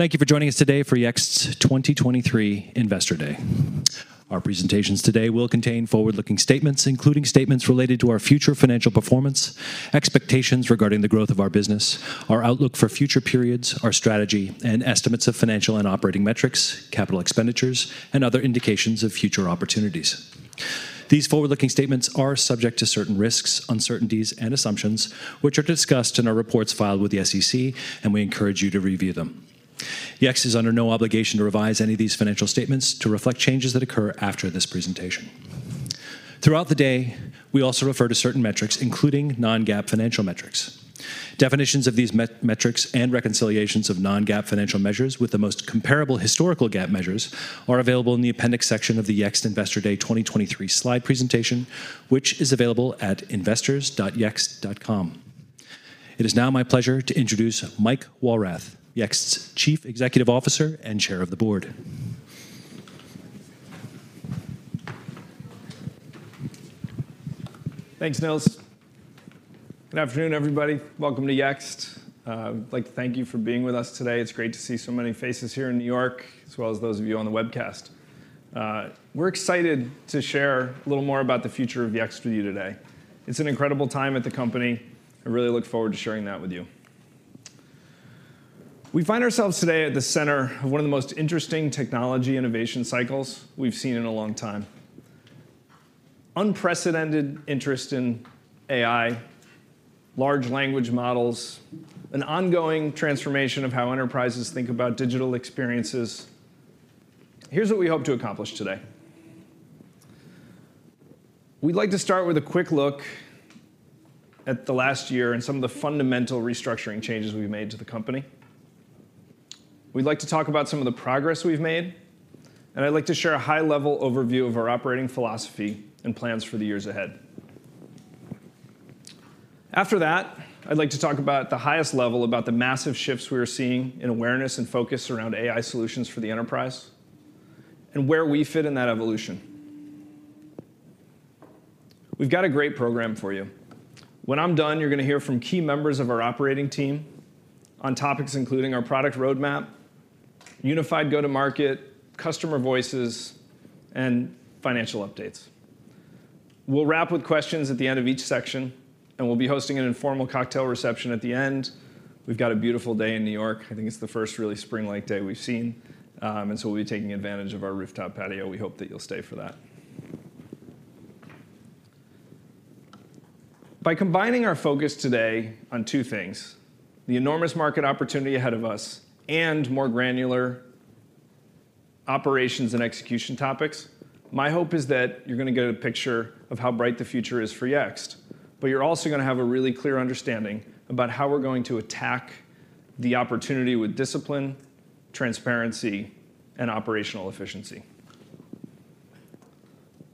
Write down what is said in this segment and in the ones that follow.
Thank you for joining us today for Yext's 2023 Investor Day. Our presentations today will contain forward-looking statements, including statements related to our future financial performance, expectations regarding the growth of our business, our outlook for future periods, our strategy, and estimates of financial and operating metrics, capital expenditures, and other indications of future opportunities. These forward-looking statements are subject to certain risks, uncertainties and assumptions which are discussed in our reports filed with the SEC. We encourage you to review them. Yext is under no obligation to revise any of these financial statements to reflect changes that occur after this presentation. Throughout the day, we also refer to certain metrics, including non-GAAP financial metrics. Definitions of these metrics and reconciliations of non-GAAP financial measures with the most comparable historical GAAP measures are available in the appendix section of the Yext Investor Day 2023 slide presentation, which is available at investors.yext.com. It is now my pleasure to introduce Mike Walrath, Yext's Chief Executive Officer and Chair of the Board. Thanks, Nils. Good afternoon, everybody. Welcome to Yext. I'd like to thank you for being with us today. It's great to see so many faces here in New York, as well as those of you on the webcast. We're excited to share a little more about the future of Yext with you today. It's an incredible time at the company. I really look forward to sharing that with you. We find ourselves today at the center of one of the most interesting technology innovation cycles we've seen in a long time. Unprecedented interest in AI, large language models, an ongoing transformation of how enterprises think about digital experiences. Here's what we hope to accomplish today. We'd like to start with a quick look at the last year and some of the fundamental restructuring changes we've made to the company. We'd like to talk about some of the progress we've made, and I'd like to share a high-level overview of our operating philosophy and plans for the years ahead. After that, I'd like to talk about the highest level, about the massive shifts we are seeing in awareness and focus around AI solutions for the enterprise and where we fit in that evolution. We've got a great program for you. When I'm done, you're gonna hear from key members of our operating team on topics including our product roadmap, unified go-to-market, customer voices, and financial updates. We'll wrap with questions at the end of each section, and we'll be hosting an informal cocktail reception at the end. We've got a beautiful day in New York. I think it's the first really spring-like day we've seen. We'll be taking advantage of our rooftop patio. We hope that you'll stay for that. By combining our focus today on two things, the enormous market opportunity ahead of us and more granular operations and execution topics, my hope is that you're gonna get a picture of how bright the future is for Yext, but you're also gonna have a really clear understanding about how we're going to attack the opportunity with discipline, transparency, and operational efficiency.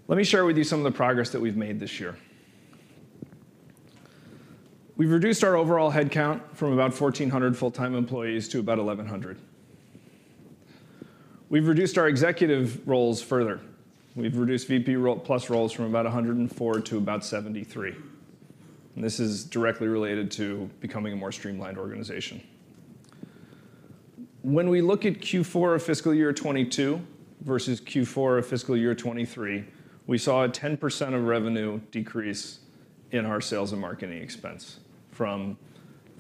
Let me share with you some of the progress that we've made this year. We've reduced our overall headcount from about 1,400 full-time employees to about 1,100. We've reduced our executive roles further. We've reduced VP plus roles from about 104 to about 73. This is directly related to becoming a more streamlined organization. When we look at Q4 of fiscal year 2022 versus Q4 of fiscal year 2023, we saw a 10% of revenue decrease in our sales and marketing expense from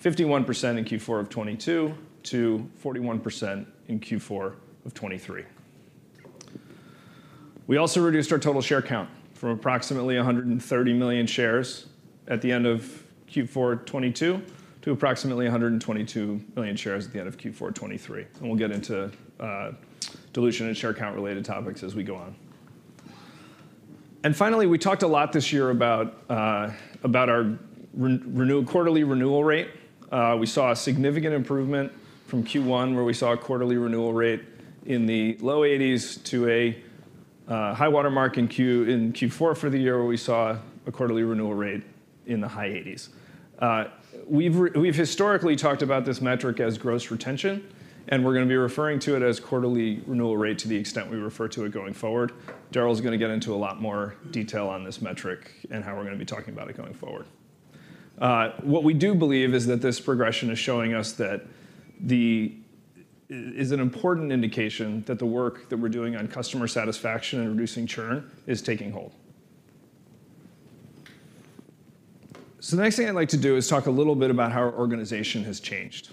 51% in Q4 of 2022 to 41% in Q4 of 2023. We also reduced our total share count from approximately 130 million shares at the end of Q4 2022 to approximately 122 million shares at the end of Q4 2023. We'll get into, dilution and share count related topics as we go on. Finally, we talked a lot this year about our quarterly renewal rate. We saw a significant improvement from Q1, where we saw a quarterly renewal rate in the low 80s to a high water mark in Q4 for the year where we saw a quarterly renewal rate in the high 80s. We've historically talked about this metric as gross retention, and we're gonna be referring to it as quarterly renewal rate to the extent we refer to it going forward. Darryl's gonna get into a lot more detail on this metric and how we're gonna be talking about it going forward. What we do believe is that this progression is showing us that the is an important indication that the work that we're doing on customer satisfaction and reducing churn is taking hold. The next thing I'd like to do is talk a little bit about how our organization has changed.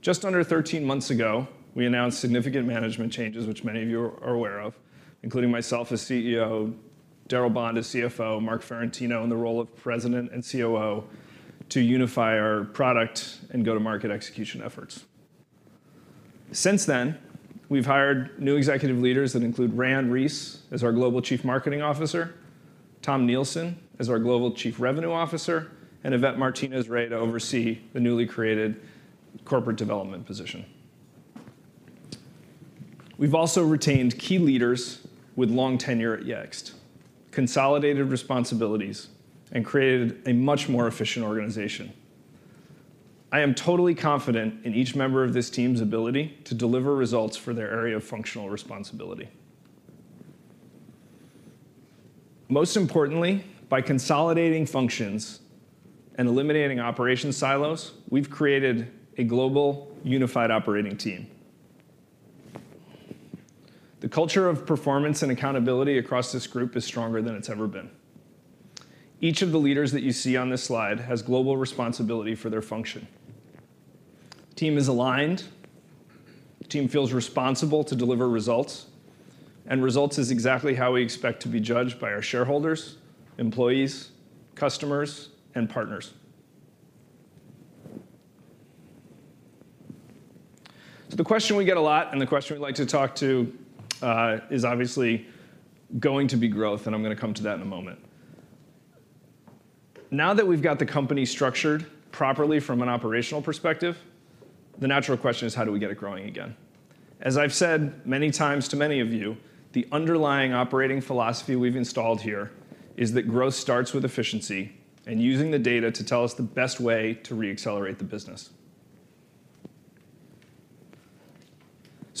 Just under 13 months ago, we announced significant management changes, which many of you are aware of, including myself as CEO, Darryl Bond as CFO, Marc Ferrentino in the role of President and COO to unify our product and go-to-market execution efforts. Since then, we've hired new executive leaders that include Raianne Reiss as our Global Chief Marketing Officer, Tom Nielsen as our Global Chief Revenue Officer, and Yvette Martinez-Rea to oversee the newly created corporate development position. We've also retained key leaders with long tenure at Yext, consolidated responsibilities, and created a much more efficient organization. I am totally confident in each member of this team's ability to deliver results for their area of functional responsibility. Most importantly, by consolidating functions and eliminating operation silos, we've created a global unified operating team. The culture of performance and accountability across this group is stronger than it's ever been. Each of the leaders that you see on this slide has global responsibility for their function. Team is aligned, the team feels responsible to deliver results. Results is exactly how we expect to be judged by our shareholders, employees, customers, and partners. The question we get a lot and the question we like to talk to is obviously going to be growth, and I'm gonna come to that in a moment. Now that we've got the company structured properly from an operational perspective, the natural question is: how do we get it growing again? As I've said many times to many of you, the underlying operating philosophy we've installed here is that growth starts with efficiency and using the data to tell us the best way to re-accelerate the business.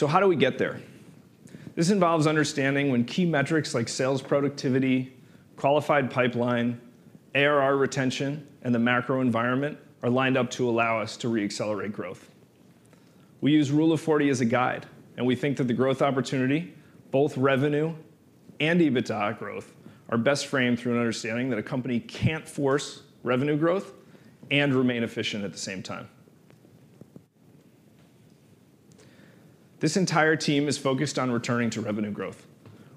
How do we get there? This involves understanding when key metrics like sales productivity, qualified pipeline, ARR retention, and the macro environment are lined up to allow us to re-accelerate growth. We use Rule of 40 as a guide, and we think that the growth opportunity, both revenue and EBITDA growth, are best framed through an understanding that a company can't force revenue growth and remain efficient at the same time. This entire team is focused on returning to revenue growth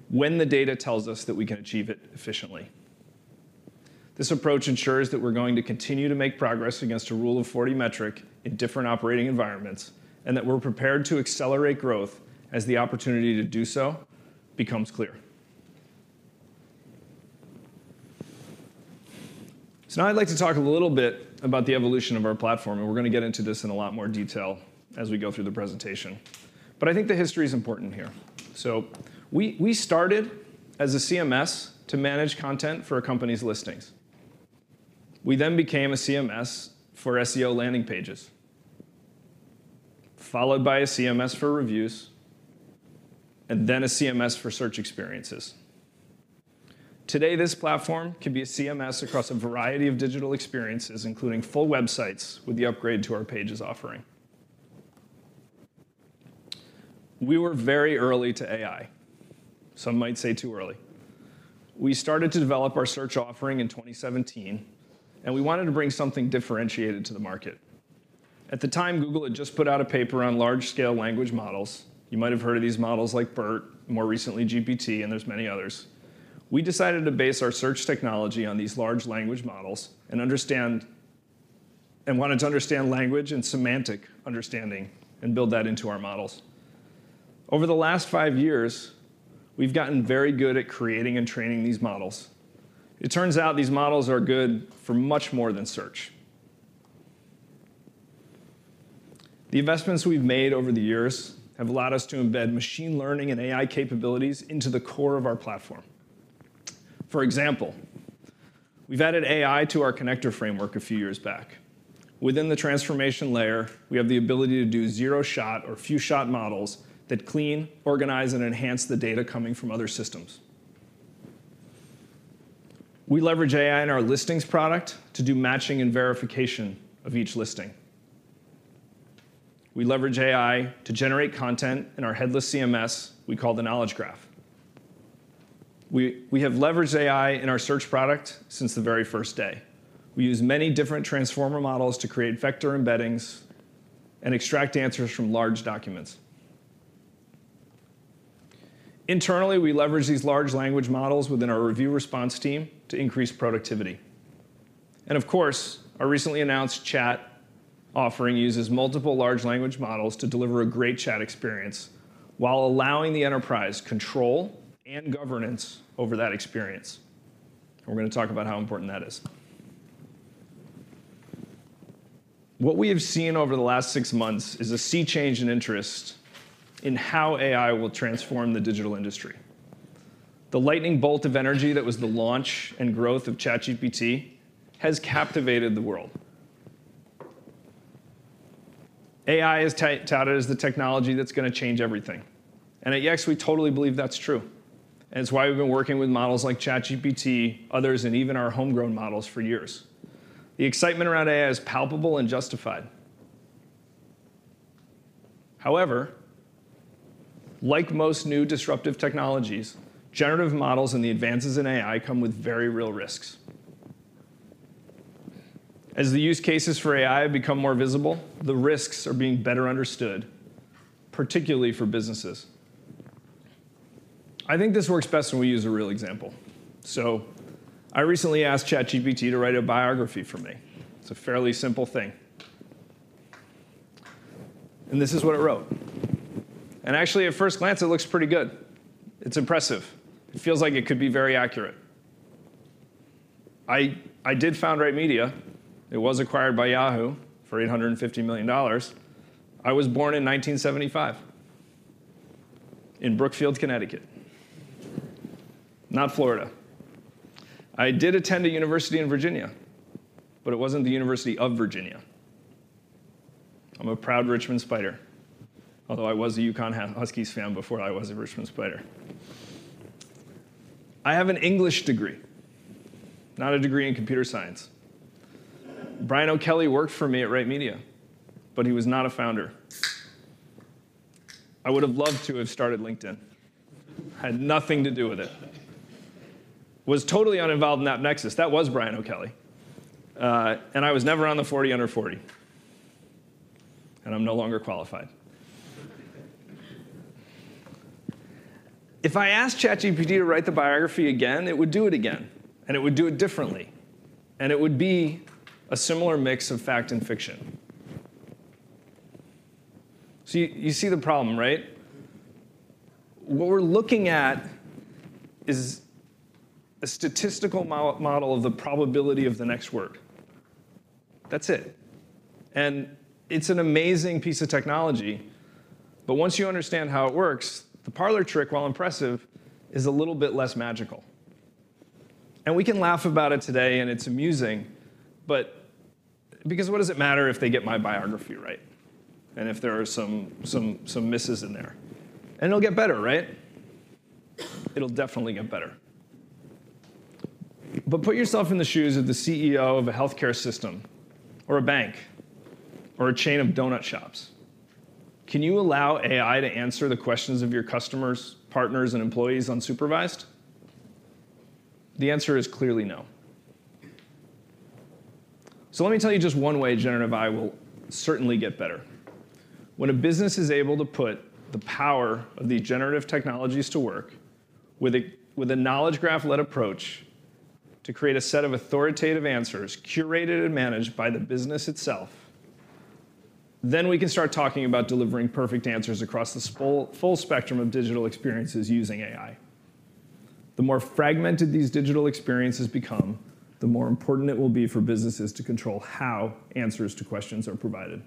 when the data tells us that we can achieve it efficiently. This approach ensures that we're going to continue to make progress against a Rule of 40 metric in different operating environments, and that we're prepared to accelerate growth as the opportunity to do so becomes clear. Now I'd like to talk a little bit about the evolution of our platform. We're gonna get into this in a lot more detail as we go through the presentation. I think the history is important here. We started as a CMS to manage content for a company's Listings. We became a CMS for SEO landing pages, followed by a CMS for reviews, a CMS for search experiences. Today, this platform can be a CMS across a variety of digital experiences, including full websites with the upgrade to our Pages offering. We were very early to AI. Some might say too early. We started to develop our search offering in 2017. We wanted to bring something differentiated to the market. At the time, Google had just put out a paper on large-scale language models. You might have heard of these models like BERT, more recently GPT. There's many others. We decided to base our search technology on these large language models and wanted to understand language and semantic understanding, and build that into our models. Over the last five years, we've gotten very good at creating and training these models. It turns out these models are good for much more than search. The investments we've made over the years have allowed us to embed machine learning and AI capabilities into the core of our platform. For example, we've added AI to our connector framework a few years back. Within the transformation layer, we have the ability to do zero-shot or few-shot models that clean, organize, and enhance the data coming from other systems. We leverage AI in our Listings product to do matching and verification of each listing. We leverage AI to generate content in our headless CMS we call the Knowledge Graph. We have leveraged AI in our Search product since the very first day. We use many different transformer models to create vector embeddings and extract answers from large documents. Internally, we leverage these large language models within our review response team to increase productivity. Our recently announced Chat offering uses multiple large language models to deliver a great chat experience while allowing the enterprise control and governance over that experience. We're gonna talk about how important that is. What we have seen over the last six months is a sea change in interest in how AI will transform the digital industry. The lightning bolt of energy that was the launch and growth of ChatGPT has captivated the world. AI is touted as the technology that's gonna change everything. At Yext, we totally believe that's true. It's why we've been working with models like ChatGPT, others, and even our homegrown models for years. The excitement around AI is palpable and justified. However, like most new disruptive technologies, generative models and the advances in AI come with very real risks. As the use cases for AI become more visible, the risks are being better understood, particularly for businesses. I think this works best when we use a real example. I recently asked ChatGPT to write a biography for me. It's a fairly simple thing. This is what it wrote. Actually, at first glance, it looks pretty good. It's impressive. It feels like it could be very accurate. I did found Right Media. It was acquired by Yahoo for $850 million. I was born in 1975 in Brookfield, Connecticut, not Florida. I did attend a university in Virginia, but it wasn't the University of Virginia. I'm a proud Richmond Spider, although I was a UConn Huskies fan before I was a Richmond Spider. I have an English degree, not a degree in computer science. Brian O'Kelley worked for me at Right Media, but he was not a founder. I would have loved to have started LinkedIn. Had nothing to do with it. Was totally uninvolved in AppNexus. That was Brian O'Kelley. I was never on the 40 Under 40, and I'm no longer qualified. If I asked ChatGPT to write the biography again, it would do it again, and it would do it differently, and it would be a similar mix of fact and fiction. You see the problem, right? What we're looking at is a statistical model of the probability of the next word. That's it. It's an amazing piece of technology, but once you understand how it works, the parlor trick, while impressive, is a little bit less magical. We can laugh about it today, and it's amusing, but because what does it matter if they get my biography right and if there are some misses in there? It'll get better, right? It'll definitely get better. Put yourself in the shoes of the CEO of a healthcare system or a bank or a chain of donut shops. Can you allow AI to answer the questions of your customers, partners, and employees unsupervised? The answer is clearly no. Let me tell you just one way generative AI will certainly get better. When a business is able to put the power of these generative technologies to work with a, with a Knowledge Graph-led approach to create a set of authoritative answers curated and managed by the business itself, then we can start talking about delivering perfect answers across the full spectrum of digital experiences using AI. The more fragmented these digital experiences become, the more important it will be for businesses to control how answers to questions are provided.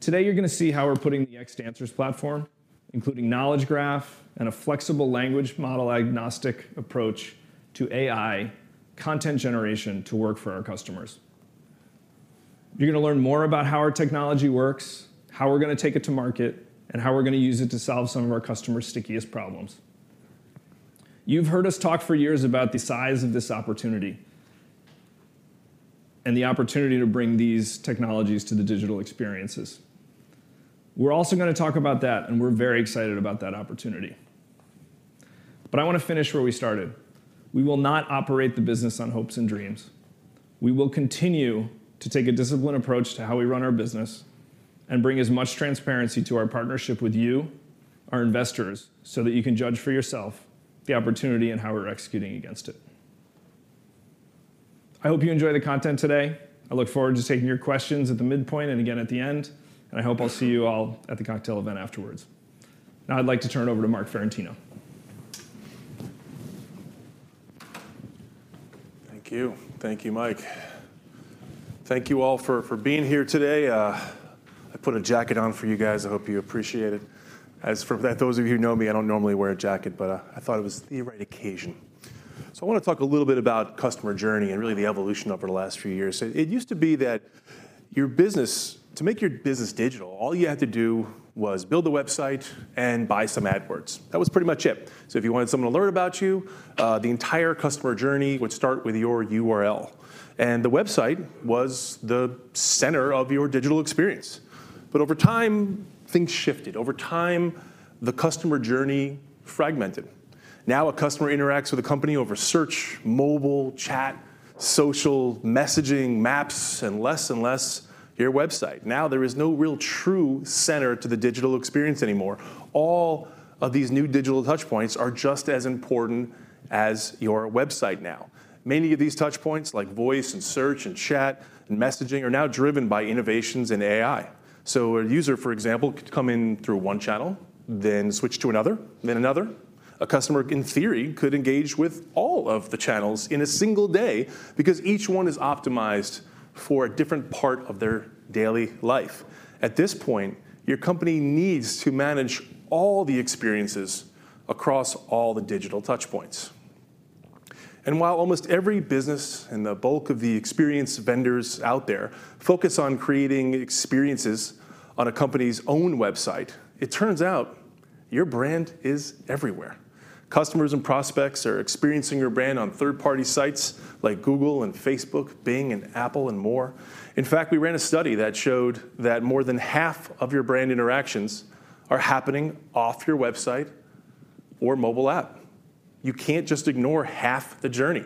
Today, you're gonna see how we're putting the Yext Answers platform, including Knowledge Graph and a flexible language model-agnostic approach to AI content generation to work for our customers. You're gonna learn more about how our technology works, how we're gonna take it to market, and how we're gonna use it to solve some of our customers' stickiest problems. You've heard us talk for years about the size of this opportunity and the opportunity to bring these technologies to the digital experiences. We're also gonna talk about that, and we're very excited about that opportunity. I wanna finish where we started. We will not operate the business on hopes and dreams. We will continue to take a disciplined approach to how we run our business and bring as much transparency to our partnership with you, our investors, so that you can judge for yourself the opportunity and how we're executing against it. I hope you enjoy the content today. I look forward to taking your questions at the midpoint and again at the end, and I hope I'll see you all at the cocktail event afterwards. I'd like to turn it over to Marc Ferrentino. Thank you. Thank you, Mike. Thank you all for being here today. I put a jacket on for you guys. I hope you appreciate it. As for those of you who know me, I don't normally wear a jacket, I thought it was the right occasion. I wanna talk a little bit about customer journey and really the evolution over the last few years. It used to be that to make your business digital, all you had to do was build a website and buy some AdWords. That was pretty much it. If you wanted someone to learn about you, the entire customer journey would start with your URL, and the website was the center of your digital experience. Over time, things shifted. Over time, the customer journey fragmented. A customer interacts with a company over search, mobile, chat, social, messaging, maps, and less and less your website. There is no real true center to the digital experience anymore. All of these new digital touchpoints are just as important as your website now. Many of these touchpoints, like voice and search and chat and messaging, are now driven by innovations in AI. A user, for example, could come in through one channel, then switch to another, then another. A customer, in theory, could engage with all of the channels in a single day because each one is optimized for a different part of their daily life. At this point, your company needs to manage all the experiences across all the digital touchpoints. While almost every business and the bulk of the experience vendors out there focus on creating experiences on a company's own website, it turns out your brand is everywhere. Customers and prospects are experiencing your brand on third-party sites like Google and Facebook, Bing and Apple, and more. In fact, we ran a study that showed that more than half of your brand interactions are happening off your website or mobile app. You can't just ignore half the journey.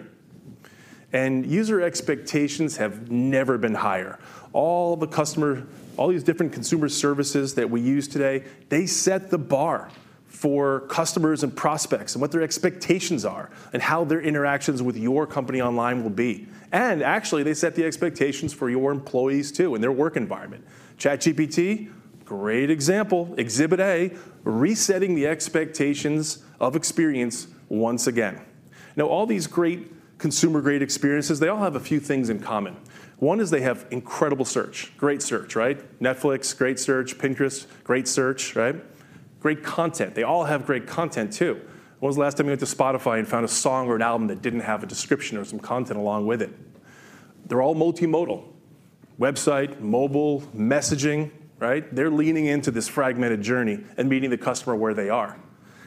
User expectations have never been higher. All these different consumer services that we use today, they set the bar for customers and prospects and what their expectations are and how their interactions with your company online will be. Actually, they set the expectations for your employees too and their work environment. ChatGPT, great example. Exhibit A, resetting the expectations of experience once again. All these great consumer-grade experiences, they all have a few things in common. One is they have incredible search, great search, right? Netflix, great search. Pinterest, great search, right? Great content. They all have great content too. When was the last time you went to Spotify and found a song or an album that didn't have a description or some content along with it? They're all multimodal. Website, mobile, messaging, right? They're leaning into this fragmented journey and meeting the customer where they are.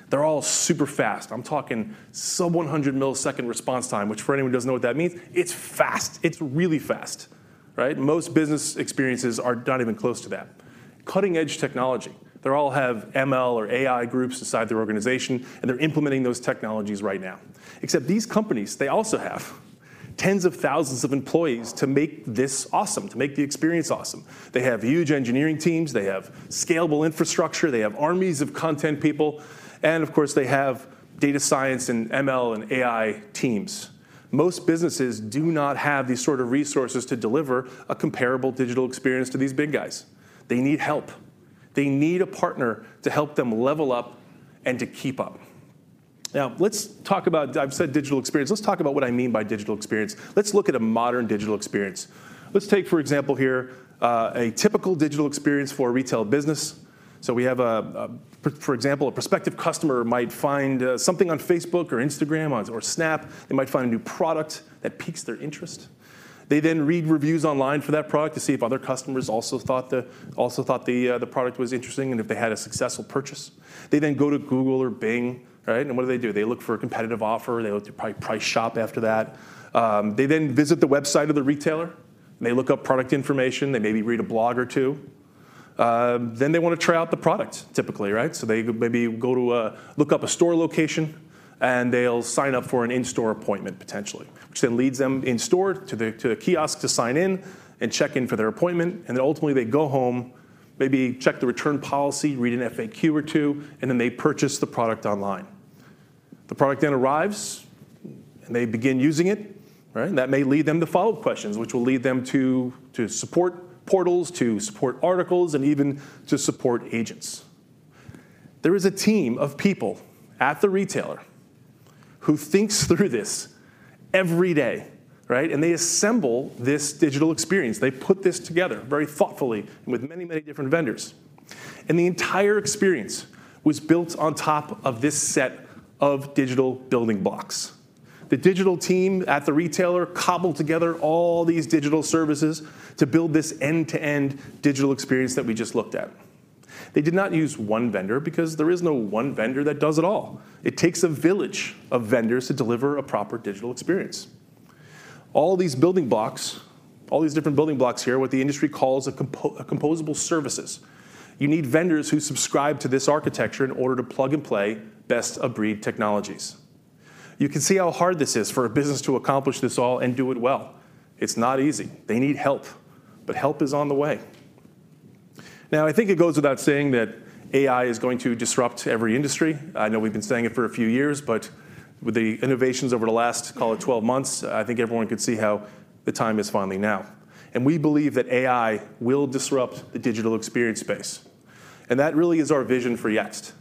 They're all super fast. I'm talking sub 100 ms response time, which for anyone who doesn't know what that means, it's fast. It's really fast, right? Most business experiences are not even close to that. Cutting-edge technology. They all have ML or AI groups inside their organization, and they're implementing those technologies right now. Except these companies, they also have tens of thousands of employees to make this awesome, to make the experience awesome. They have huge engineering teams. They have scalable infrastructure. They have armies of content people. Of course, they have data science and ML and AI teams. Most businesses do not have these sort of resources to deliver a comparable digital experience to these big guys. They need help. They need a partner to help them level up and to keep up. I've said digital experience. Let's talk about what I mean by digital experience. Let's look at a modern digital experience. Let's take, for example, here, a typical digital experience for a retail business. We have, for example, a prospective customer might find something on Facebook or Instagram or Snap. They might find a new product that piques their interest. They then read reviews online for that product to see if other customers also thought the product was interesting and if they had a successful purchase. They then go to Google or Bing, right? What do they do? They look for a competitive offer. They probably price shop after that. They then visit the website of the retailer. They look up product information. They maybe read a blog or two. Then they want to try out the product, typically, right? They maybe go to look up a store location, and they'll sign up for an in-store appointment, potentially, which then leads them in-store to the kiosk to sign in and check in for their appointment. Ultimately, they go home, maybe check the return policy, read an FAQ or two, they purchase the product online. The product arrives, they begin using it, right? That may lead them to follow-up questions, which will lead them to support portals, to support articles, and even to support agents. There is a team of people at the retailer who thinks through this every day, right? They assemble this digital experience. They put this together very thoughtfully and with many different vendors. The entire experience was built on top of this set of digital building blocks. The digital team at the retailer cobbled together all these digital services to build this end-to-end digital experience that we just looked at. They did not use one vendor because there is no one vendor that does it all. It takes a village of vendors to deliver a proper digital experience. All these building blocks, all these different building blocks here are what the industry calls composable services. You need vendors who subscribe to this architecture in order to plug and play best-of-breed technologies. You can see how hard this is for a business to accomplish this all and do it well. It's not easy. They need help, but help is on the way. I think it goes without saying that AI is going to disrupt every industry. I know we've been saying it for a few years, but with the innovations over the last, call it 12 months, I think everyone can see how the time is finally now. We believe that AI will disrupt the digital experience space. That really is our vision for Yext.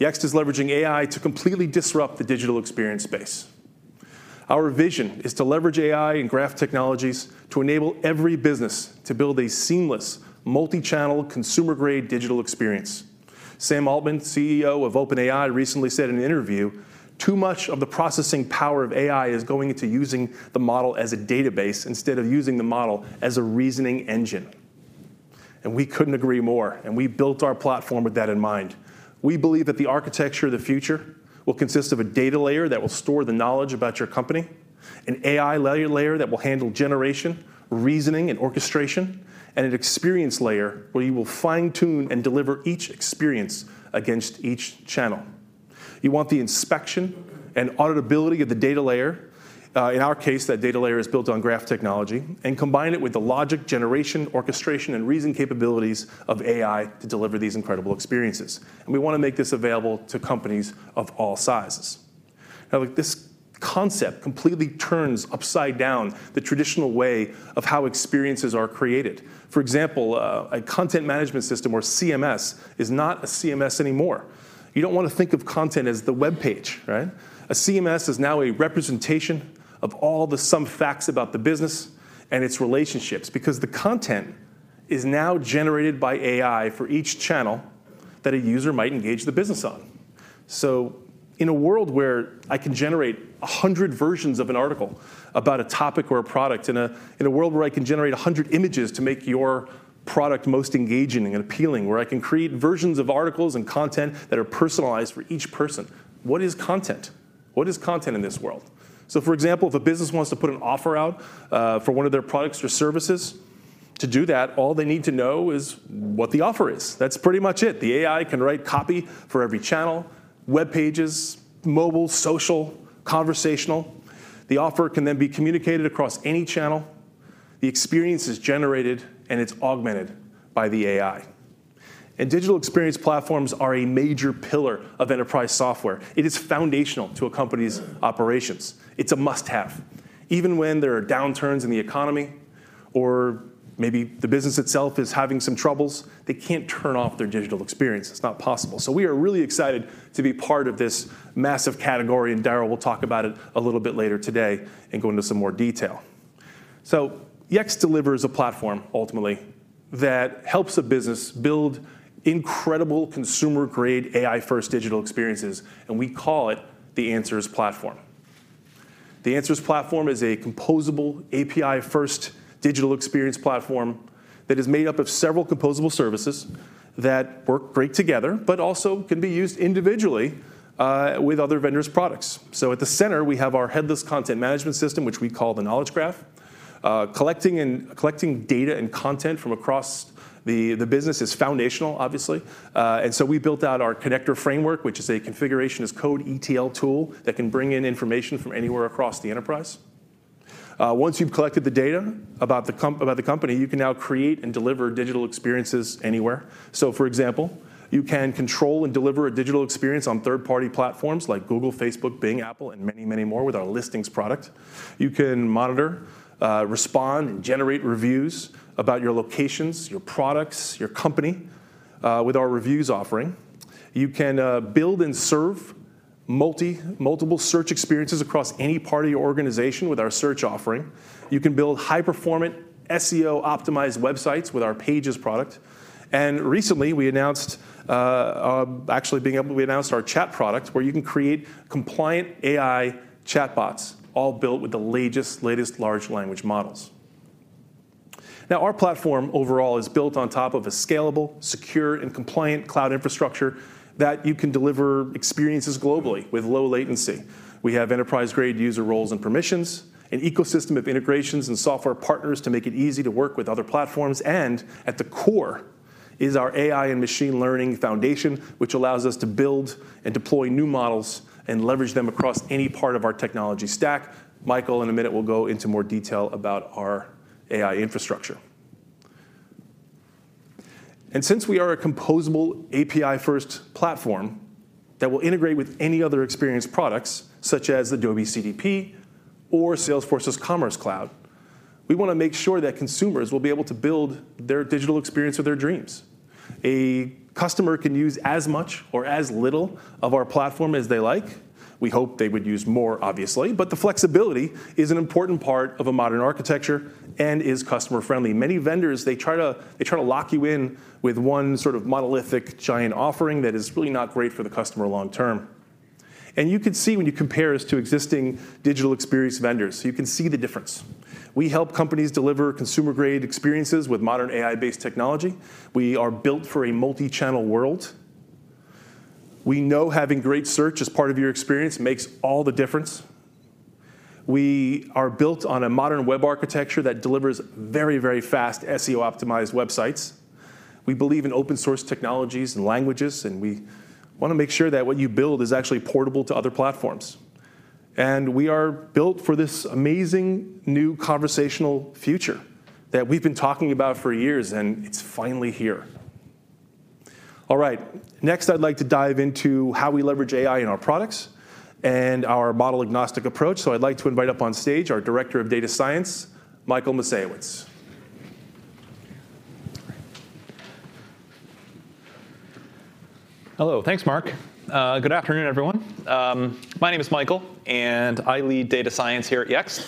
Yext is leveraging AI to completely disrupt the digital experience space. Our vision is to leverage AI and graph technologies to enable every business to build a seamless, multi-channel, consumer-grade digital experience. Sam Altman, CEO of OpenAI, recently said in an interview, "Too much of the processing power of AI is going into using the model as a database instead of using the model as a reasoning engine." We couldn't agree more, and we built our platform with that in mind. We believe that the architecture of the future will consist of a data layer that will store the knowledge about your company, an AI layer that will handle generation, reasoning, and orchestration, and an experience layer where you will fine-tune and deliver each experience against each channel. You want the inspection and auditability of the data layer, in our case, that data layer is built on graph technology, combine it with the logic generation, orchestration, and reason capabilities of AI to deliver these incredible experiences. We wanna make this available to companies of all sizes. Look, this concept completely turns upside down the traditional way of how experiences are created. For example, a content management system or CMS is not a CMS anymore. You don't wanna think of content as the webpage, right? A CMS is now a representation of all the sum facts about the business and its relationships because the content is now generated by AI for each channel that a user might engage the business on. In a world where I can generate 100 versions of an article about a topic or a product, in a world where I can generate 100 images to make your product most engaging and appealing, where I can create versions of articles and content that are personalized for each person, what is content? What is content in this world? For example, if a business wants to put an offer out for one of their products or services, to do that, all they need to know is what the offer is. That's pretty much it. The AI can write copy for every channel, webpages, mobile, social, conversational. The offer can then be communicated across any channel. The experience is generated, and it's augmented by the AI. Digital experience platforms are a major pillar of enterprise software. It is foundational to a company's operations. It's a must-have. Even when there are downturns in the economy or maybe the business itself is having some troubles, they can't turn off their digital experience. It's not possible. We are really excited to be part of this massive category, and Darryl will talk about it a little bit later today and go into some more detail. Yext delivers a platform ultimately that helps a business build incredible consumer-grade AI-first digital experiences, and we call it the Answers Platform. The Answers Platform is a composable API-first digital experience platform that is made up of several composable services that work great together, but also can be used individually with other vendors' products. At the center, we have our headless content management system, which we call the Knowledge Graph. Collecting data and content from across the business is foundational, obviously. We built out our connector framework, which is a configuration as code ETL tool that can bring in information from anywhere across the enterprise. Once you've collected the data about the company, you can now create and deliver digital experiences anywhere. For example, you can control and deliver a digital experience on third-party platforms like Google, Facebook, Bing, Apple, and many, many more with our Listings product. You can monitor, respond, and generate reviews about your locations, your products, your company, with our Reviews offering. You can build and serve multiple search experiences across any part of your organization with our Search offering. You can build high-performant SEO-optimized websites with our Pages product. Recently, we announced, actually being able... We announced our Chat product, where you can create compliant AI chatbots, all built with the latest large language models. Our platform overall is built on top of a scalable, secure, and compliant cloud infrastructure that you can deliver experiences globally with low latency. We have enterprise-grade user roles and permissions, an ecosystem of integrations and software partners to make it easy to work with other platforms, at the core is our AI and machine learning foundation, which allows us to build and deploy new models and leverage them across any part of our technology stack. Michael, in a minute, will go into more detail about our AI infrastructure. Since we are a composable API-first platform that will integrate with any other experience products, such as Adobe CDP or Salesforce's Commerce Cloud, we wanna make sure that consumers will be able to build their digital experience of their dreams. A customer can use as much or as little of our platform as they like. We hope they would use more obviously, the flexibility is an important part of a modern architecture and is customer-friendly. Many vendors, they try to lock you in with one sort of monolithic giant offering that is really not great for the customer long term. You can see when you compare us to existing digital experience vendors, you can see the difference. We help companies deliver consumer-grade experiences with modern AI-based technology. We are built for a multi-channel world. We know having great search as part of your experience makes all the difference. We are built on a modern web architecture that delivers very, very fast SEO-optimized websites. We believe in open source technologies and languages, we wanna make sure that what you build is actually portable to other platforms. We are built for this amazing new conversational future that we've been talking about for years, and it's finally here. All right. Next, I'd like to dive into how we leverage AI in our products and our model-agnostic approach. I'd like to invite up on stage our Director of Data Science, Michael Misiewicz. Hello. Thanks, Marc. good afternoon, everyone. My name is Michael, and I lead data science here at Yext.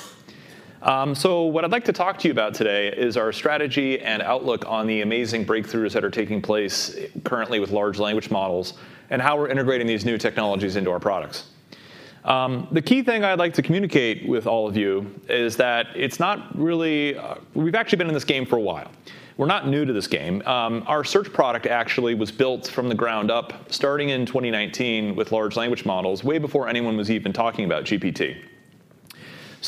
What I'd like to talk to you about today is our strategy and outlook on the amazing breakthroughs that are taking place currently with large language models and how we're integrating these new technologies into our products. The key thing I'd like to communicate with all of you is that it's not really. We've actually been in this game for a while. We're not new to this game. Our Search product actually was built from the ground up starting in 2019 with large language models way before anyone was even talking about GPT.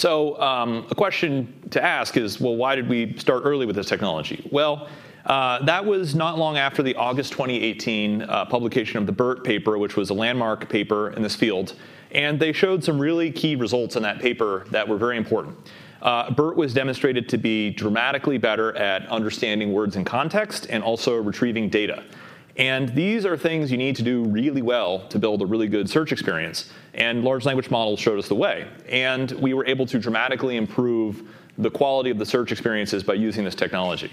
A question to ask is, well, why did we start early with this technology? Well, that was not long after the August 2018 publication of the BERT paper, which was a landmark paper in this field, and they showed some really key results in that paper that were very important. BERT was demonstrated to be dramatically better at understanding words in context and also retrieving data. These are things you need to do really well to build a really good search experience, and large language models showed us the way, and we were able to dramatically improve the quality of the search experiences by using this technology.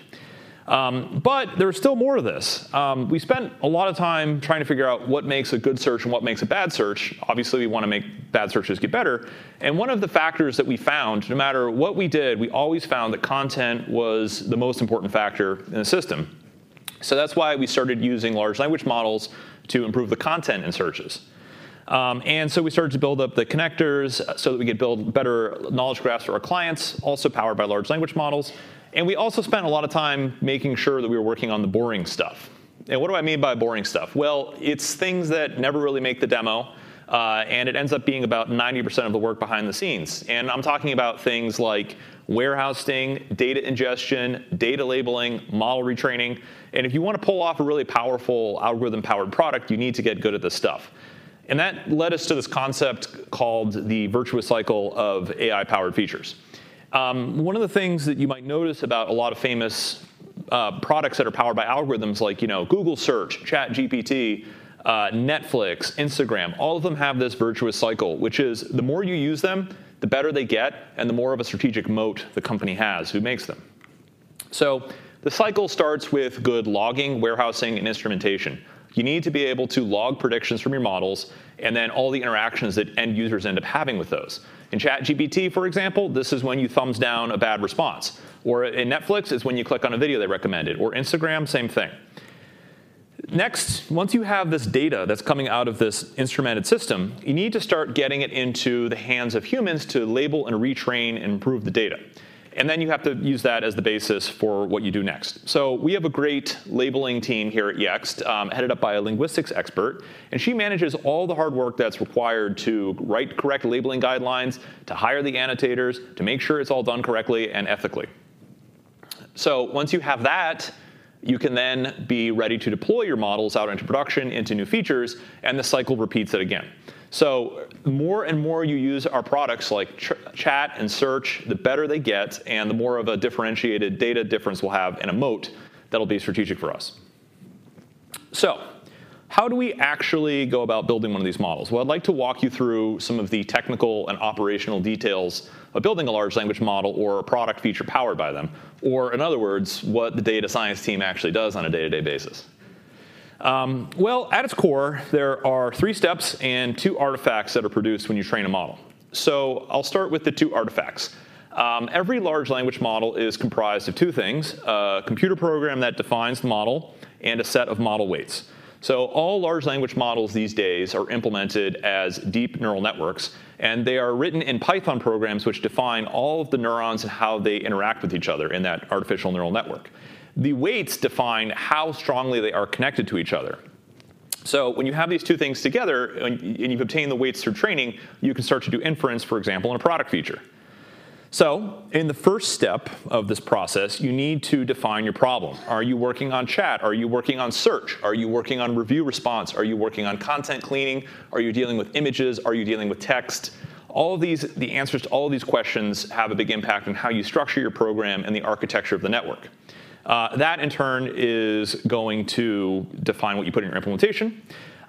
There's still more to this. We spent a lot of time trying to figure out what makes a good search and what makes a bad search. Obviously, we wanna make bad searches get better. One of the factors that we found, no matter what we did, we always found that content was the most important factor in the system. That's why we started using large language models to improve the content in searches. We started to build up the connectors so that we could build better Knowledge Graphs for our clients, also powered by large language models. We also spent a lot of time making sure that we were working on the boring stuff. What do I mean by boring stuff? Well, it's things that never really make the demo, and it ends up being about 90% of the work behind the scenes. I'm talking about things like warehousing, data ingestion, data labeling, model retraining. If you wanna pull off a really powerful algorithm-powered product, you need to get good at this stuff. That led us to this concept called the virtuous cycle of AI-powered features. One of the things that you might notice about a lot of famous products that are powered by algorithms like, you know, Google Search, ChatGPT, Netflix, Instagram, all of them have this virtuous cycle, which is the more you use them, the better they get, and the more of a strategic moat the company has who makes them. So the cycle starts with good logging, warehousing, and instrumentation. You need to be able to log predictions from your models and then all the interactions that end users end up having with those. In ChatGPT, for example, this is when you thumbs down a bad response. In Netflix, it's when you click on a video they recommended. Instagram, same thing. Once you have this data that's coming out of this instrumented system, you need to start getting it into the hands of humans to label and retrain and improve the data. You have to use that as the basis for what you do next. We have a great labeling team here at Yext, headed up by a linguistics expert, and she manages all the hard work that's required to write correct labeling guidelines, to hire the annotators, to make sure it's all done correctly and ethically. Once you have that, you can then be ready to deploy your models out into production, into new features, and the cycle repeats it again. The more and more you use our products like Chat and Search, the better they get and the more of a differentiated data difference we'll have and a moat that'll be strategic for us. How do we actually go about building one of these models? Well, I'd like to walk you through some of the technical and operational details of building a large language model or a product feature powered by them, or in other words, what the data science team actually does on a day-to-day basis. Well, at its core, there are three steps and two artifacts that are produced when you train a model. I'll start with the two artifacts. Every large language model is comprised of two things, a computer program that defines the model and a set of model weights. All large language models these days are implemented as deep neural networks, and they are written in Python programs which define all of the neurons and how they interact with each other in that artificial neural network. The weights define how strongly they are connected to each other. When you have these two things together and you've obtained the weights through training, you can start to do inference, for example, in a product feature. In the first step of this process, you need to define your problem. Are you working on chat? Are you working on search? Are you working on review response? Are you working on content cleaning? Are you dealing with images? Are you dealing with text? All of these, the answers to all of these questions have a big impact on how you structure your program and the architecture of the network. That in turn is going to define what you put in your implementation.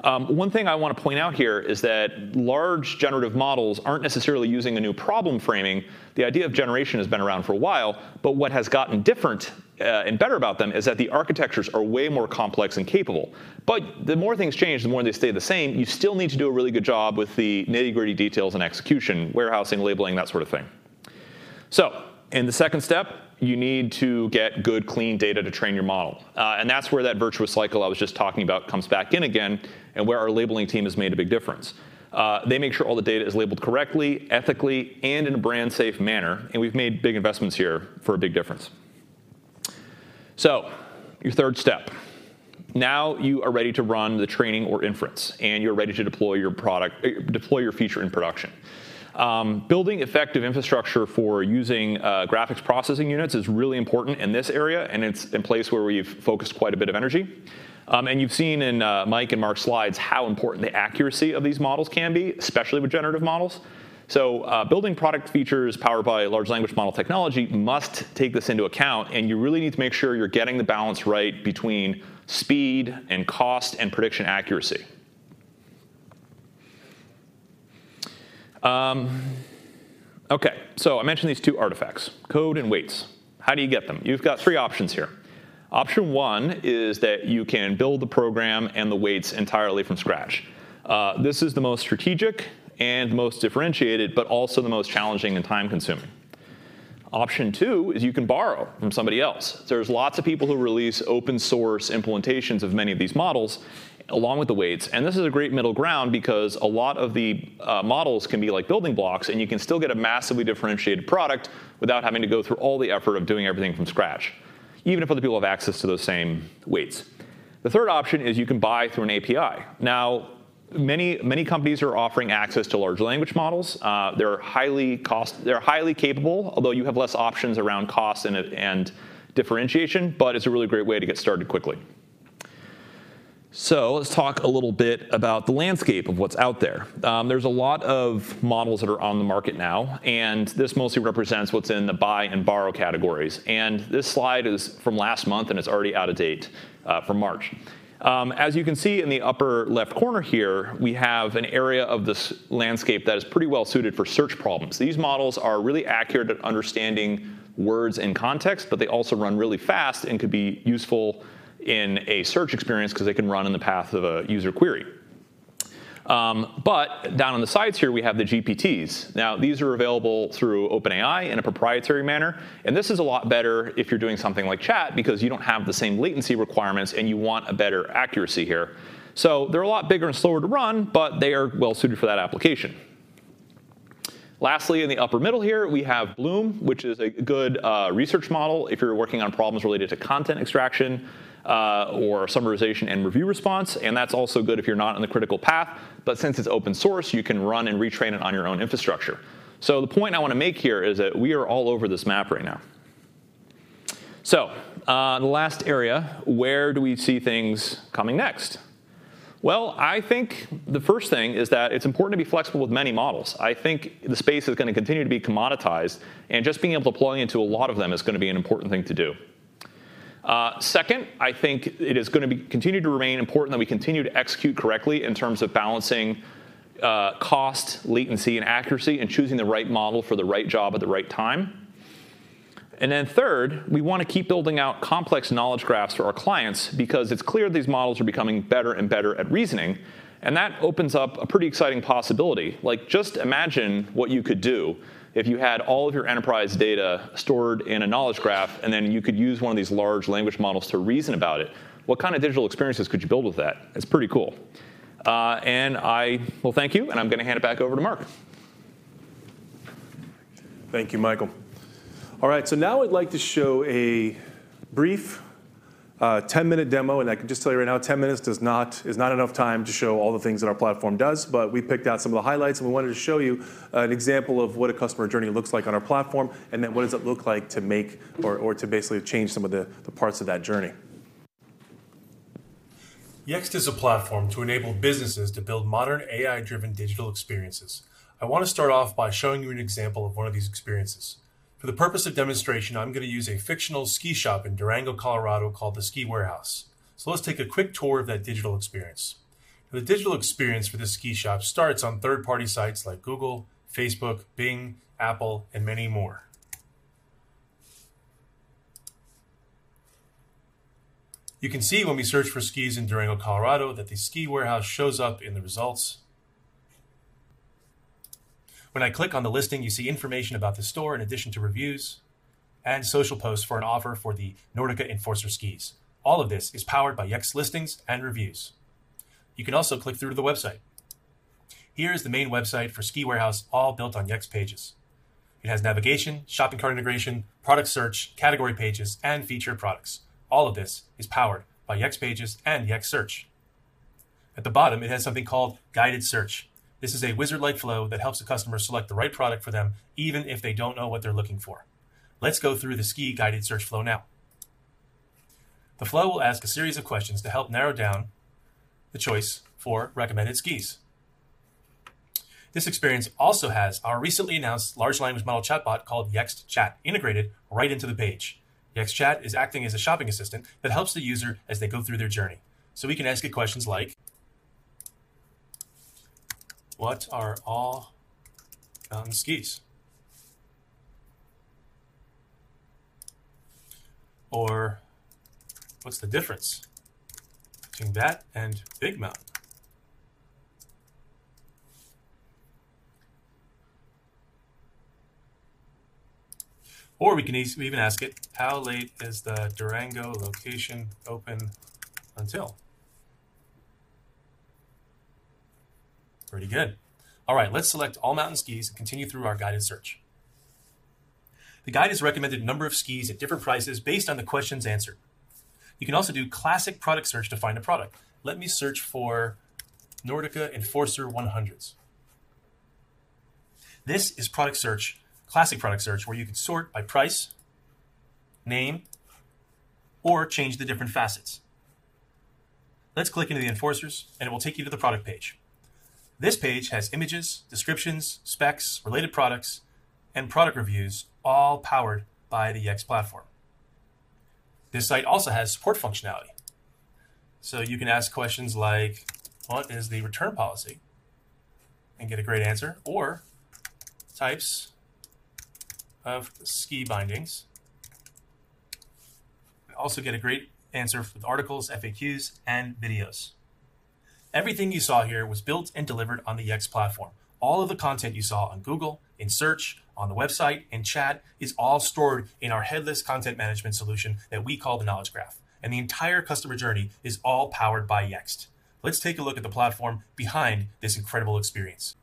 One thing I wanna point out here is that large generative models aren't necessarily using a new problem framing. The idea of generation has been around for a while, but what has gotten different and better about them is that the architectures are way more complex and capable. The more things change, the more they stay the same. You still need to do a really good job with the nitty-gritty details and execution, warehousing, labeling, that sort of thing. In the second step, you need to get good, clean data to train your model. That's where that virtuous cycle I was just talking about comes back in again and where our labeling team has made a big difference. They make sure all the data is labeled correctly, ethically, and in a brand-safe manner. We've made big investments here for a big difference. Your third step. Now you are ready to run the training or inference, and you're ready to deploy your feature in production. Building effective infrastructure for using graphics processing units is really important in this area. It's a place where we've focused quite a bit of energy. You've seen in Mike and Marc's slides how important the accuracy of these models can be, especially with generative models. Building product features powered by large language model technology must take this into account. You really need to make sure you're getting the balance right between speed and cost and prediction accuracy. I mentioned these two artifacts, code and weights. How do you get them? You've got three options here. Option one is that you can build the program and the weights entirely from scratch. This is the most strategic and most differentiated, but also the most challenging and time-consuming. Option two is you can borrow from somebody else. There's lots of people who release open source implementations of many of these models along with the weights, and this is a great middle ground because a lot of the models can be like building blocks, and you can still get a massively differentiated product without having to go through all the effort of doing everything from scratch, even if other people have access to those same weights. The third option is you can buy through an API. Many, many companies are offering access to large language models. They're highly capable, although you have less options around cost and differentiation, but it's a really great way to get started quickly. Let's talk a little bit about the landscape of what's out there. There's a lot of models that are on the market now, and this mostly represents what's in the buy and borrow categories. This slide is from last month, and it's already out of date from March. As you can see in the upper left corner here, we have an area of this landscape that is pretty well suited for search problems. These models are really accurate at understanding words in context, but they also run really fast and could be useful in a search experience because they can run in the path of a user query. Down on the sides here, we have the GPTs. These are available through OpenAI in a proprietary manner, this is a lot better if you're doing something like chat because you don't have the same latency requirements, you want a better accuracy here. They're a lot bigger and slower to run, they are well suited for that application. Lastly, in the upper middle here, we have BLOOM, which is a good research model if you're working on problems related to content extraction, or summarization and review response, that's also good if you're not in the critical path. Since it's open source, you can run and retrain it on your own infrastructure. The point I wanna make here is that we are all over this map right now. The last area, where do we see things coming next? Well, I think the first thing is that it's important to be flexible with many models. I think the space is gonna continue to be commoditized, and just being able to plug into a lot of them is gonna be an important thing to do. Second, I think it is gonna be continued to remain important that we continue to execute correctly in terms of balancing, cost, latency, and accuracy, and choosing the right model for the right job at the right time. Third, we wanna keep building out complex Knowledge Graphs for our clients because it's clear these models are becoming better and better at reasoning, and that opens up a pretty exciting possibility. Like, just imagine what you could do if you had all of your enterprise data stored in a Knowledge Graph, and then you could use one of these large language models to reason about it. What kind of digital experiences could you build with that? It's pretty cool. I will thank you, and I'm gonna hand it back over to Marc. Thank you, Michael. All right, now I'd like to show a brief, 10-minute demo, and I can just tell you right now, 10 minutes is not enough time to show all the things that our platform does. We picked out some of the highlights, and we wanted to show you an example of what a customer journey looks like on our platform, and then what does it look like to make or to basically change some of the parts of that journey. Yext is a platform to enable businesses to build modern AI-driven digital experiences. I wanna start off by showing you an example of one of these experiences. For the purpose of demonstration, I'm gonna use a fictional ski shop in Durango, Colorado, called the Ski Warehouse. Let's take a quick tour of that digital experience. The digital experience for the ski shop starts on third-party sites like Google, Facebook, Bing, Apple, and many more. You can see when we search for skis in Durango, Colorado, that the Ski Warehouse shows up in the results. When I click on the listing, you see information about the store in addition to reviews and social posts for an offer for the Nordica Enforcer skis. All of this is powered by Yext Listings and Reviews. You can also click through to the website. Here's the main website for Ski Warehouse, all built on Yext Pages. It has navigation, shopping cart integration, product search, category pages, and featured products. All of this is powered by Yext Pages and Yext Search. At the bottom, it has something called Guided Search. This is a wizard-like flow that helps the customer select the right product for them, even if they don't know what they're looking for. Let's go through the ski Guided Search flow now. The flow will ask a series of questions to help narrow down the choice for recommended skis. This experience also has our recently announced large language model chatbot called Yext Chat integrated right into the page. Yext Chat is acting as a shopping assistant that helps the user as they go through their journey. We can ask it questions like, "What are all-mountain skis?" "What's the difference between that and big mountain?" We even ask it, "How late is the Durango location open until?" Pretty good. Let's select all-mountain skis and continue through our Guided Search. The guide has recommended a number of skis at different prices based on the questions answered. You can also do classic product search to find a product. Let me search for Nordica Enforcer 100s. This is product search, classic product search, where you can sort by price, name, or change the different facets. Let's click into the Enforcers. It will take you to the product page. This page has images, descriptions, specs, related products, and product reviews, all powered by the Yext platform. This site also has support functionality. You can ask questions like, "What is the return policy?" Get a great answer. "Types of ski bindings." I also get a great answer with articles, FAQs, and videos. Everything you saw here was built and delivered on the Yext platform. All of the content you saw on Google, in Search, on the website, in chat is all stored in our headless content management solution that we call the Knowledge Graph. The entire customer journey is all powered by Yext. Let's take a look at the platform behind this incredible experience.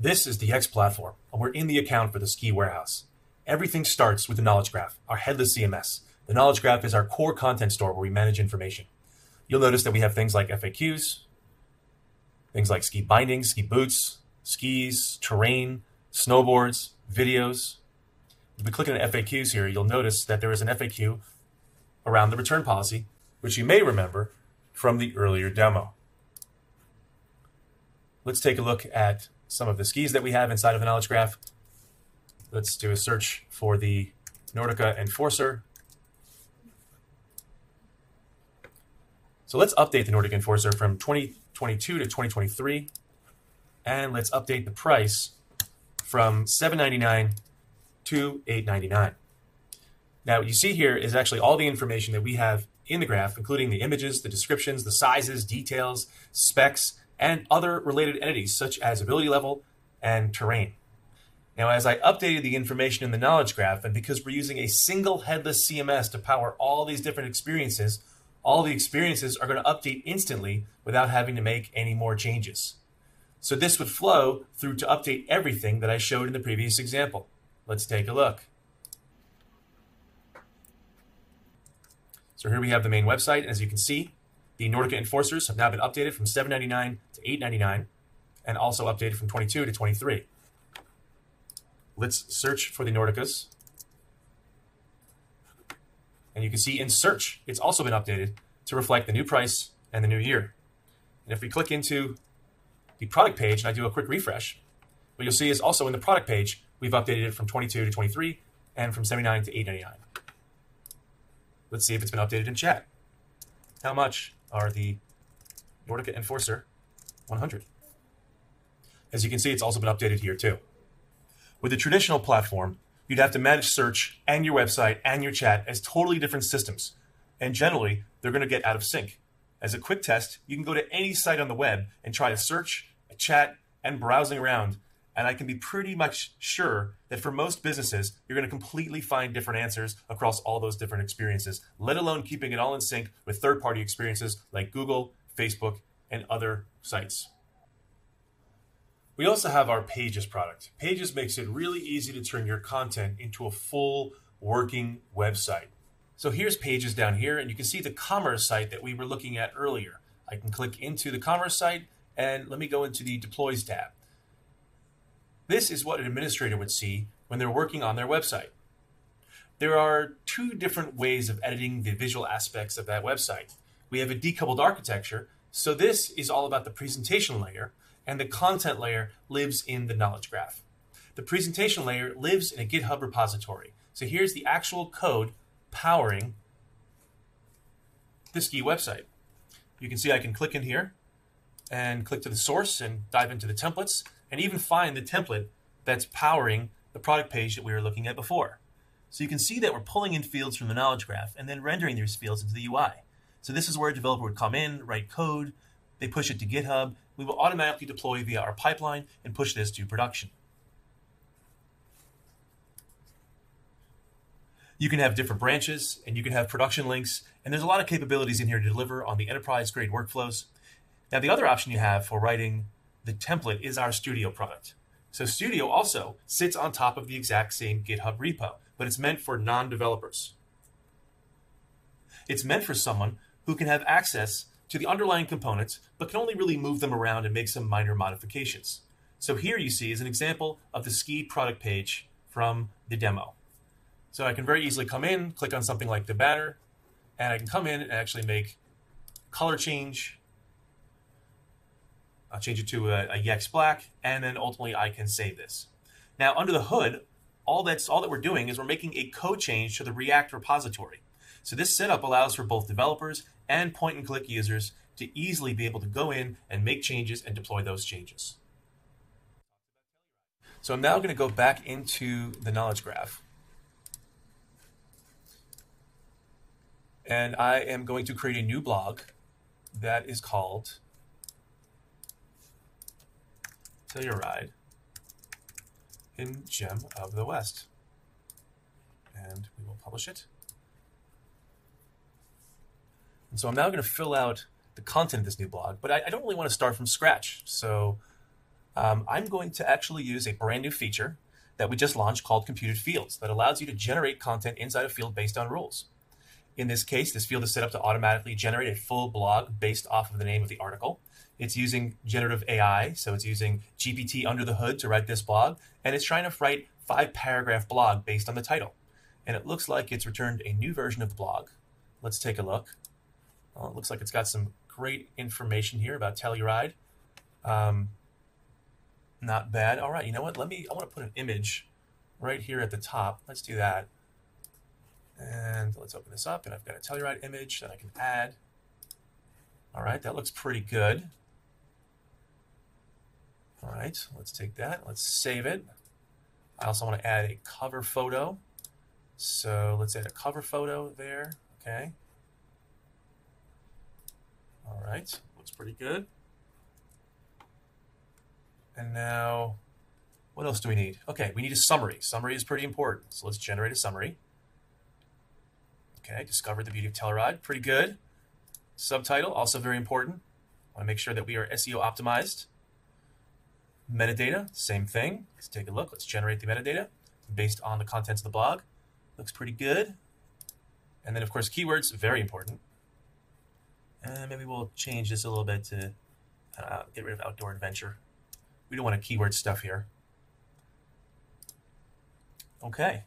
This is the Yext platform. We're in the account for the Ski Warehouse. Everything starts with the Knowledge Graph, our headless CMS. The Knowledge Graph is our core content store where we manage information. You'll notice that we have things like FAQs, things like ski bindings, ski boots, skis, terrain, snowboards, videos. If you click on FAQs here, you'll notice that there is an FAQ around the return policy, which you may remember from the earlier demo. Let's take a look at some of the skis that we have inside of the Knowledge Graph. Let's do a search for the Nordica Enforcer. Let's update the Nordica Enforcer from 2022 to 2023, and let's update the price from $799 to $899. Now, what you see here is actually all the information that we have in the graph, including the images, the descriptions, the sizes, details, specs, and other related entities such as ability level and terrain. Now, as I updated the information in the Knowledge Graph, and because we're using a single headless CMS to power all these different experiences, all the experiences are gonna update instantly without having to make any more changes. This would flow through to update everything that I showed in the previous example. Let's take a look. Here we have the main website. As you can see, the Nordica Enforcers have now been updated from $799 to $899, also updated from 2022 to 2023. Let's search for the Nordicas. You can see in search, it's also been updated to reflect the new price and the new year. If we click into the product page and I do a quick refresh, what you'll see is also in the product page, we've updated it from 2022 to 2023 and from $79 to $89. Let's see if it's been updated in chat. How much are the Nordica Enforcer 100? As you can see, it's also been updated here too. With a traditional platform, you'd have to manage search and your website and your chat as totally different systems, generally, they're gonna get out of sync. As a quick test, you can go to any site on the web and try a search, a chat, and browsing around, and I can be pretty much sure that for most businesses, you're gonna completely find different answers across all those different experiences, let alone keeping it all in sync with third-party experiences like Google, Facebook, and other sites. We also have our Pages product. Pages makes it really easy to turn your content into a full working website. Here's Pages down here, and you can see the commerce site that we were looking at earlier. I can click into the commerce site and let me go into the Deploys tab. This is what an administrator would see when they're working on their website. There are two different ways of editing the visual aspects of that website. We have a decoupled architecture, this is all about the presentation layer, and the content layer lives in the Knowledge Graph. The presentation layer lives in a GitHub repository. Here's the actual code powering this ski website. You can see I can click in here and click to the source and dive into the templates and even find the template that's powering the product page that we were looking at before. You can see that we're pulling in fields from the Knowledge Graph and then rendering those fields into the UI. This is where a developer would come in, write code, they push it to GitHub. We will automatically deploy via our pipeline and push this to production. You can have different branches, and you can have production links, and there's a lot of capabilities in here to deliver on the enterprise-grade workflows. The other option you have for writing the template is our Studio product. Studio also sits on top of the exact same GitHub repo, but it's meant for non-developers. It's meant for someone who can have access to the underlying components but can only really move them around and make some minor modifications. Here you see is an example of the ski product page from the demo. I can very easily come in, click on something like the batter, and I can come in and actually make color change. I'll change it to a Yext black, ultimately I can save this. Under the hood, all that we're doing is we're making a code change to the React repository. This setup allows for both developers and point-and-click users to easily be able to go in and make changes and deploy those changes. I'm now gonna go back into the Knowledge Graph. I am going to create a new blog that is called Telluride in Gem of the West. We will publish it. I'm now gonna fill out the content of this new blog, but I don't really wanna start from scratch. I'm going to actually use a brand-new feature that we just launched called Computed Fields that allows you to generate content inside a field based on rules. In this case, this field is set up to automatically generate a full blog based off of the name of the article. It's using generative AI, so it's using GPT under the hood to write this blog, and it's trying to write five paragraph blog based on the title. It looks like it's returned a new version of the blog. Let's take a look. Well, it looks like it's got some great information here about Telluride. Not bad. All right. You know what? I wanna put an image right here at the top. Let's do that. Let's open this up, and I've got a Telluride image that I can add. All right. That looks pretty good. All right. Let's take that. Let's save it. I also wanna add a cover photo. Let's add a cover photo there. Okay. All right. Looks pretty good. Now what else do we need? Okay, we need a summary. Summary is pretty important, so let's generate a summary. Okay. Discover the beauty of Telluride. Pretty good. Subtitle, also very important. Wanna make sure that we are SEO optimized. Metadata, same thing. Let's take a look. Let's generate the metadata based on the contents of the blog. Looks pretty good. Of course, keywords, very important. Maybe we'll change this a little bit to get rid of outdoor adventure. We don't want a keyword stuff here. Okay.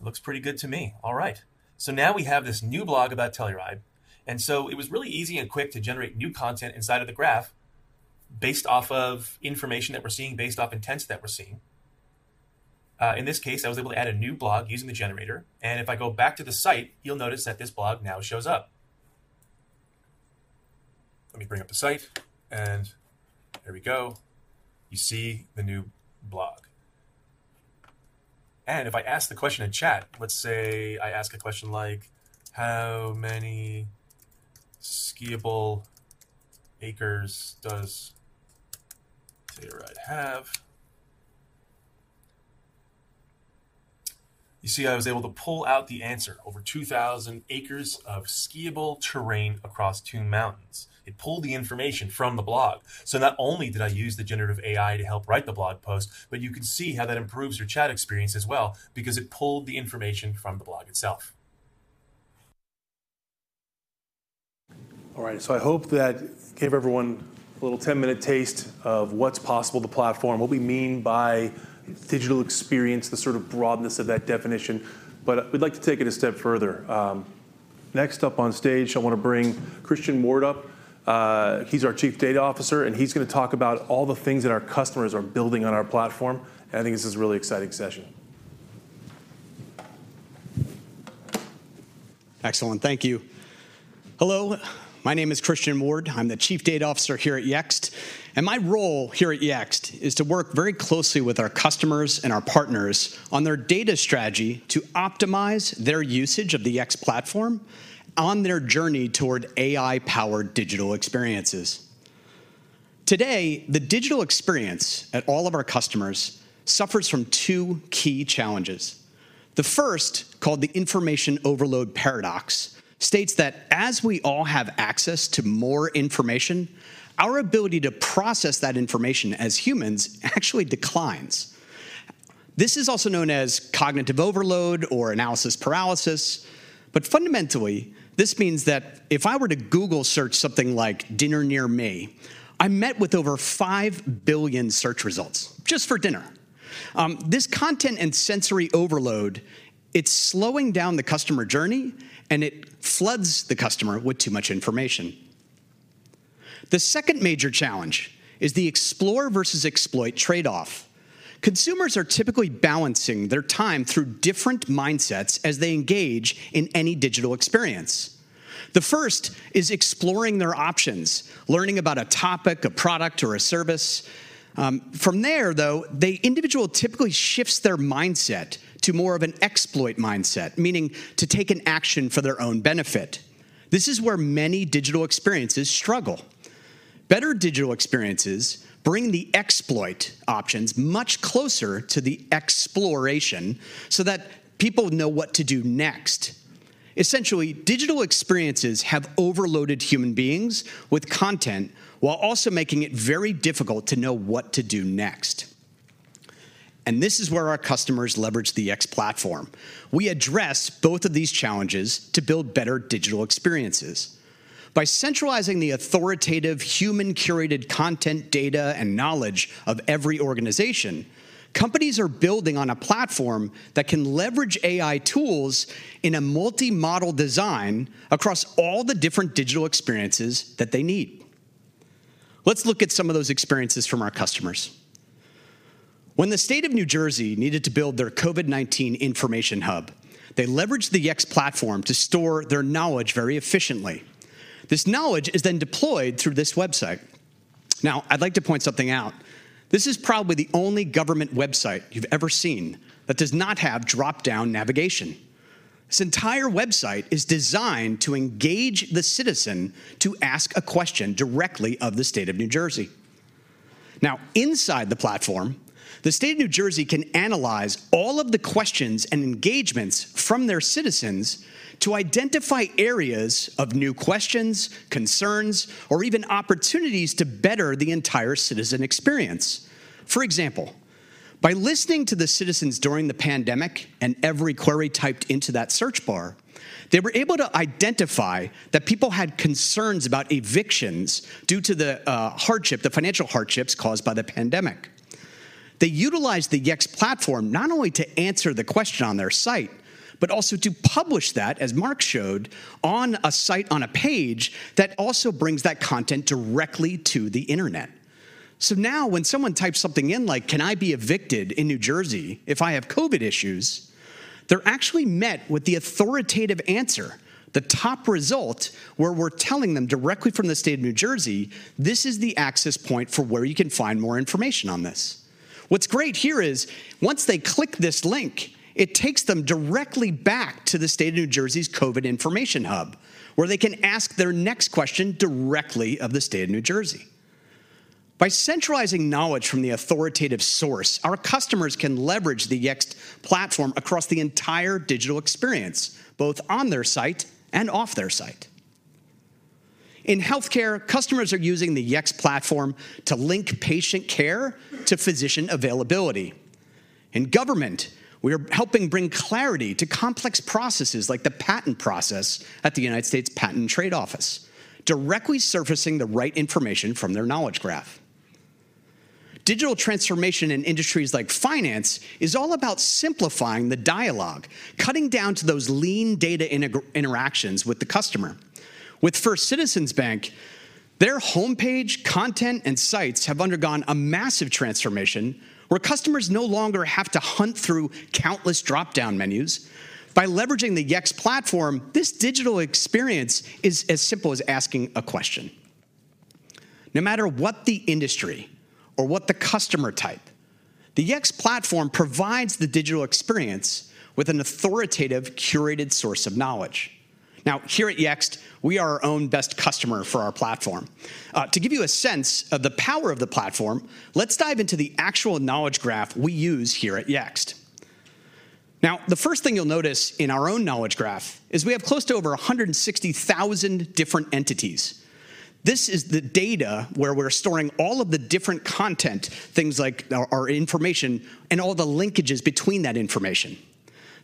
Looks pretty good to me. All right. Now we have this new blog about Telluride. It was really easy and quick to generate new content inside of the graph based off of information that we're seeing, based off intents that we're seeing. In this case, I was able to add a new blog using the generator. If I go back to the site, you'll notice that this blog now shows up. Let me bring up the site, and here we go. You see the new blog. If I ask the question in chat, let's say I ask a question like, "How many skiable acres does Telluride have?" You see I was able to pull out the answer, over 2,000 acres of skiable terrain across two mountains. It pulled the information from the blog. Not only did I use the generative AI to help write the blog post, but you can see how that improves your chat experience as well because it pulled the information from the blog itself. All right. I hope that gave everyone a little 10-minute taste of what's possible with the platform, what we mean by digital experience, the sort of broadness of that definition. We'd like to take it a step further. Next up on stage, I wanna bring Christian Ward up. He's our chief data officer, and he's gonna talk about all the things that our customers are building on our platform. I think this is a really exciting session. Excellent. Thank you. Hello. My name is Christian Ward. I'm the Chief Data Officer here at Yext. My role here at Yext is to work very closely with our customers and our partners on their data strategy to optimize their usage of the Yext platform on their journey toward AI-powered digital experiences. Today, the digital experience at all of our customers suffers from two key challenges. The first, called the information overload paradox, states that as we all have access to more information, our ability to process that information as humans actually declines. This is also known as cognitive overload or analysis paralysis. Fundamentally, this means that if I were to Google search something like dinner near me, I'm met with over 5 billion search results, just for dinner. This content and sensory overload, it's slowing down the customer journey, and it floods the customer with too much information. The second major challenge is the explore versus exploit trade-off. Consumers are typically balancing their time through different mindsets as they engage in any digital experience. The first is exploring their options, learning about a topic, a product, or a service. From there, though, the individual typically shifts their mindset to more of an exploit mindset, meaning to take an action for their own benefit. This is where many digital experiences struggle. Better digital experiences bring the exploit options much closer to the exploration so that people know what to do next. Essentially, digital experiences have overloaded human beings with content while also making it very difficult to know what to do next. This is where our customers leverage the Yext platform. We address both of these challenges to build better digital experiences. By centralizing the authoritative human-curated content, data, and knowledge of every organization, companies are building on a platform that can leverage AI tools in a multi-model design across all the different digital experiences that they need. Let's look at some of those experiences from our customers. When the state of New Jersey needed to build their COVID-19 information hub, they leveraged the Yext platform to store their knowledge very efficiently. This knowledge is deployed through this website. I'd like to point something out. This is probably the only government website you've ever seen that does not have drop-down navigation. This entire website is designed to engage the citizen to ask a question directly of the state of New Jersey. Now, inside the platform, the state of New Jersey can analyze all of the questions and engagements from their citizens to identify areas of new questions, concerns, or even opportunities to better the entire citizen experience. For example, by listening to the citizens during the pandemic and every query typed into that search bar, they were able to identify that people had concerns about evictions due to the hardship, the financial hardships caused by the pandemic. They utilized the Yext platform not only to answer the question on their site, but also to publish that, as Marc showed, on a site, on a page that also brings that content directly to the Internet. Now when someone types something in like, "Can I be evicted in New Jersey if I have COVID issues?" They're actually met with the authoritative answer, the top result, where we're telling them directly from the state of New Jersey, this is the access point for where you can find more information on this. What's great here is once they click this link, it takes them directly back to the state of New Jersey's COVID information hub, where they can ask their next question directly of the state of New Jersey. By centralizing knowledge from the authoritative source, our customers can leverage the Yext platform across the entire digital experience, both on their site and off their site. In healthcare, customers are using the Yext platform to link patient care to physician availability. In government, we are helping bring clarity to complex processes like the patent process at the United States Patent and Trade Office, directly surfacing the right information from their Knowledge Graph. Digital transformation in industries like finance is all about simplifying the dialogue, cutting down to those lean data inter-interactions with the customer. With First Citizens Bank, their homepage, content, and sites have undergone a massive transformation where customers no longer have to hunt through countless drop-down menus. By leveraging the Yext platform, this digital experience is as simple as asking a question. No matter what the industry or what the customer type, the Yext platform provides the digital experience with an authoritative, curated source of knowledge. Now, here at Yext, we are our own best customer for our platform. To give you a sense of the power of the platform, let's dive into the actual Knowledge Graph we use here at Yext. The first thing you'll notice in our own Knowledge Graph is we have close to over 160,000 different entities. This is the data where we're storing all of the different content, things like our information and all the linkages between that information.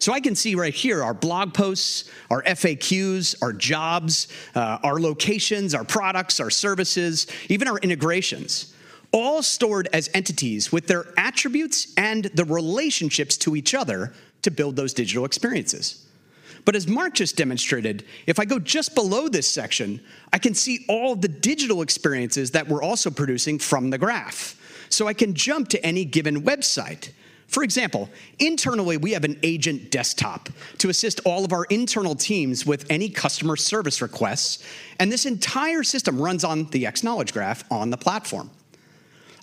I can see right here our blog posts, our FAQs, our jobs, our locations, our products, our services, even our integrations, all stored as entities with their attributes and the relationships to each other to build those digital experiences. As Marc just demonstrated, if I go just below this section, I can see all the digital experiences that we're also producing from the graph. I can jump to any given website. For example, internally, we have an agent desktop to assist all of our internal teams with any customer service requests, and this entire system runs on the Yext Knowledge Graph on the platform.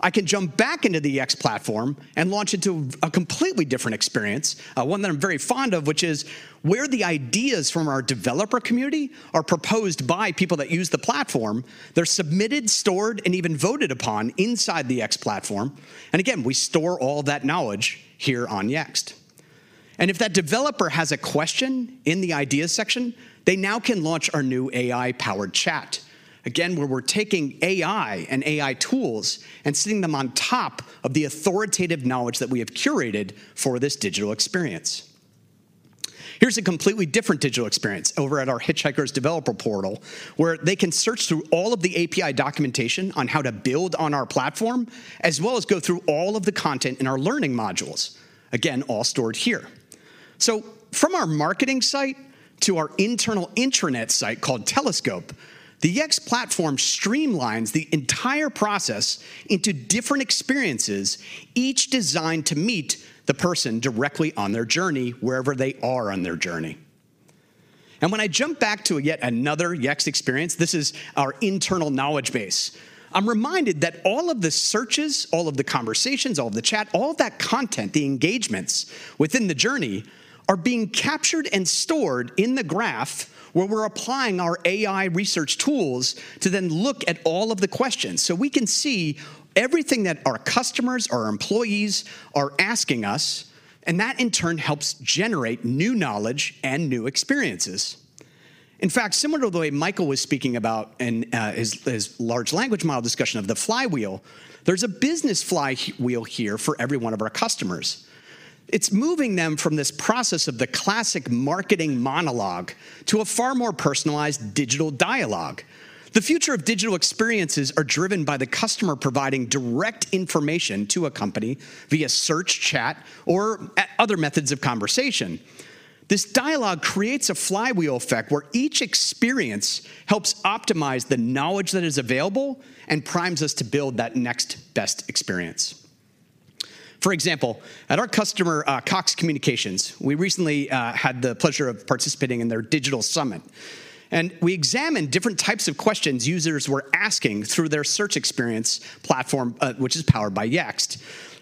I can jump back into the Yext platform and launch into a completely different experience, one that I'm very fond of, which is where the ideas from our developer community are proposed by people that use the platform. They're submitted, stored, and even voted upon inside the Yext platform. Again, we store all that knowledge here on Yext. If that developer has a question in the ideas section, they now can launch our new AI-powered chat. Again, where we're taking AI and AI tools and sitting them on top of the authoritative knowledge that we have curated for this digital experience. Here's a completely different digital experience over at our Hitchhikers developer portal, where they can search through all of the API documentation on how to build on our platform, as well as go through all of the content in our learning modules. Again, all stored here. From our marketing site to our internal intranet site called Telescope, the Yext platform streamlines the entire process into different experiences, each designed to meet the person directly on their journey wherever they are on their journey. When I jump back to yet another Yext experience, this is our internal knowledge base. I'm reminded that all of the searches, all of the conversations, all of the chat, all that content, the engagements within the journey are being captured and stored in the graph where we're applying our AI research tools to then look at all of the questions. We can see everything that our customers, our employees are asking us, and that in turn helps generate new knowledge and new experiences. In fact, similar to the way Michael was speaking about in his large language model discussion of the flywheel, there's a business flywheel here for every one of our customers. It's moving them from this process of the classic marketing monologue to a far more personalized digital dialogue. The future of digital experiences are driven by the customer providing direct information to a company via search, chat, or other methods of conversation. This dialogue creates a flywheel effect where each experience helps optimize the knowledge that is available and primes us to build that next best experience. For example, at our customer, Cox Communications, we recently had the pleasure of participating in their digital summit. We examined different types of questions users were asking through their search experience platform, which is powered by Yext.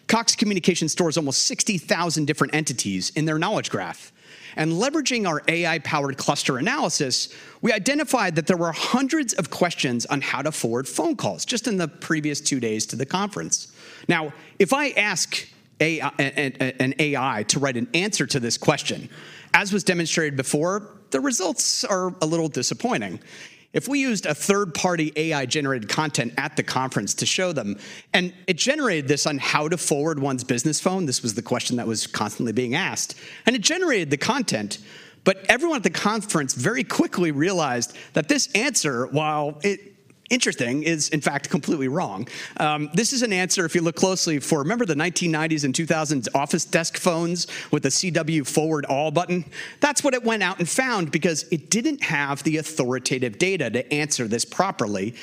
Cox Communications stores almost 60,000 different entities in their Knowledge Graph. Leveraging our AI-powered cluster analysis, we identified that there were 100 of questions on how to forward phone calls just in the previous two days to the conference. Now, if I ask an AI to write an answer to this question, as was demonstrated before, the results are a little disappointing. If we used a third-party AI-generated content at the conference to show them, and it generated this on how to forward one's business phone, this was the question that was constantly being asked, and it generated the content. Everyone at the conference very quickly realized that this answer, while interesting, is in fact completely wrong. This is an answer, if you look closely, for remember the 1990s and 2000s office desk phones with the CW Forward All button? That's what it went out and found because it didn't have the authoritative data to answer this properly,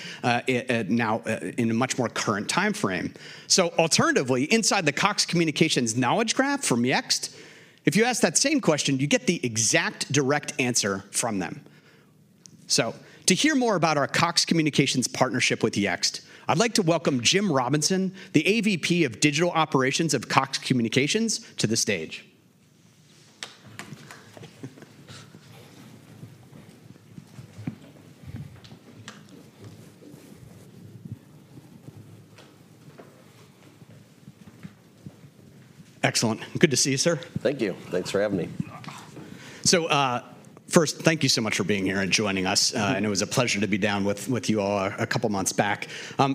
in a much more current time frame. Alternatively, inside the Cox Communications Knowledge Graph from Yext, if you ask that same question, you get the exact direct answer from them. To hear more about our Cox Communications partnership with Yext, I'd like to welcome Jim Robinson, the AVP of Digital Operations of Cox Communications, to the stage. Excellent. Good to see you, sir. Thank you. Thanks for having me. First, thank you so much for being here and joining us. It was a pleasure to be down with you all a couple of months back.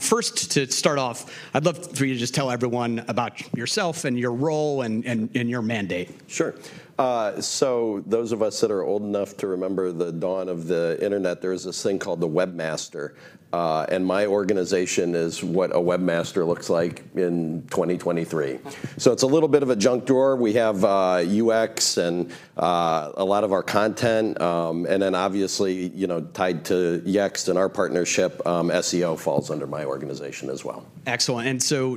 First, to start off, I'd love for you to just tell everyone about yourself and your role and your mandate. Sure. Those of us that are old enough to remember the dawn of the internet, there was this thing called the Webmaster, and my organization is what a Webmaster looks like in 2023. It's a little bit of a junk drawer. We have UX and a lot of our content, and then obviously, you know, tied to Yext and our partnership, SEO falls under my organization as well. Excellent.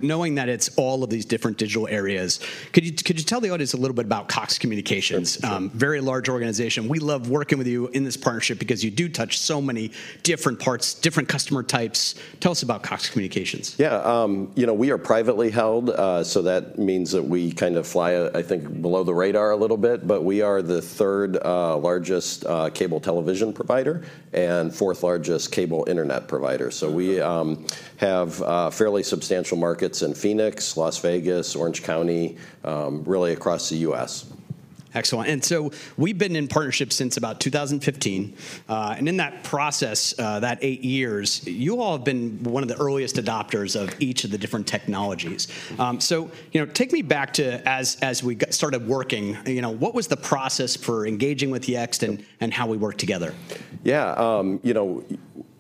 knowing that it's all of these different digital areas, could you tell the audience a little bit about Cox Communications? Sure. Sure. Very large organization. We love working with you in this partnership because you do touch so many different parts, different customer types. Tell us about Cox Communications? Yeah. you know, we are privately held, that means that we kind of fly, I think, below the radar a little bit. We are the third largest cable television provider and fourth largest cable internet provider. We have fairly substantial markets in Phoenix, Las Vegas, Orange County, really across the U.S. Excellent. We've been in partnership since about 2015. In that process, that eight years, you all have been one of the earliest adopters of each of the different technologies. You know, take me back to as we started working, you know, what was the process for engaging with Yext and how we worked together? Yeah. You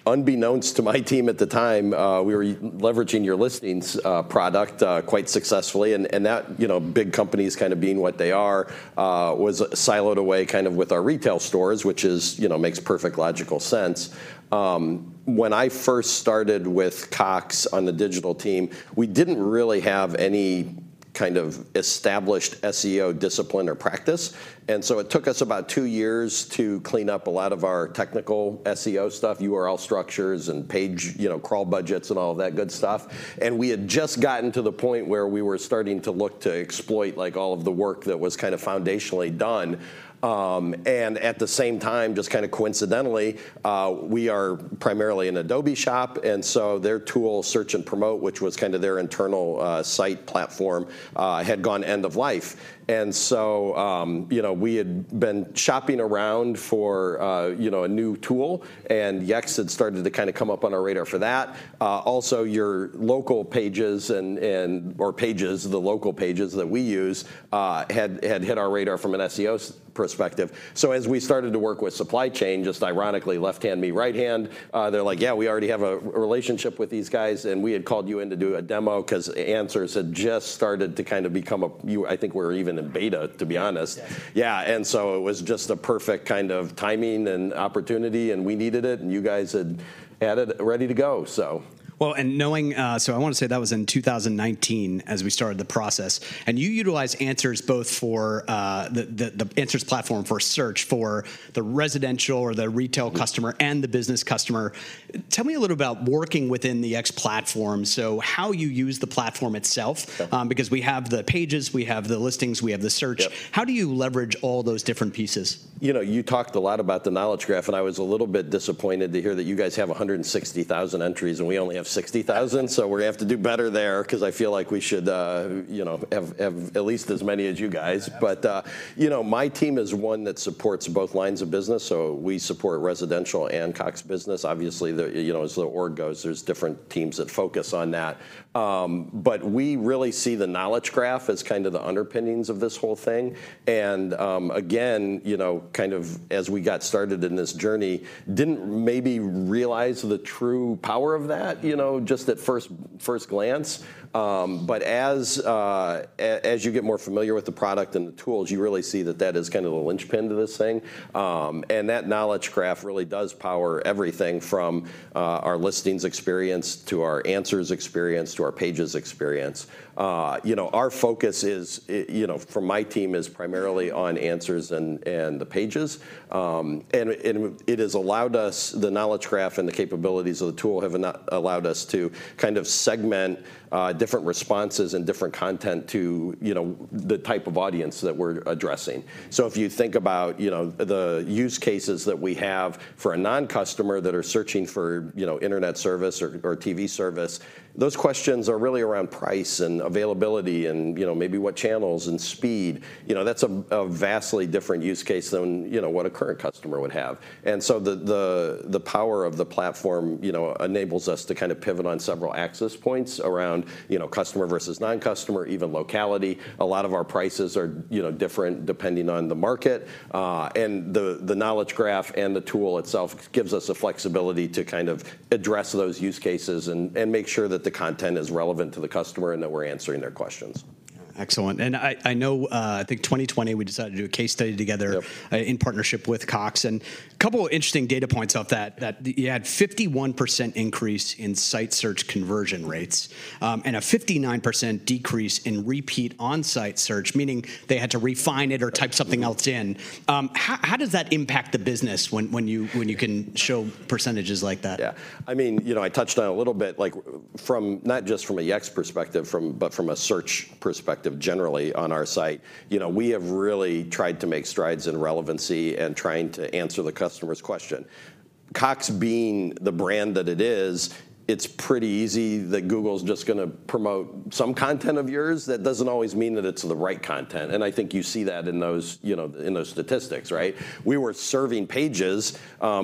know, unbeknownst to my team at the time, we were leveraging your Listings product quite successfully. That, you know, big companies kind of being what they are, was siloed away kind of with our retail stores, which is, you know, makes perfect logical sense. When I first started with Cox on the digital team, we didn't really have any kind of established SEO discipline or practice. It took us about two years to clean up a lot of our technical SEO stuff, URL structures, and page, you know, crawl budgets and all that good stuff. We had just gotten to the point where we were starting to look to exploit like all of the work that was kind of foundationally done. At the same time, just kind of coincidentally, we are primarily an Adobe shop. Their tool, Search & Promote, which was kind of their internal site platform, had gone end of life. You know, we had been shopping around for, you know, a new tool, and Yext had started to kind of come up on our radar for that. Your local pages and, or Pages, the local pages that we use, had hit our radar from an SEO perspective. As we started to work with supply chain, just ironically left hand, meet right hand, they're like, "Yeah, we already have a relationship with these guys," and we had called you in to do a demo 'cause Answers had just started to kind of become a. I think we're even in beta, to be honest. Yeah. Yeah. It was just the perfect kind of timing and opportunity, and we needed it, and you guys had had it ready to go, so. Well, knowing I wanna say that was in 2019 as we started the process, and you utilized Answers both for the Answers Platform for search for the residential or the retail. Mm and the business customer. Tell me a little about working within the Yext platform. How you use the platform itself. Okay... because we have the Pages, we have the Listings, we have the Search. Yep. How do you leverage all those different pieces? You know, you talked a lot about the Knowledge Graph. I was a little bit disappointed to hear that you guys have 160,000 entries, and we only have 60,000. We're gonna have to do better there 'cause I feel like we should, you know, have at least as many as you guys. Yeah. You know, my team is one that supports both lines of business, so we support residential and Cox Business. Obviously, the, you know, as the org goes, there's different teams that focus on that. We really see the Knowledge Graph as kind of the underpinnings of this whole thing. Again, you know, kind of as we got started in this journey, didn't maybe realize the true power of that, you know, just at first glance. As you get more familiar with the product and the tools, you really see that that is kind of the linchpin to this thing. That Knowledge Graph really does power everything from our Listings experience to our Answers experience to our Pages experience. You know, our focus is, you know, for my team, is primarily on Answers and the Pages. The Knowledge Graph and the capabilities of the tool have allowed us to kind of segment, different responses and different content to, you know, the type of audience that we're addressing. If you think about, you know, the use cases that we have for a non-customer that are searching for, you know, internet service or TV service, those questions are really around price and availability and, you know, maybe what channels and speed. You know, that's a vastly different use case than, you know, what a current customer would have. The power of the platform, you know, enables us to kind of pivot on several access points around, you know, customer versus non-customer, even locality. A lot of our prices are, you know, different depending on the market. The Knowledge Graph and the tool itself gives us the flexibility to kind of address those use cases and make sure that the content is relevant to the customer and that we're answering their questions. Excellent. I know I think 2020 we decided to do a case study together... Yep... in partnership with Cox. Couple of interesting data points off that you had 51% increase in site search conversion rates, and a 59% decrease in repeat on-site search, meaning they had to refine it or type something else in. Mm-hmm. How does that impact the business when you can show percentages like that? Yeah. I mean, you know, I touched on it a little bit, like not just from a Yext perspective but from a search perspective generally on our site. You know, we have really tried to make strides in relevancy and trying to answer the customer's question. Cox being the brand that it is, it's pretty easy that Google's just gonna promote some content of yours. That doesn't always mean that it's the right content, and I think you see that in those, you know, in those statistics, right? We were serving pages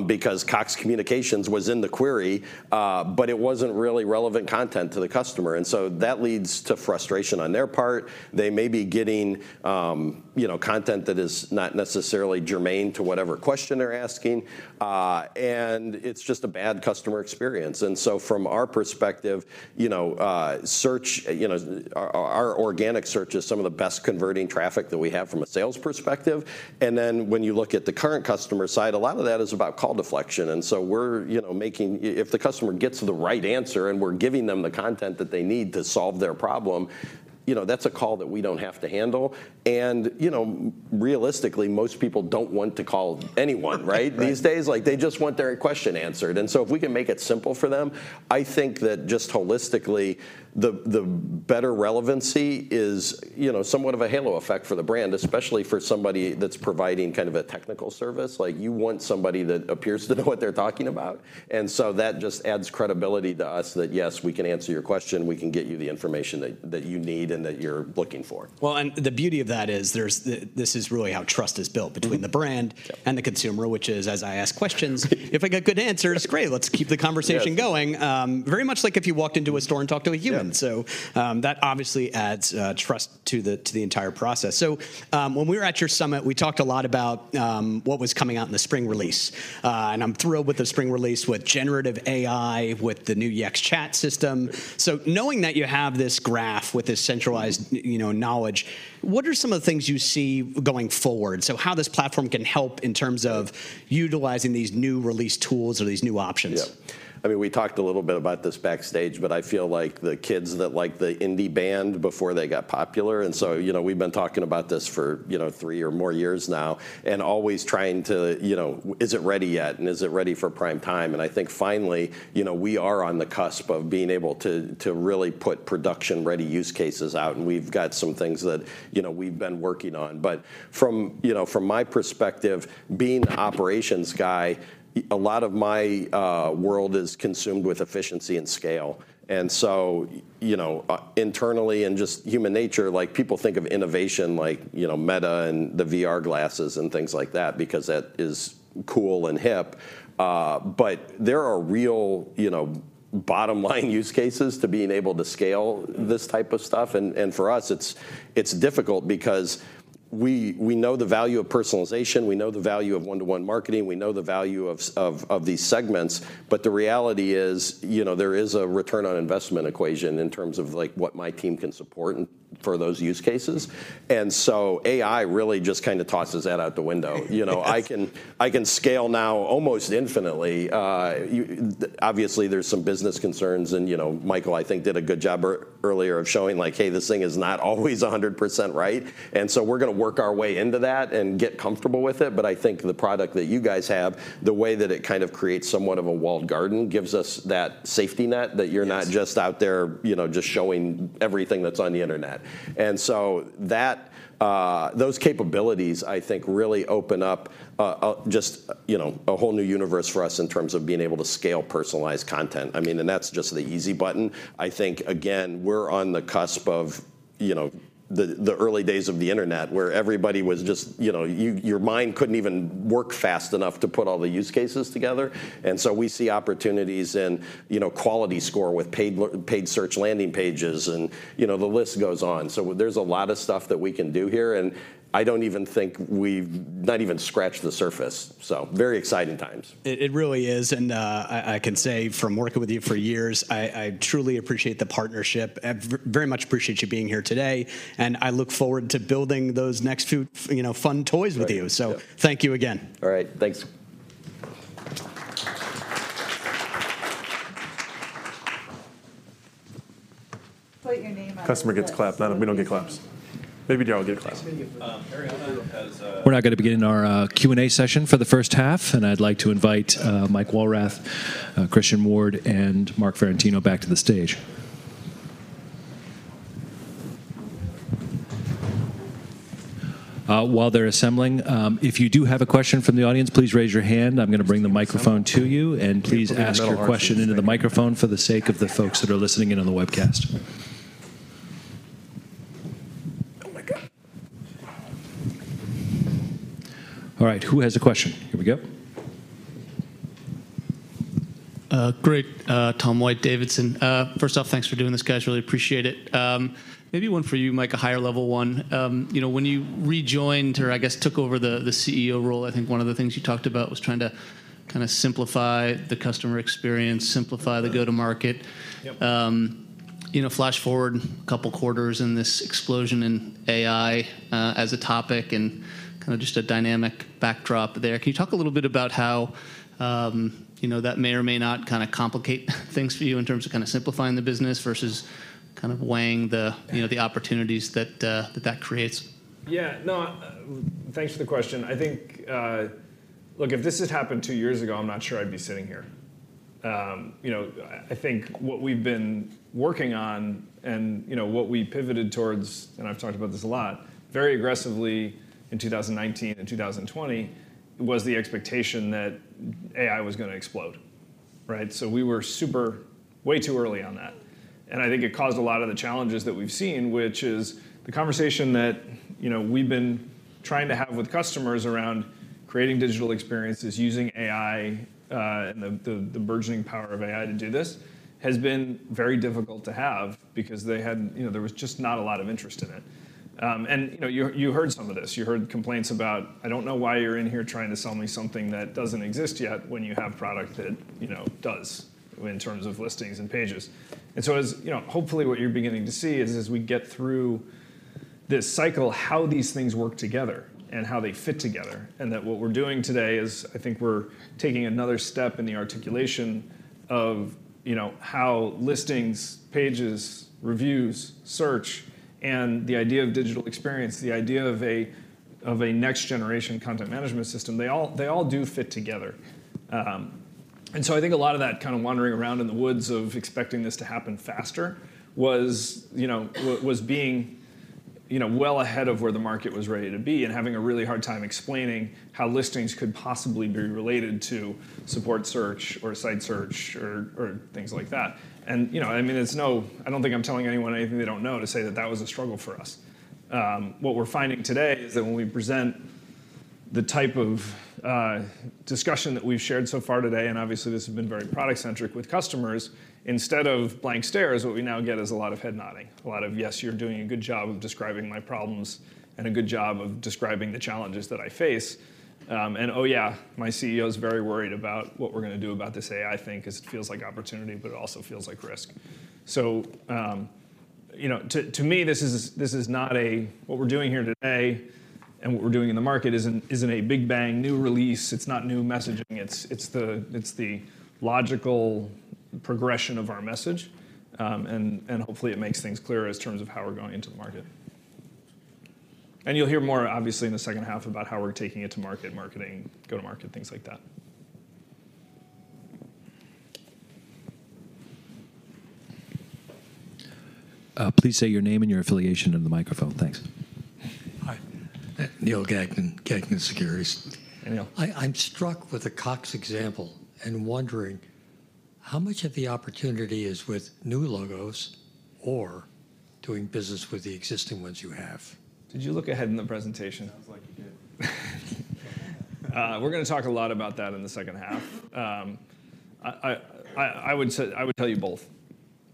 because Cox Communications was in the query, but it wasn't really relevant content to the customer, and so that leads to frustration on their part. They may be getting, you know, content that is not necessarily germane to whatever question they're asking. It's just a bad customer experience. From our perspective, you know, search, you know, our organic search is some of the best converting traffic that we have from a sales perspective. When you look at the current customer side, a lot of that is about call deflection. We're, you know, making if the customer gets the right answer, and we're giving them the content that they need to solve their problem, you know, that's a call that we don't have to handle. You know, realistically, most people don't want to call anyone, right? Right... these days. Like, they just want their question answered. If we can make it simple for them, I think that just holistically the better relevancy is, you know, somewhat of a halo effect for the brand, especially for somebody that's providing kind of a technical service. Like, you want somebody that appears to know what they're talking about. That just adds credibility to us that, yes, we can answer your question, we can get you the information that you need and that you're looking for. Well, the beauty of that is this is really how trust is built between. Mm-hmm... the brand- Yep the consumer, which is, as I ask questions. If I get good answers, great. Let's keep the conversation going. Yes. Very much like if you walked into a store and talked to a human. Yeah. That obviously adds trust to the entire process. When we were at your summit, we talked a lot about what was coming out in the spring release. And I'm thrilled with the spring release with generative AI, with the new Yext Chat system. Knowing that you have this graph. Mm-hmm you know, knowledge, what are some of the things you see going forward? How this platform can help in terms of utilizing these new released tools or these new options. Yeah. I mean, we talked a little bit about this backstage, I feel like the kids that like the indie band before they got popular. You know, we've been talking about this for, you know, three or more years now, always trying to, you know, is it ready yet, is it ready for prime time? I think finally, you know, we are on the cusp of being able to really put production-ready use cases out, we've got some things that, you know, we've been working on. From, you know, from my perspective, being the operations guy, a lot of my world is consumed with efficiency and scale. You know, internally and just human nature, like, people think of innovation like, you know, Meta and the VR glasses and things like that because that is cool and hip. There are real, you know, bottom-line use cases to being able to scale this type of stuff. For us it's difficult because we know the value of personalization, we know the value of one-to-one marketing, we know the value of these segments, but the reality is, you know, there is a return on investment equation in terms of like what my team can support and for those use cases. AI really just kinda tosses that out the window. You know, I can, I can scale now almost infinitely. Obviously, there's some business concerns and, you know, Michael, I think did a good job earlier of showing like, "Hey, this thing is not always 100% right." We're gonna work our way into that and get comfortable with it, but I think the product that you guys have, the way that it kind of creates somewhat of a walled garden gives us that safety net- Yes... that you're not just out there, you know, just showing everything that's on the internet. That, those capabilities, I think, really open up a just, you know, a whole new universe for us in terms of being able to scale personalized content. I mean, that's just the easy button. I think, again, we're on the cusp of, you know, the early days of the internet, where everybody was just. You know, your mind couldn't even work fast enough to put all the use cases together. We see opportunities in, you know, quality score with paid search landing pages and, you know, the list goes on. There's a lot of stuff that we can do here, and I don't even think we've not even scratched the surface, very exciting times. It really is. I can say from working with you for years, I truly appreciate the partnership. very much appreciate you being here today, and I look forward to building those next few you know, fun toys with you. Right. Yeah. Thank you again. All right. Thanks. Put your name on the list please. Customer gets clapped. Not we don't get claps. Maybe y'all give claps. This video is... Arianna has a-. We're now gonna begin our Q&A session for the first half, and I'd like to invite Mike Walrath, Christian Ward, and Marc Ferrentino back to the stage. While they're assembling, if you do have a question from the audience, please raise your hand. I'm gonna bring the microphone to you, and please ask your question into the microphone for the sake of the folks that are listening in on the webcast. Oh my God. All right, who has a question? Here we go. Great. Tom White, Davidson. First off, thanks for doing this, guys. Really appreciate it. Maybe one for you, Mike, a higher level one. You know, when you rejoined or I guess took over the CEO role, I think one of the things you talked about was trying to kinda simplify the customer experience, simplify the go-to-market. Yep. You know, flash forward a couple quarters in this explosion in AI as a topic and kinda just a dynamic backdrop there. Can you talk a little bit about how, you know, that may or may not kinda complicate things for you in terms of kinda simplifying the business versus kind of weighing. Yeah... you know, the opportunities that that creates? Yeah, no, thanks for the question. I think, look, if this had happened two years ago, I'm not sure I'd be sitting here. You know, I think what we've been working on and, you know, what we pivoted towards, and I've talked about this a lot, very aggressively in 2019 and 2020 was the expectation that AI was gonna explode, right? We were super way too early on that, and I think it caused a lot of the challenges that we've seen, which is the conversation that, you know, we've been trying to have with customers around creating digital experiences using AI, and the burgeoning power of AI to do this, has been very difficult to have because they had. You know, there was just not a lot of interest in it. You know, you heard some of this. You heard complaints about, "I don't know why you're in here trying to sell me something that doesn't exist yet," when you have product that, you know, does in terms of Listings and Pages. As, you know, hopefully what you're beginning to see is as we get through this cycle, how these things work together and how they fit together, and that what we're doing today is, I think we're taking another step in the articulation of, you know, how Listings, Pages, Reviews, Search, and the idea of digital experience, the idea of a next generation content management system, they all do fit together. I think a lot of that kind of wandering around in the woods of expecting this to happen faster was, you know, was being, you know, well ahead of where the market was ready to be and having a really hard time explaining how Listings could possibly be related to support search or site search or things like that. You know, I mean, I don't think I'm telling anyone anything they don't know to say that that was a struggle for us. What we're finding today is that when we present the type of discussion that we've shared so far today, and obviously this has been very product-centric with customers, instead of blank stares, what we now get is a lot of head nodding, a lot of, "Yes, you're doing a good job of describing my problems and a good job of describing the challenges that I face," and, "Oh yeah, my CEO's very worried about what we're gonna do about this AI thing 'cause it feels like opportunity, but it also feels like risk." You know, to me, this is not a... What we're doing here today and what we're doing in the market isn't a big bang new release. It's not new messaging. It's the logical progression of our message, and hopefully it makes things clearer in terms of how we're going into the market. You'll hear more obviously in the second half about how we're taking it to market, marketing, go to market, things like that. Please say your name and your affiliation in the microphone. Thanks. Hi. Neil Gagnon, Gagnon Securities. Hey, Neil. I'm struck with the Cox example and wondering how much of the opportunity is with new logos or doing business with the existing ones you have? Did you look ahead in the presentation? Sounds like he did. We're gonna talk a lot about that in the second half. I would say, I would tell you both.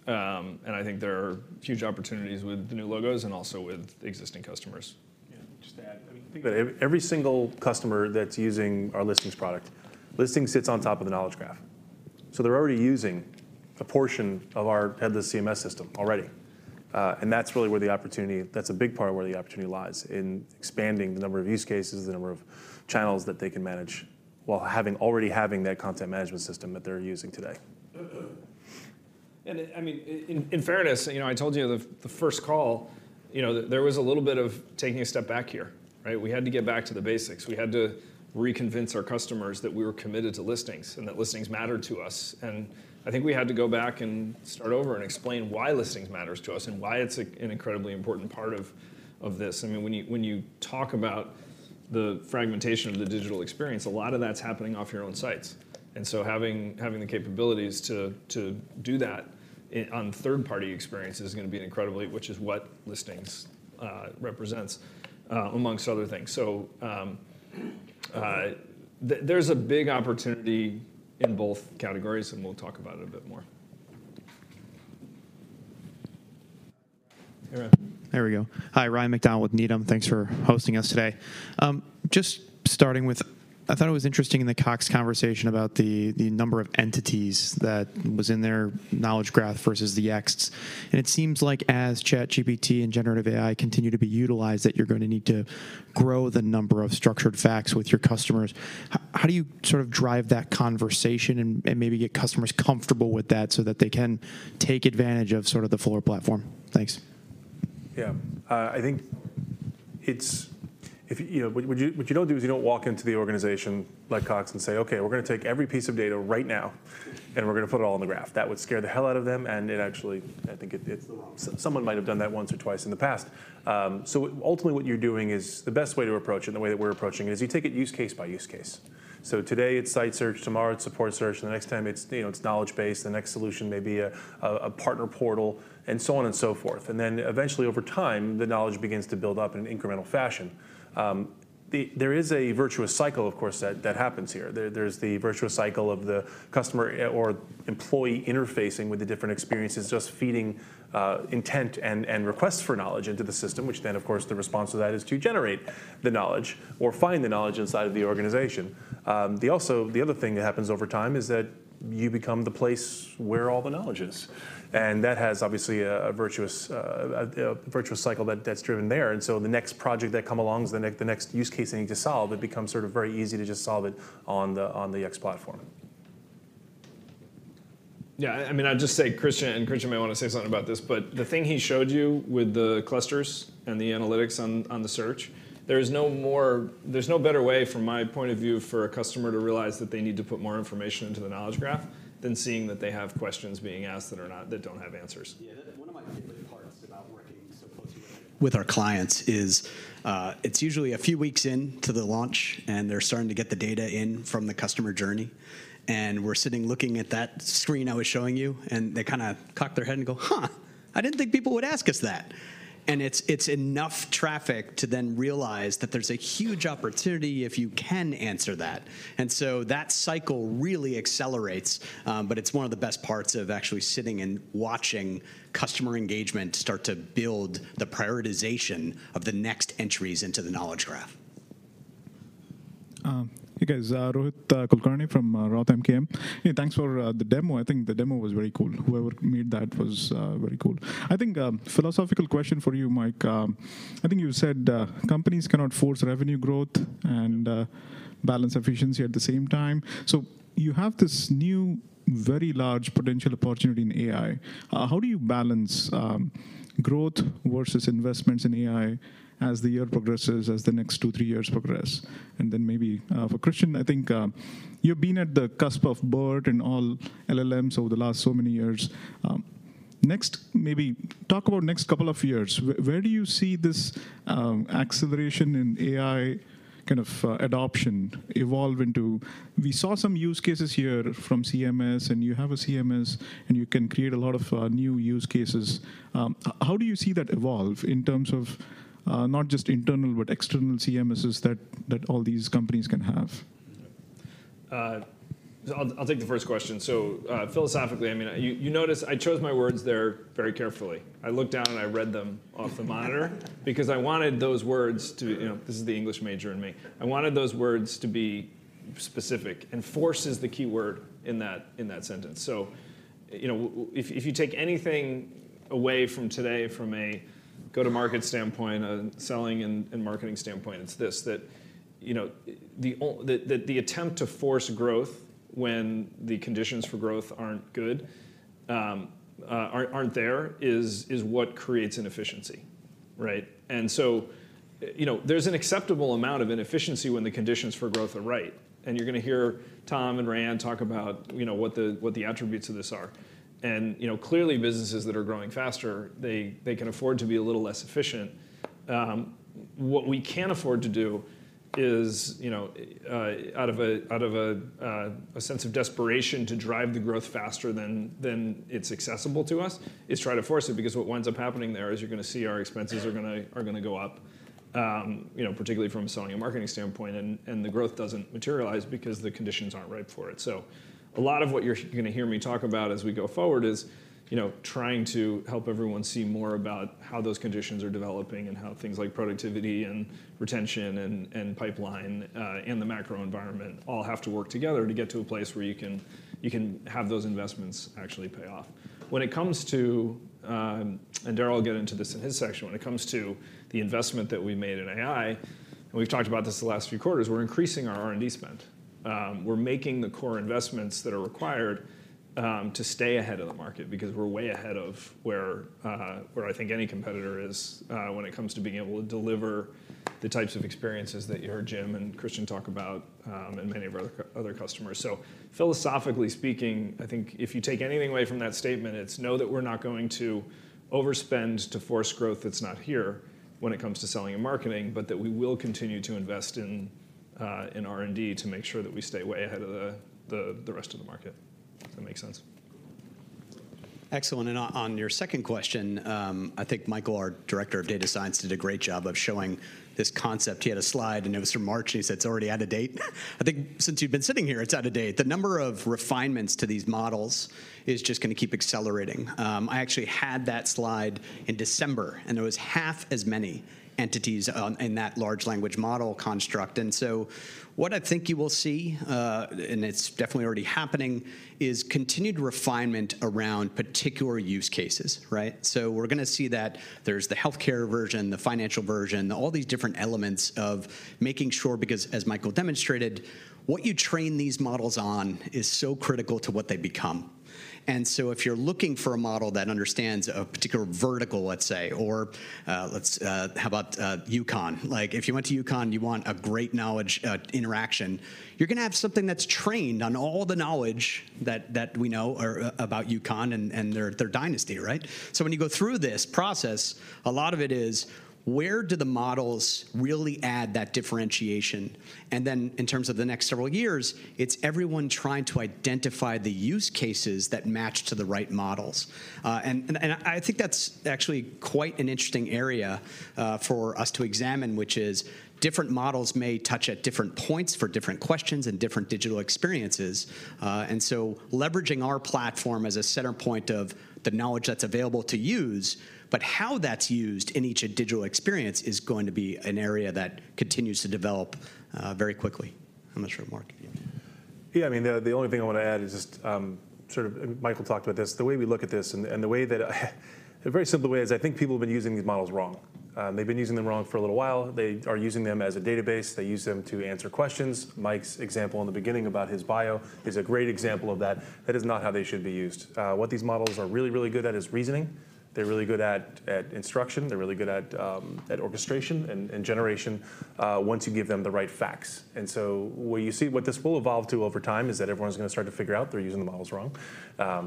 I think there are huge opportunities with the new logos and also with existing customers. Yeah, just to add, I mean, think every single customer that's using our Listings product, Listings sits on top of the Knowledge Graph. They're already using a portion of our headless CMS system already. That's a big part of where the opportunity lies, in expanding the number of use cases, the number of channels that they can manage while already having that content management system that they're using today. I mean, in fairness, you know, I told you the first call, you know, there was a little bit of taking a step back here, right? We had to get back to the basics. We had to re-convince our customers that we were committed to Listings and that Listings mattered to us. I think we had to go back and start over and explain why Listings matters to us and why it's an incredibly important part of this. I mean, when you talk about the fragmentation of the digital experience, a lot of that's happening off your own sites. Having the capabilities to do that on third-party experiences is gonna be an incredibly. Which is what Listings represents amongst other things. There's a big opportunity in both categories, and we'll talk about it a bit more. There we go. Hi, Ryan MacDonald with Needham. Thanks for hosting us today. Just starting with, I thought it was interesting in the Cox conversation about the number of entities that was in their Knowledge Graph versus Yext. It seems like as ChatGPT and generative AI continue to be utilized, that you're gonna need to grow the number of structured facts with your customers. How do you sort of drive that conversation and maybe get customers comfortable with that so that they can take advantage of sort of the fuller platform? Thanks. Yeah. I think if, you know, what you don't do is you don't walk into the organization like Cox and say, "Okay, we're gonna take every piece of data right now, and we're gonna put it all on the graph." That would scare the hell out of them. Actually, I think it's the wrong. Someone might have done that once or twice in the past. Ultimately, what you're doing is, the best way to approach it and the way that we're approaching it, is you take it use case by use case. Today it's site search, tomorrow it's support search, the next time it's, you know, it's knowledge base, the next solution may be a partner portal and so on and so forth. Eventually, over time, the knowledge begins to build up in an incremental fashion. the, there is a virtuous cycle, of course, that happens here. There's the virtuous cycle of the customer or employee interfacing with the different experiences, just feeding intent and requests for knowledge into the system, which then, of course, the response to that is to generate the knowledge or find the knowledge inside of the organization. the other thing that happens over time is that you become the place where all the knowledge is, and that has obviously a virtuous cycle that's driven there. the next project that come along is the next use case they need to solve, it becomes sort of very easy to just solve it on the Yext platform. Yeah, I mean, I'd just say Christian, and Christian may wanna say something about this, but the thing he showed you with the clusters and the analytics on the search, there is no more. There's no better way from my point of view for a customer to realize that they need to put more information into the Knowledge Graph than seeing that they have questions being asked that don't have answers. Yeah, that. One of my favorite parts about working so closely with our clients is, it's usually a few weeks into the launch. They're starting to get the data in from the customer journey. We're sitting looking at that screen I was showing you. They kinda cock their head and go, "Huh, I didn't think people would ask us that." It's, it's enough traffic to then realize that there's a huge opportunity if you can answer that. That cycle really accelerates, but it's one of the best parts of actually sitting and watching customer engagement start to build the prioritization of the next entries into the Knowledge Graph. Hey, guys, Rohit Kulkarni from Roth MKM. Yeah, thanks for the demo. I think the demo was very cool. Whoever made that was very cool. I think, philosophical question for you, Mike. I think you said companies cannot force revenue growth and balance efficiency at the same time. You have this new, very large potential opportunity in AI. How do you balance growth versus investments in AI as the year progresses, as the next two, three years progress? Maybe for Christian, I think you've been at the cusp of BERT and all LLMs over the last so many years. Next, maybe talk about next couple of years. Where do you see this acceleration in AI kind of adoption evolve into? We saw some use cases here from CMS, and you have a CMS, and you can create a lot of new use cases. How do you see that evolve in terms of not just internal but external CMSs that all these companies can have? I'll take the first question. Philosophically, I mean, you notice I chose my words there very carefully. I looked down, and I read them off the monitor because I wanted those words to, you know, this is the English major in me. I wanted those words to be specific, and force is the key word in that, in that sentence. You know, if you take anything away from today from a go-to-market standpoint, a selling and marketing standpoint, it's this, that, you know, the attempt to force growth when the conditions for growth aren't good, aren't there, is what creates inefficiency, right? You know, there's an acceptable amount of inefficiency when the conditions for growth are right. You're gonna hear Tom and Raianne talk about, you know, what the attributes of this are. You know, clearly businesses that are growing faster, they can afford to be a little less efficient. What we can't afford to do. Is, you know, out of a sense of desperation to drive the growth faster than it's accessible to us, is try to force it, because what winds up happening there is you're gonna see our expenses are gonna go up, you know, particularly from a selling and marketing standpoint. The growth doesn't materialize because the conditions aren't right for it. A lot of what you're gonna hear me talk about as we go forward is, you know, trying to help everyone see more about how those conditions are developing and how things like productivity and retention and pipeline and the macro environment all have to work together to get to a place where you can have those investments actually pay off. When it comes to, and Darryl will get into this in his section, when it comes to the investment that we made in AI, and we've talked about this the last few quarters, we're increasing our R&D spend. We're making the core investments that are required, to stay ahead of the market, because we're way ahead of where I think any competitor is, when it comes to being able to deliver the types of experiences that you heard Jim and Christian talk about, and many of our other customers. Philosophically speaking, I think if you take anything away from that statement, it's know that we're not going to overspend to force growth that's not here when it comes to selling and marketing, but that we will continue to invest in R&D to make sure that we stay way ahead of the rest of the market, if that makes sense? Excellent. On your second question, I think Michael, our Director of Data Science, did a great job of showing this concept. He had a slide, it was from March, and he said it's already out of date. I think since you've been sitting here, it's out of date. The number of refinements to these models is just gonna keep accelerating. I actually had that slide in December, it was half as many entities on, in that large language model construct. What I think you will see, it's definitely already happening, is continued refinement around particular use cases, right? We're gonna see that there's the healthcare version, the financial version, all these different elements of making sure, because as Michael demonstrated, what you train these models on is so critical to what they become. If you're looking for a model that understands a particular vertical, let's say, or, how about UConn? Like, if you went to UConn, you want a great knowledge interaction. You're gonna have something that's trained on all the knowledge that we know or, about UConn and their dynasty, right? When you go through this process, a lot of it is where do the models really add that differentiation? In terms of the next several years, it's everyone trying to identify the use cases that match to the right models. And I think that's actually quite an interesting area for us to examine, which is different models may touch at different points for different questions and different digital experiences. Leveraging our platform as a center point of the knowledge that's available to use, but how that's used in each digital experience is going to be an area that continues to develop very quickly. I'm not sure, Marc, if you... Yeah, I mean, the only thing I want to add is just, sort of, Michael talked about this, the way we look at this and the way that the very simple way is I think people have been using these models wrong. They've been using them wrong for a little while. They are using them as a database. They use them to answer questions. Mike's example in the beginning about his bio is a great example of that. That is not how they should be used. What these models are really good at is reasoning. They're really good at instruction. They're really good at orchestration and generation once you give them the right facts. What you see, what this will evolve to over time is that everyone's gonna start to figure out they're using the models wrong,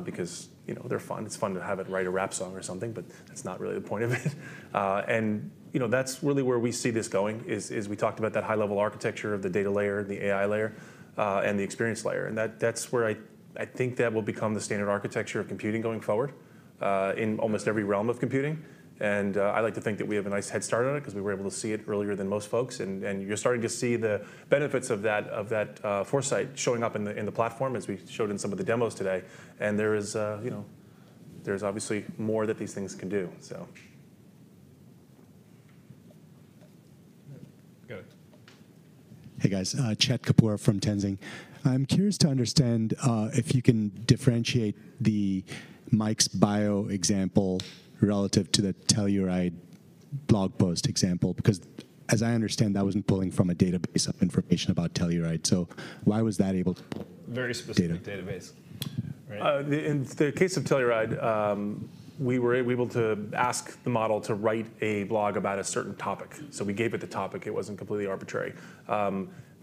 because, you know, they're fun. It's fun to have it write a rap song or something, but that's not really the point of it. You know, that's really where we see this going is we talked about that high-level architecture of the data layer, the AI layer, and the experience layer. That's where I think that will become the standard architecture of computing going forward, in almost every realm of computing. I like to think that we have a nice head start on it because we were able to see it earlier than most folks. You're starting to see the benefits of that foresight showing up in the platform as we showed in some of the demos today. There is, you know, there's obviously more that these things can do, so... Go ahead. Hey, guys. Chet Kapoor from Tenzing. I'm curious to understand, if you can differentiate the Mike's bio example relative to the Telluride blog post example, because as I understand, that wasn't pulling from a database of information about Telluride. Why was that able to pull data? Very specific database, right? In the case of Telluride, we were able to ask the model to write a blog about a certain topic. We gave it the topic. It wasn't completely arbitrary.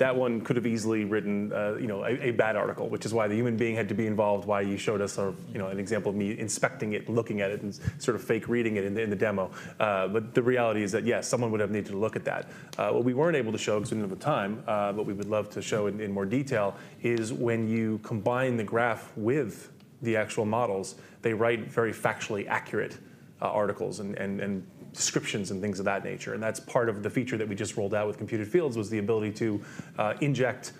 That one could have easily written, you know, a bad article, which is why the human being had to be involved, why you showed us, you know, an example of me inspecting it and looking at it and sort of fake reading it in the demo. The reality is that, yes, someone would have needed to look at that. What we weren't able to show because we didn't have the time, but we would love to show in more detail is when you combine the graph with the actual models, they write very factually accurate articles and descriptions and things of that nature. That's part of the feature that we just rolledout with Computed Fields was the ability to inject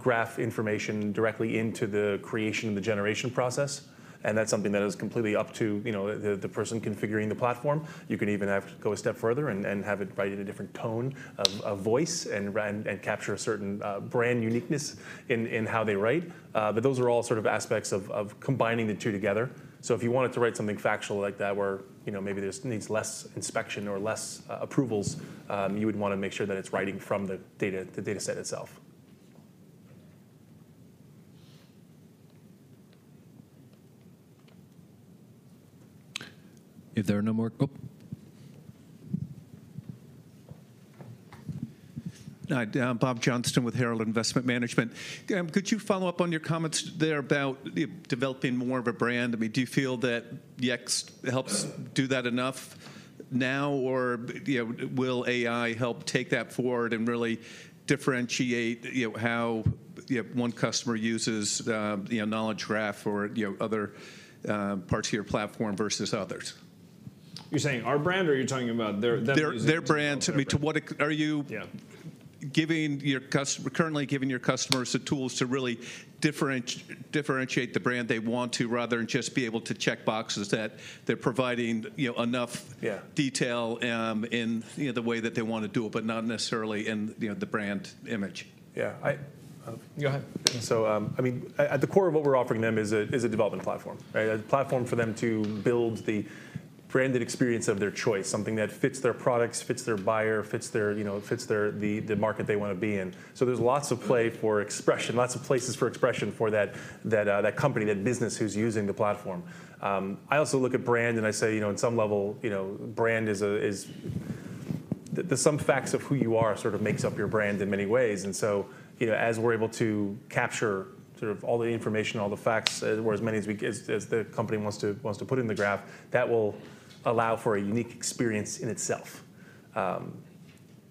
graph information directly into the creation and the generation process. That's something that is completely up to, you know, the person configuring the platform. You can even have to go a step further and have it write in a different tone of voice and capture a certain brand uniqueness in how they write. Those are all sort of aspects of combining the two together. if you wanted to write something factual like that where, you know, maybe this needs less inspection or less approvals, you would wanna make sure that it's writing from the data, the dataset itself. If there are no more... Oh. Hi. Bob Johnston with Herald Investment Management. Could you follow up on your comments there about developing more of a brand? I mean, do you feel that Yext helps do that enough? You know, will AI help take that forward and really differentiate, you know, how, you know, one customer uses, you know, Knowledge Graph or, you know, other parts of your platform versus others? You're saying our brand or you're talking about their, them using? Their brand to me. Yeah. currently giving your customers the tools to really differentiate the brand they want to rather than just be able to check boxes that they're providing, you know, enough- Yeah. detail, in, you know, the way that they wanna do it, but not necessarily in, you know, the brand image? Yeah. I... Go ahead. I mean, at the core of what we're offering them is a development platform, right? A platform for them to build the branded experience of their choice, something that fits their products, fits their buyer, fits their, you know, fits their, the market they wanna be in. There's lots of play for expression, lots of places for expression for that company, that business who's using the platform. I also look at brand and I say, you know, on some level, you know, brand is a, is... The sum facts of who you are sort of makes up your brand in many ways, and so, you know, as we're able to capture sort of all the information, all the facts, or as many as the company wants to put in the graph, that will allow for a unique experience in itself.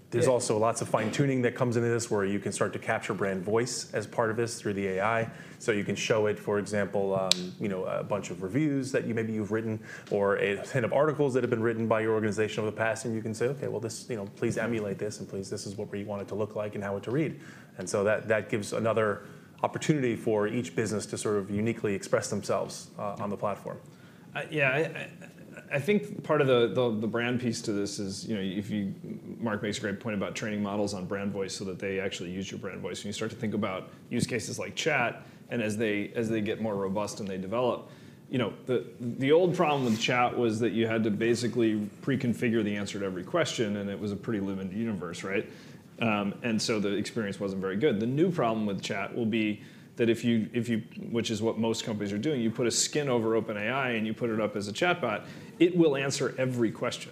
There's also lots of fine-tuning that comes into this where you can start to capture brand voice as part of this through the AI. You can show it, for example, you know, a bunch of reviews that you maybe you've written or a set of articles that have been written by your organization over the past, and you can say, "Okay, well this, you know, please emulate this, and please, this is what we want it to look like and how it to read." That gives another opportunity for each business to sort of uniquely express themselves on the platform. Yeah. I think part of the brand piece to this is, you know, Marc makes a great point about training models on brand voice so that they actually use your brand voice, and you start to think about use cases like chat and as they get more robust and they develop. You know, the old problem with chat was that you had to basically pre-configure the answer to every question, and it was a pretty limited universe, right? The experience wasn't very good. The new problem with chat will be that if you, which is what most companies are doing, you put a skin over OpenAI, and you put it up as a chatbot, it will answer every question,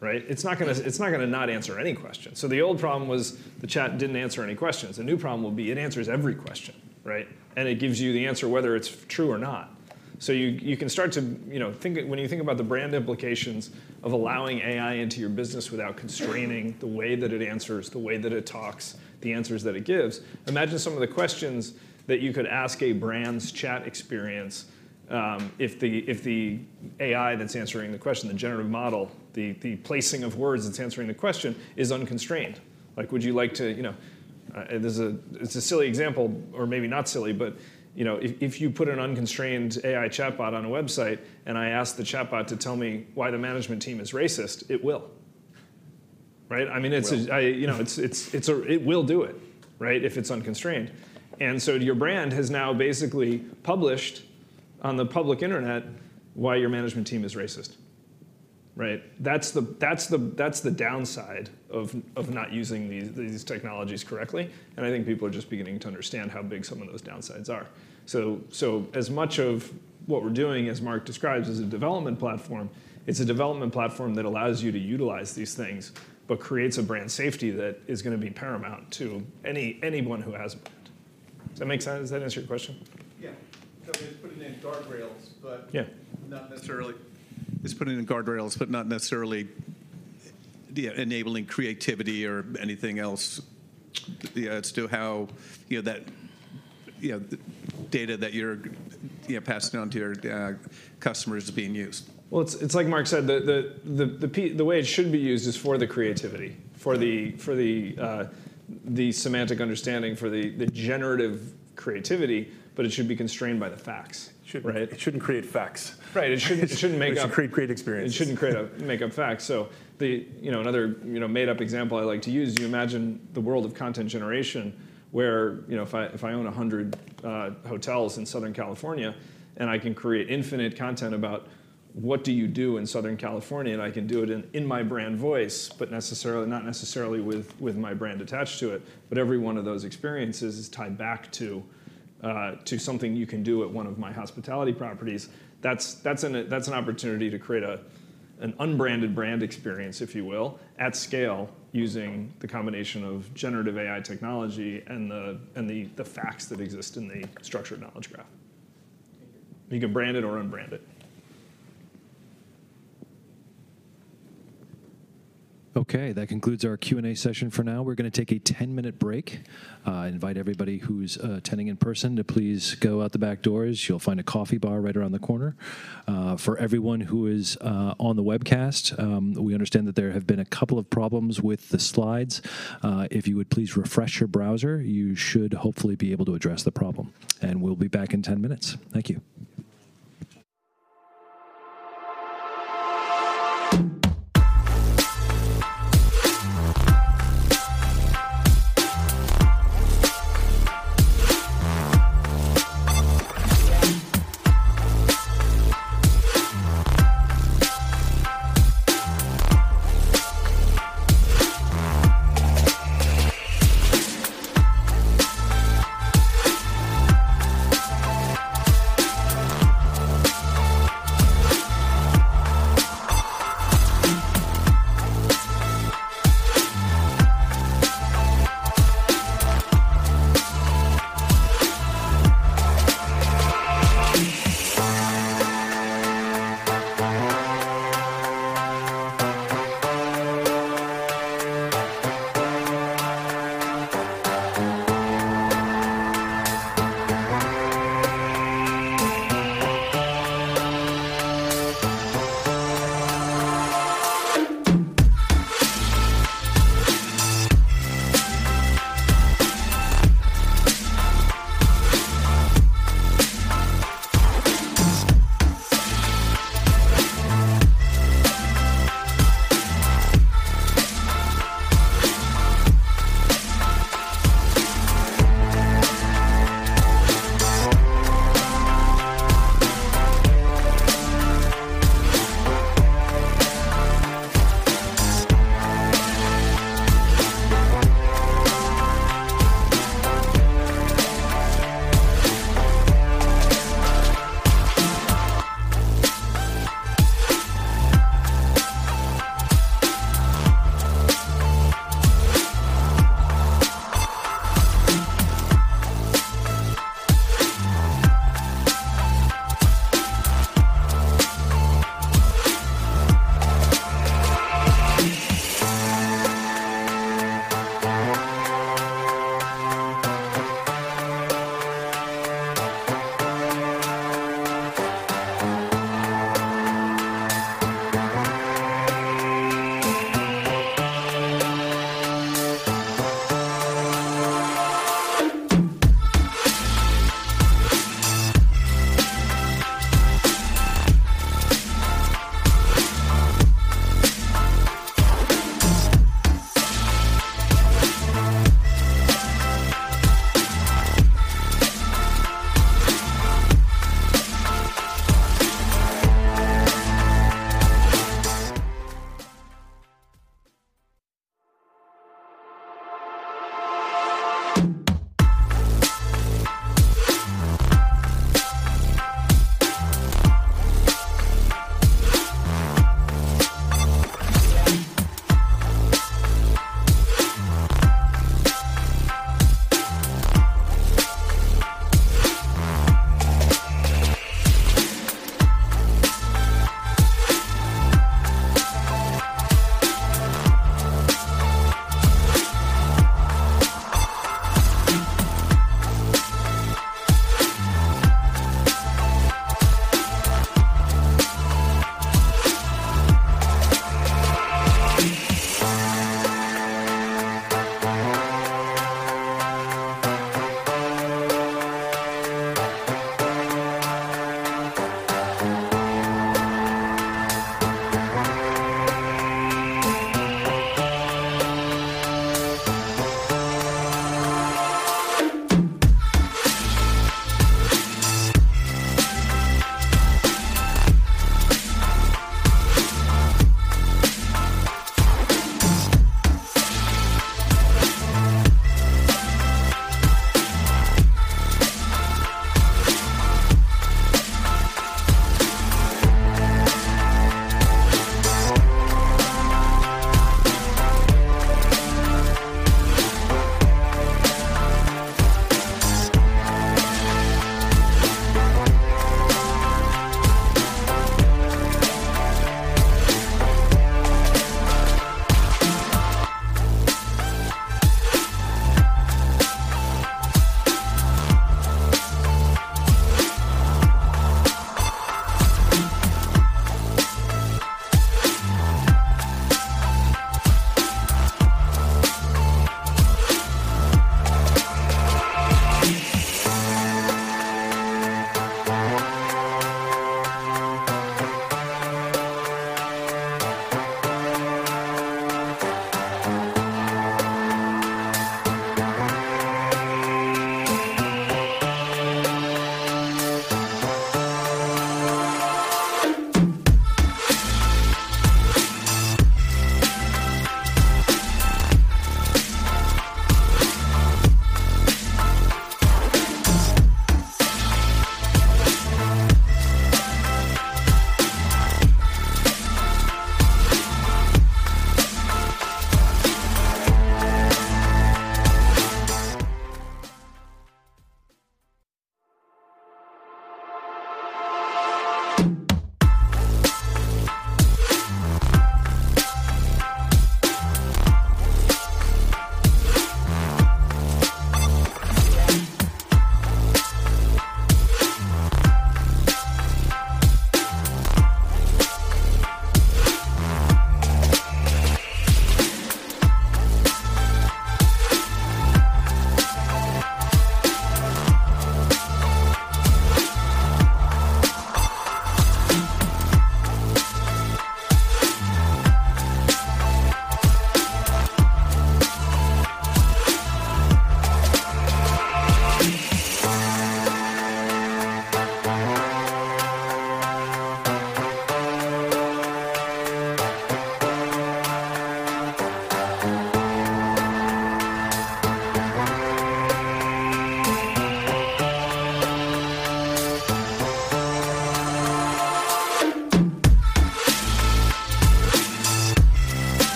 right? It's not gonna not answer any question. The old problem was the chat didn't answer any questions. The new problem will be it answers every question, right? It gives you the answer whether it's true or not. You, you can start to, you know. When you think about the brand implications of allowing AI into your business without constraining the way that it answers, the way that it talks, the answers that it gives, imagine some of the questions that you could ask a brand's chat experience, if the AI that's answering the question, the generative model, the placing of words that's answering the question is unconstrained. Like, would you like to, you know... this is a, it's a silly example or maybe not silly, but, you know, if you put an unconstrained AI chatbot on a website, and I ask the chatbot to tell me why the management team is racist, it will, right? I mean, It will. I, you know, it's, it's. It will do it, right, if it's unconstrained. Your brand has now basically published on the public internet why your management team is racist, right? That's the downside of not using these technologies correctly, and I think people are just beginning to understand how big some of those downsides are. As much of what we're doing, as Marc describes, as a development platform, it's a development platform that allows you to utilize these things but creates a brand safety that is gonna be paramount to anyone who has a brand. Does that make sense? Does that answer your question? Yeah. I mean, it's putting in guardrails. Yeah. Not necessarily. It's putting in guardrails, but not necessarily, yeah, enabling creativity or anything else. Yeah, as to how, you know, that, you know, data that you're, you know, passing on to your customers is being used. Well, it's like Marc said. The way it should be used is for the creativity, for the semantic understanding, for the generative creativity, it should be constrained by the facts, right? It shouldn't create facts. Right. It shouldn't. It should create experiences. It shouldn't create make up facts. You know, another, you know, made-up example I like to use, you imagine the world of content generation where, you know, if I, if I own 100 hotels in Southern California, and I can create infinite content about what do you do in Southern California, and I can do it in my brand voice, but not necessarily with my brand attached to it. Every one of those experiences is tied back to something you can do at one of my hospitality properties. That's an opportunity to create an unbranded brand experience, if you will, at scale using the combination of generative AI technology and the facts that exist in the structured Knowledge Graph. You can brand it or unbrand it. Okay. That concludes our Q&A session for now. We're gonna take a 10-minute break. Invite everybody who's attending in person to please go out the back doors. You'll find a coffee bar right around the corner. For everyone who is on the webcast, we understand that there have been a couple of problems with the slides. If you would please refresh your browser, you should hopefully be able to address the problem. We'll be back in 10 minutes. Thank you.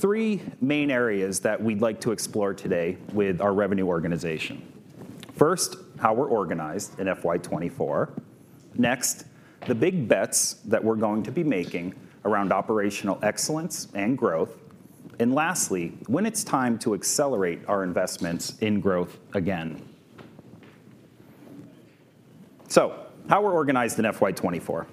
I'd like to welcome to the stage Tom Nielsen, Chief Revenue Officer. Hey. Thank you, Nils. There's three main areas that we'd like to explore today with our revenue organization. First, how we're organized in FY 2024. Next, the big bets that we're going to be making around operational excellence and growth. Lastly, when it's time to accelerate our investments in growth again. How we're organized in FY 2024.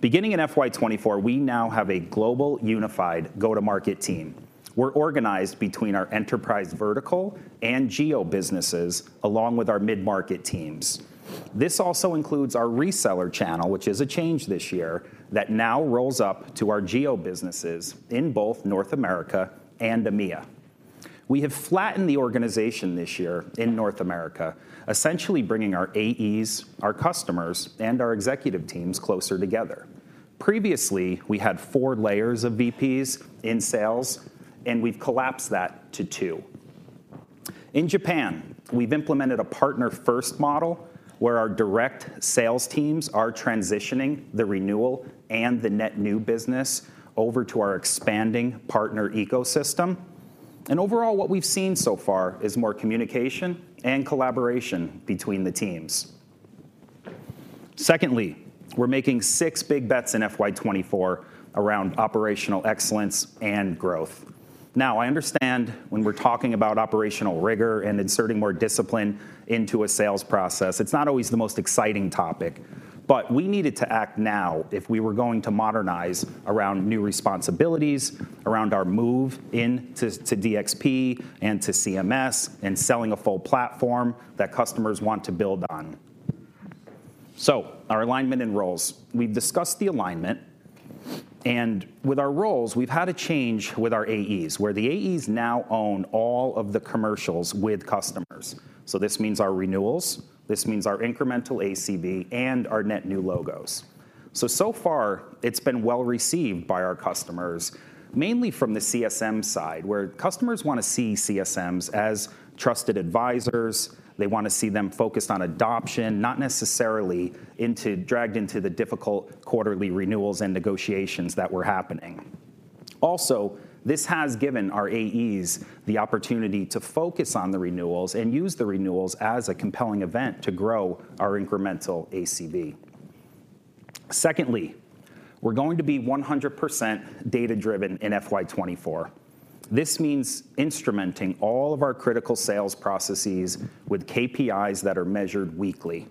Beginning in FY 2024, we now have a global unified go-to-market team. We're organized between our enterprise vertical and geo businesses along with our mid-market teams. This also includes our reseller channel, which is a change this year, that now rolls up to our geo businesses in both North America and EMEA. We have flattened the organization this year in North America, essentially bringing our AEs, our customers, and our executive teams closer together. Previously, we had four layers of VPs in sales, and we've collapsed that to two. In Japan, we've implemented a partner-first model where our direct sales teams are transitioning the renewal and the net new business over to our expanding partner ecosystem. Overall, what we've seen so far is more communication and collaboration between the teams. Secondly, we're making six big bets in FY 2024 around operational excellence and growth. I understand when we're talking about operational rigor and inserting more discipline into a sales process, it's not always the most exciting topic. We needed to act now if we were going to modernize around new responsibilities, around our move in to DXP and to CMS, and selling a full platform that customers want to build on. Our alignment and roles. We've discussed the alignment, and with our roles, we've had a change with our AEs, where the AEs now own all of the commercials with customers. This means our renewals, this means our incremental ACV, and our net new logos. So far it's been well-received by our customers, mainly from the CSM side, where customers wanna see CSMs as trusted advisors. They wanna see them focused on adoption, not necessarily dragged into the difficult quarterly renewals and negotiations that were happening. This has given our AEs the opportunity to focus on the renewals and use the renewals as a compelling event to grow our incremental ACV. Secondly, we're going to be 100% data-driven in FY 2024. This means instrumenting all of our critical sales processes with KPIs that are measured weekly.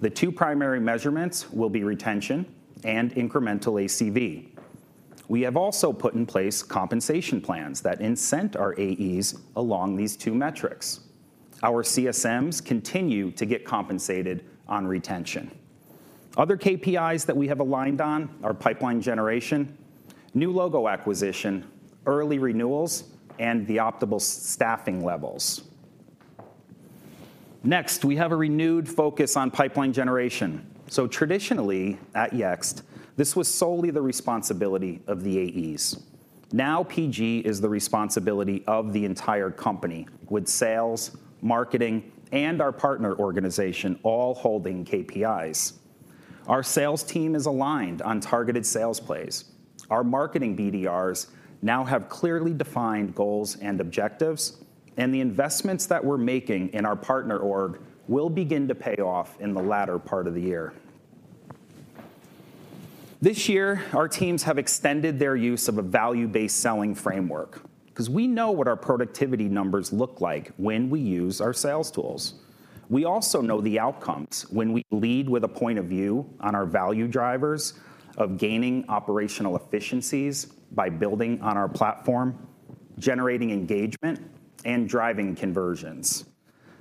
The two primary measurements will be retention and incremental ACV. We have also put in place compensation plans that incent our AEs along these two metrics. Our CSMs continue to get compensated on retention. Other KPIs that we have aligned on are pipeline generation, new logo acquisition, early renewals, and the optimal staffing levels. We have a renewed focus on pipeline generation. Traditionally at Yext, this was solely the responsibility of the AEs. Now, PG is the responsibility of the entire company, with sales, marketing, and our partner organization all holding KPIs. Our sales team is aligned on targeted sales plays. Our marketing BDRs now have clearly defined goals and objectives, and the investments that we're making in our partner org will begin to pay off in the latter part of the year. This year, our teams have extended their use of a value-based selling framework, 'cause we know what our productivity numbers look like when we use our sales tools. We also know the outcomes when we lead with a point of view on our value drivers of gaining operational efficiencies by building on our platform, generating engagement, and driving conversions.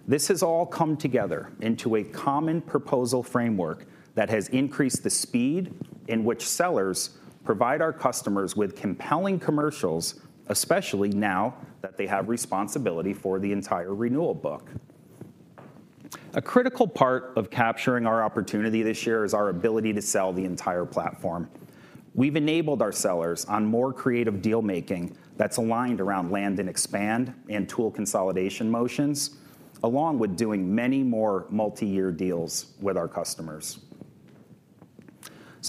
This has all come together into a common proposal framework that has increased the speed in which sellers provide our customers with compelling commercials, especially now that they have responsibility for the entire renewal book. A critical part of capturing our opportunity this year is our ability to sell the entire platform. We've enabled our sellers on more creative deal-making that's aligned around land and expand and tool consolidation motions, along with doing many more multi-year deals with our customers.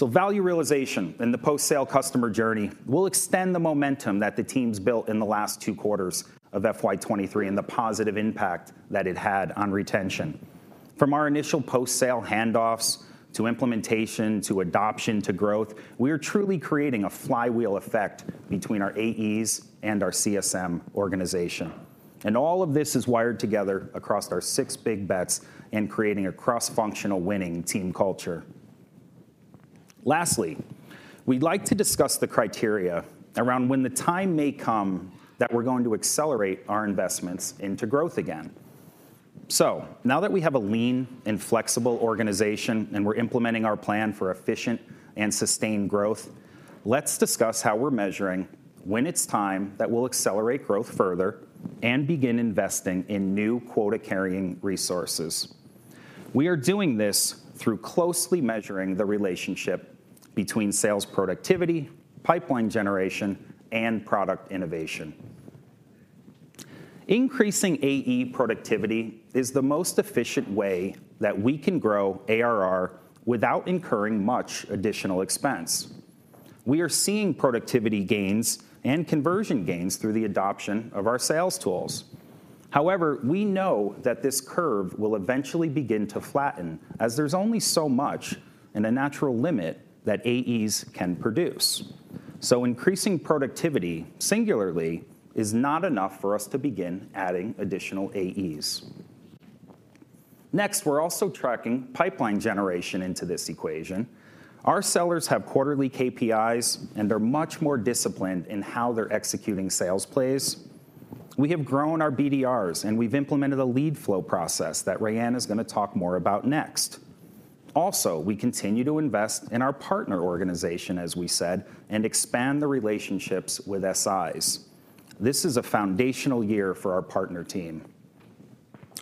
Value realization in the post-sale customer journey will extend the momentum that the teams built in the last two quarters of FY 2023 and the positive impact that it had on retention. From our initial post-sale handoffs to implementation, to adoption, to growth, we are truly creating a flywheel effect between our AEs and our CSM organization. All of this is wired together across our six big bets in creating a cross-functional winning team culture. Lastly, we'd like to discuss the criteria around when the time may come that we're going to accelerate our investments into growth again. Now that we have a lean and flexible organization, and we're implementing our plan for efficient and sustained growth, let's discuss how we're measuring when it's time that we'll accelerate growth further and begin investing in new quota-carrying resources. We are doing this through closely measuring the relationship between sales productivity, pipeline generation, and product innovation. Increasing AE productivity is the most efficient way that we can grow ARR without incurring much additional expense. We are seeing productivity gains and conversion gains through the adoption of our sales tools. However, we know that this curve will eventually begin to flatten, as there's only so much and a natural limit that AEs can produce. Increasing productivity singularly is not enough for us to begin adding additional AEs. Next, we're also tracking pipeline generation into this equation. Our sellers have quarterly KPIs, and they're much more disciplined in how they're executing sales plays. We have grown our BDRs, and we've implemented a lead flow process that Raianne is gonna talk more about next. We continue to invest in our partner organization, as we said, and expand the relationships with SIs. This is a foundational year for our partner team.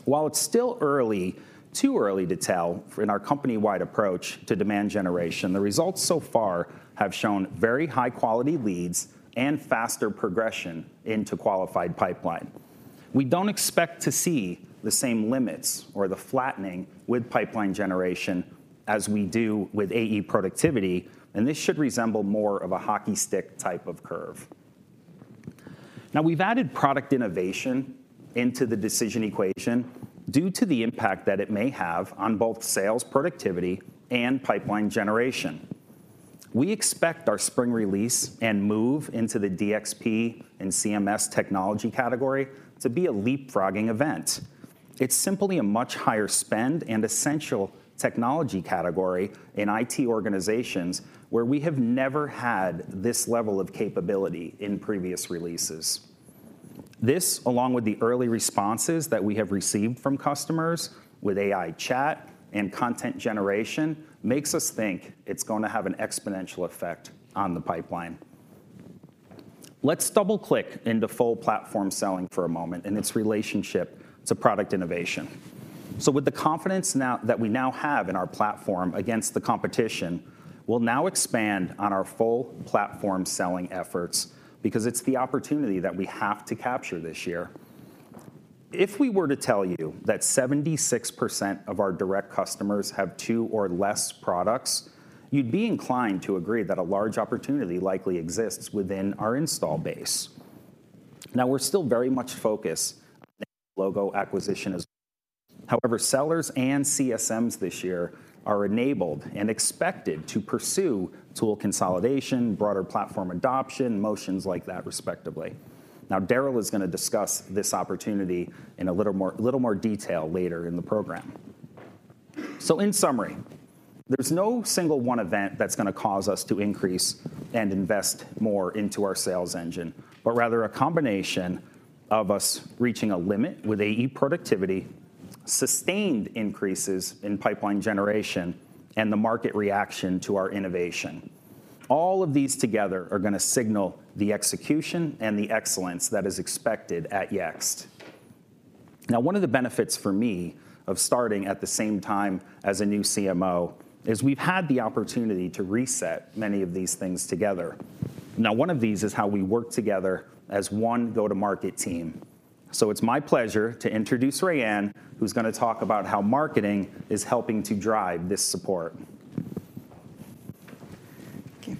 While it's still early, too early to tell in our company-wide approach to demand generation, the results so far have shown very high-quality leads and faster progression into qualified pipeline. We don't expect to see the same limits or the flattening with pipeline generation as we do with AE productivity, and this should resemble more of a hockey stick type of curve. We've added product innovation into the decision equation due to the impact that it may have on both sales productivity and pipeline generation. We expect our spring release and move into the DXP and CMS technology category to be a leapfrogging event. It's simply a much higher spend and essential technology category in IT organizations where we have never had this level of capability in previous releases. This, along with the early responses that we have received from customers with AI chat and content generation, makes us think it's going to have an exponential effect on the pipeline. Let's double-click into full platform selling for a moment and its relationship to product innovation. With the confidence that we now have in our platform against the competition, we'll now expand on our full platform selling efforts because it's the opportunity that we have to capture this year. If we were to tell you that 76% of our direct customers have two or less products, you'd be inclined to agree that a large opportunity likely exists within our install base. We're still very much focused on logo acquisition as however, sellers and CSMs this year are enabled and expected to pursue tool consolidation, broader platform adoption, motions like that, respectively. Darryl is gonna discuss this opportunity in a little more detail later in the program. In summary, there's no single one event that's gonna cause us to increase and invest more into our sales engine. Rather a combination of us reaching a limit with AE productivity, sustained increases in pipeline generation, and the market reaction to our innovation. All of these together are gonna signal the execution and the excellence that is expected at Yext. One of the benefits for me of starting at the same time as a new CMO is we've had the opportunity to reset many of these things together. One of these is how we work together as one go-to-market team. It's my pleasure to introduce Raianne, who's gonna talk about how marketing is helping to drive this support. Thank you.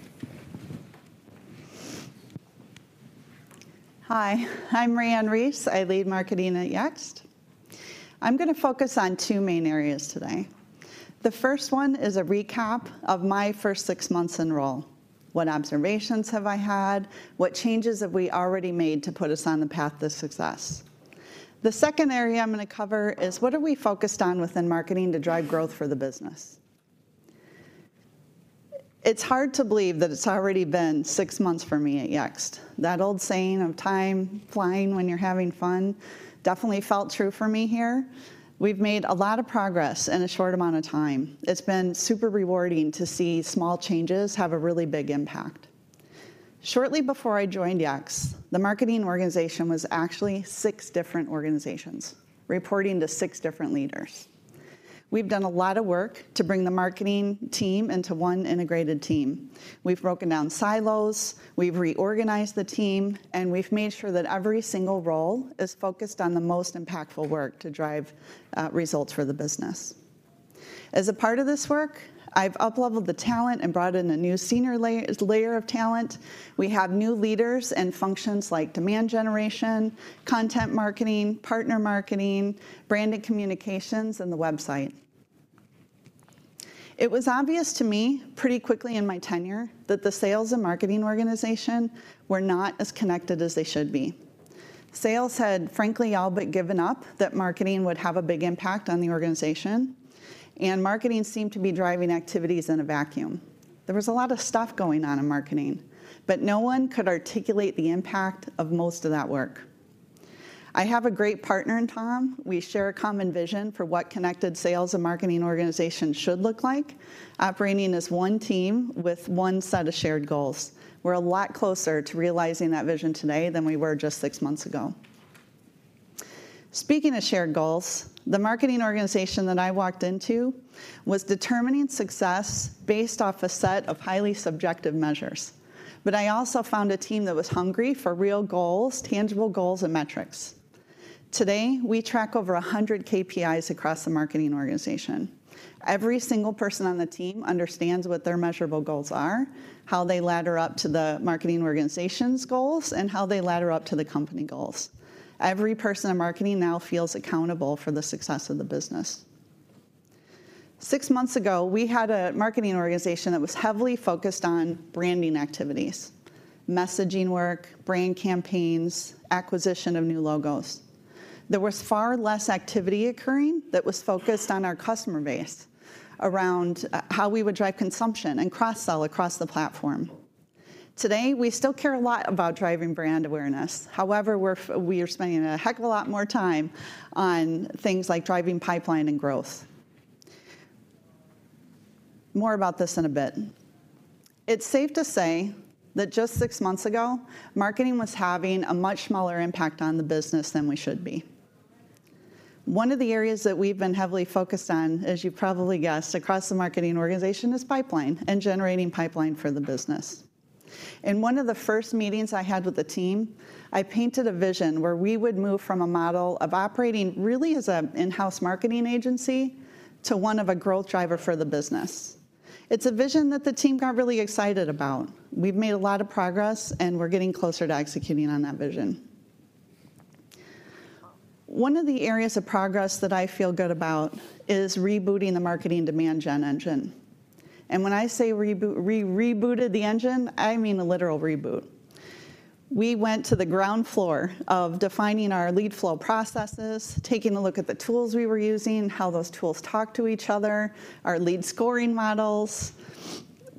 Hi, I'm Raianne Reiss. I lead marketing at Yext. I'm gonna focus on two main areas today. The first one is a recap of my first six months in role. What observations have I had? What changes have we already made to put us on the path to success? The second area I'm gonna cover is what are we focused on within marketing to drive growth for the business. It's hard to believe that it's already been six months for me at Yext. That old saying of time flying when you're having fun definitely felt true for me here. We've made a lot of progress in a short amount of time. It's been super rewarding to see small changes have a really big impact. Shortly before I joined Yext, the marketing organization was actually six different organizations reporting to six different leaders. We've done a lot of work to bring the marketing team into one integrated team. We've broken down silos, we've reorganized the team, and we've made sure that every single role is focused on the most impactful work to drive results for the business. As a part of this work, I've upleveled the talent and brought in a new senior layer of talent. We have new leaders and functions like demand generation, content marketing, partner marketing, brand and communications, and the website. It was obvious to me pretty quickly in my tenure that the sales and marketing organization were not as connected as they should be. Sales had frankly all but given up that marketing would have a big impact on the organization, and marketing seemed to be driving activities in a vacuum. There was a lot of stuff going on in marketing, but no one could articulate the impact of most of that work. I have a great partner in Tom. We share a common vision for what connected sales and marketing organizations should look like, operating as one team with one set of shared goals. We're a lot closer to realizing that vision today than we were just six months ago. Speaking of shared goals, the marketing organization that I walked into was determining success based off a set of highly subjective measures. I also found a team that was hungry for real goals, tangible goals, and metrics. Today, we track over 100 KPIs across the marketing organization. Every single person on the team understands what their measurable goals are, how they ladder up to the marketing organization's goals, and how they ladder up to the company goals. Every person in marketing now feels accountable for the success of the business. Six months ago, we had a marketing organization that was heavily focused on branding activities, messaging work, brand campaigns, acquisition of new logos. There was far less activity occurring that was focused on our customer base around how we would drive consumption and cross-sell across the platform. Today, we still care a lot about driving brand awareness. However, we are spending a heck of a lot more time on things like driving pipeline and growth. More about this in a bit. It's safe to say that just six months ago, marketing was having a much smaller impact on the business than we should be. One of the areas that we've been heavily focused on, as you probably guessed, across the marketing organization, is pipeline and generating pipeline for the business. In one of the first meetings I had with the team, I painted a vision where we would move from a model of operating really as a in-house marketing agency to one of a growth driver for the business. It's a vision that the team got really excited about. We've made a lot of progress, we're getting closer to executing on that vision. One of the areas of progress that I feel good about is rebooting the marketing demand gen engine. When I say rebooted the engine, I mean a literal reboot. We went to the ground floor of defining our lead flow processes, taking a look at the tools we were using, how those tools talk to each other, our lead scoring models,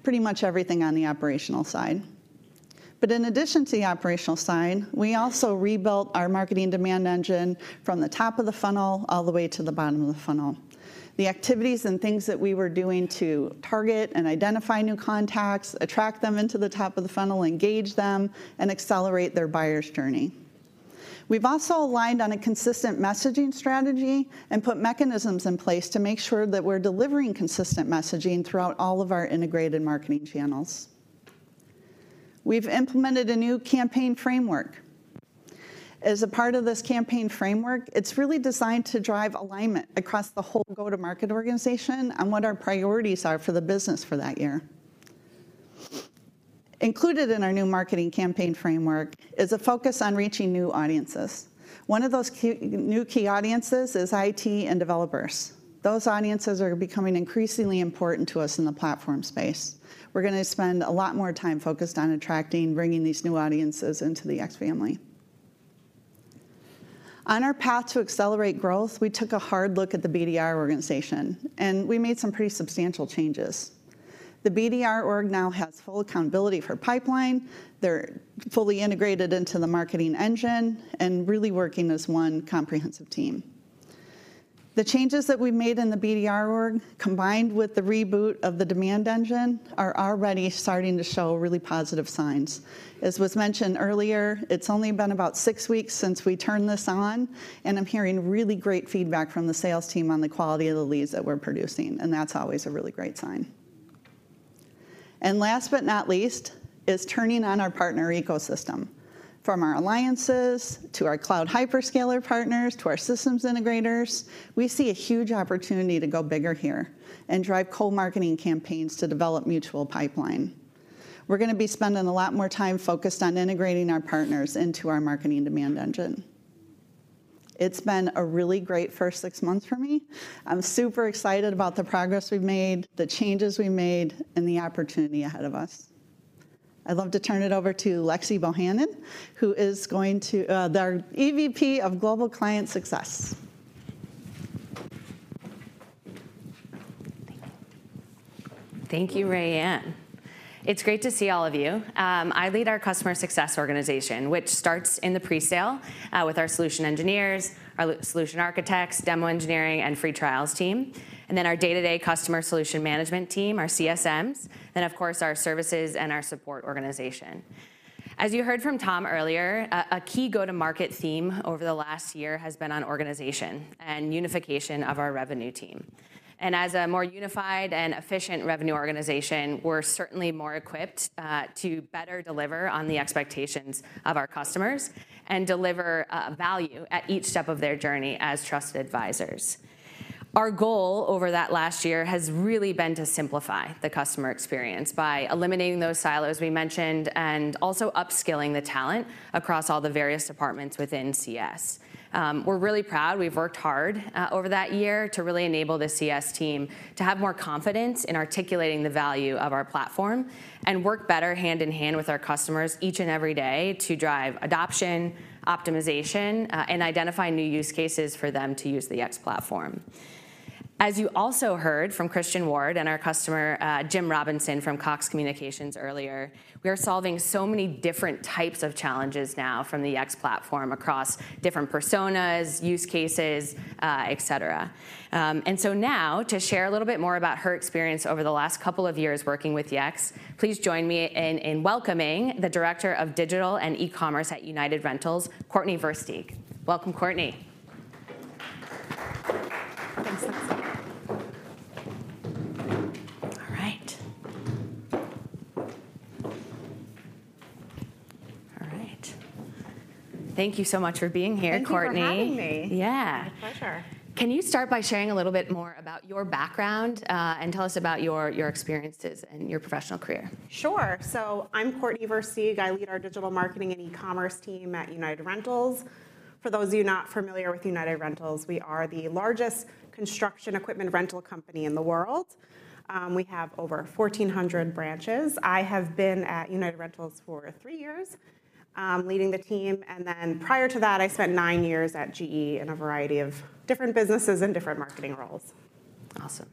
pretty much everything on the operational side. In addition to the operational side, we also rebuilt our marketing demand engine from the top of the funnel all the way to the bottom of the funnel. The activities and things that we were doing to target and identify new contacts, attract them into the top of the funnel, engage them, and accelerate their buyer's journey. We've also aligned on a consistent messaging strategy and put mechanisms in place to make sure that we're delivering consistent messaging throughout all of our integrated marketing channels. We've implemented a new campaign framework. As a part of this campaign framework, it's really designed to drive alignment across the whole go-to-market organization on what our priorities are for the business for that year. Included in our new marketing campaign framework is a focus on reaching new audiences. One of those key, new key audiences is IT and developers. Those audiences are becoming increasingly important to us in the platform space. We're gonna spend a lot more time focused on attracting, bringing these new audiences into the Yext family. On our path to accelerate growth, we took a hard look at the BDR organization, and we made some pretty substantial changes. The BDR org now has full accountability for pipeline. They're fully integrated into the marketing engine and really working as one comprehensive team. The changes that we made in the BDR org, combined with the reboot of the demand engine, are already starting to show really positive signs. As was mentioned earlier, it's only been about six weeks since we turned this on, and I'm hearing really great feedback from the sales team on the quality of the leads that we're producing, and that's always a really great sign. Last but not least is turning on our partner ecosystem. From our alliances to our cloud hyperscaler partners, to our systems integrators, we see a huge opportunity to go bigger here and drive co-marketing campaigns to develop mutual pipeline. We're gonna be spending a lot more time focused on integrating our partners into our marketing demand engine. It's been a really great first six months for me. I'm super excited about the progress we've made, the changes we made, and the opportunity ahead of us. I'd love to turn it over to Lexi Bohonnon, the EVP of Global Client Success. Thank you. Thank you, Raianne. It's great to see all of you. I lead our customer success organization, which starts in the presale with our solution engineers, our solution architects, demo engineering, and free trials team, and then our day-to-day customer solution management team, our CSMs, then of course, our services and our support organization. As you heard from Tom earlier, a key go-to-market theme over the last year has been on organization and unification of our revenue team. As a more unified and efficient revenue organization, we're certainly more equipped to better deliver on the expectations of our customers and deliver value at each step of their journey as trusted advisors. Our goal over that last year has really been to simplify the customer experience by eliminating those silos we mentioned and also upskilling the talent across all the various departments within CS. We're really proud. We've worked hard over that year to really enable the CS team to have more confidence in articulating the value of our platform and work better hand in hand with our customers each and every day to drive adoption, optimization, and identify new use cases for them to use the Yext platform. As you also heard from Christian Ward and our customer, Jim Robinson from Cox Communications earlier, we are solving so many different types of challenges now from the Yext platform across different personas, use cases, et cetera. Now to share a little bit more about her experience over the last couple of years working with Yext, please join me in welcoming the Director of Digital and eCommerce at United Rentals, Courtney Versteeg. Welcome, Courtney. Thanks. All right. All right. Thank you so much for being here, Courtney. Thank you for having me. Yeah. My pleasure. Can you start by sharing a little bit more about your background, and tell us about your experiences and your professional career? Sure. I'm Courtney Versteeg. I lead our digital marketing and e-commerce team at United Rentals. For those of you not familiar with United Rentals, we are the largest construction equipment rental company in the world. We have over 1,400 branches. I have been at United Rentals for three years, leading the team, and then prior to that, I spent nine years at GE in a variety of different businesses and different marketing roles. Awesome.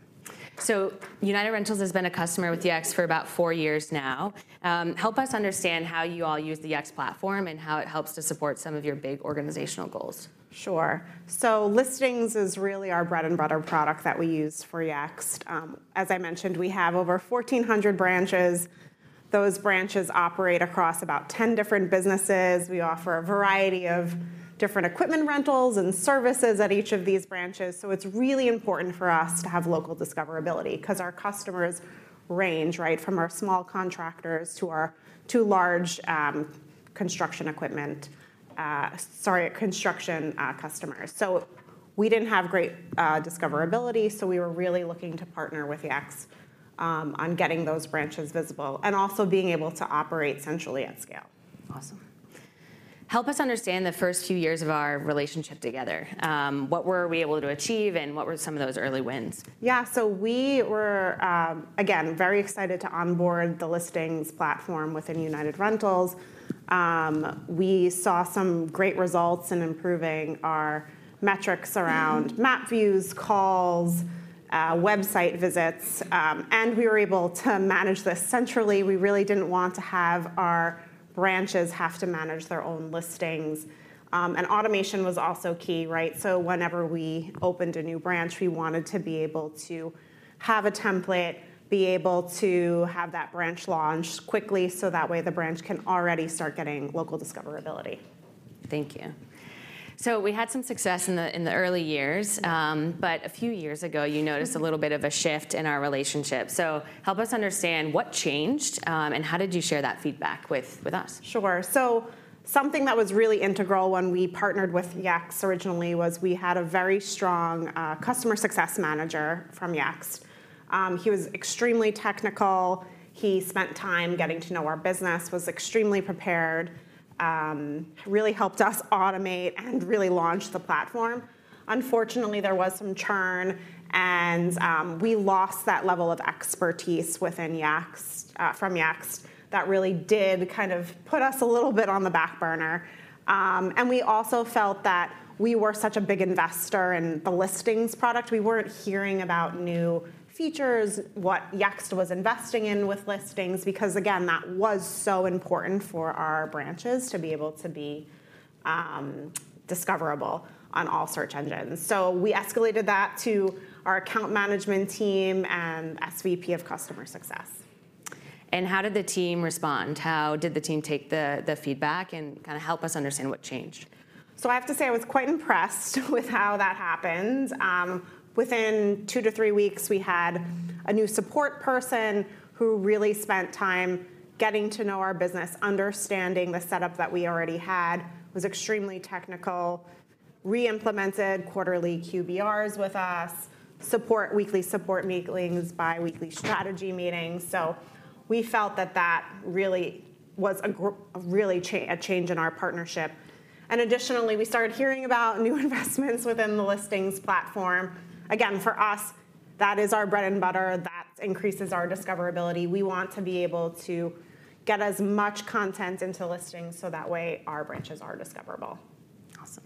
United Rentals has been a customer with Yext for about four years now. Help us understand how you all use the Yext platform and how it helps to support some of your big organizational goals. Listings is really our bread and butter product that we use for Yext. As I mentioned, we have over 1,400 branches. Those branches operate across about 10 different businesses. We offer a variety of different equipment rentals and services at each of these branches, so it's really important for us to have local discoverability 'cause our customers range, right? From our small contractors to large construction equipment, sorry, construction customers. we didn't have great discoverability, so we were really looking to partner with Yext on getting those branches visible and also being able to operate centrally at scale. Awesome. Help us understand the first few years of our relationship together. What were we able to achieve, and what were some of those early wins? We were again very excited to onboard the Listings platform within United Rentals. We saw some great results in improving our metrics around map views, calls, website visits, and we were able to manage this centrally. We really didn't want to have our branches have to manage their own listings. Automation was also key, right? Whenever we opened a new branch, we wanted to be able to have a template, be able to have that branch launch quickly, so that way the branch can already start getting local discoverability. Thank you. We had some success in the early years, but a few years ago, you noticed a little bit of a shift in our relationship. Help us understand what changed, and how did you share that feedback with us? Sure. Something that was really integral when we partnered with Yext originally was we had a very strong customer success manager from Yext. He was extremely technical. He spent time getting to know our business, was extremely prepared, really helped us automate and really launch the platform. Unfortunately, there was some churn, and we lost that level of expertise within Yext, from Yext. That really did kind of put us a little bit on the back burner. We also felt that we were such a big investor in the Listings product. We weren't hearing about new features, what Yext was investing in with Listings because, again, that was so important for our branches to be able to be discoverable on all search engines. We escalated that to our account management team and SVP of Customer Success. How did the team respond? How did the team take the feedback? Kind of help us understand what changed. I have to say, I was quite impressed with how that happened. Within two to three weeks, we had a new support person who really spent time getting to know our business, understanding the setup that we already had, was extremely technical, re-implemented quarterly QBRs with us, support, weekly support meetings, biweekly strategy meetings, so we felt that that really was a change in our partnership. Additionally, we started hearing about new investments within the Listings platform. Again, for us, that is our bread and butter. That increases our discoverability. We want to be able to get as much content into Listings, so that way our branches are discoverable. Awesome.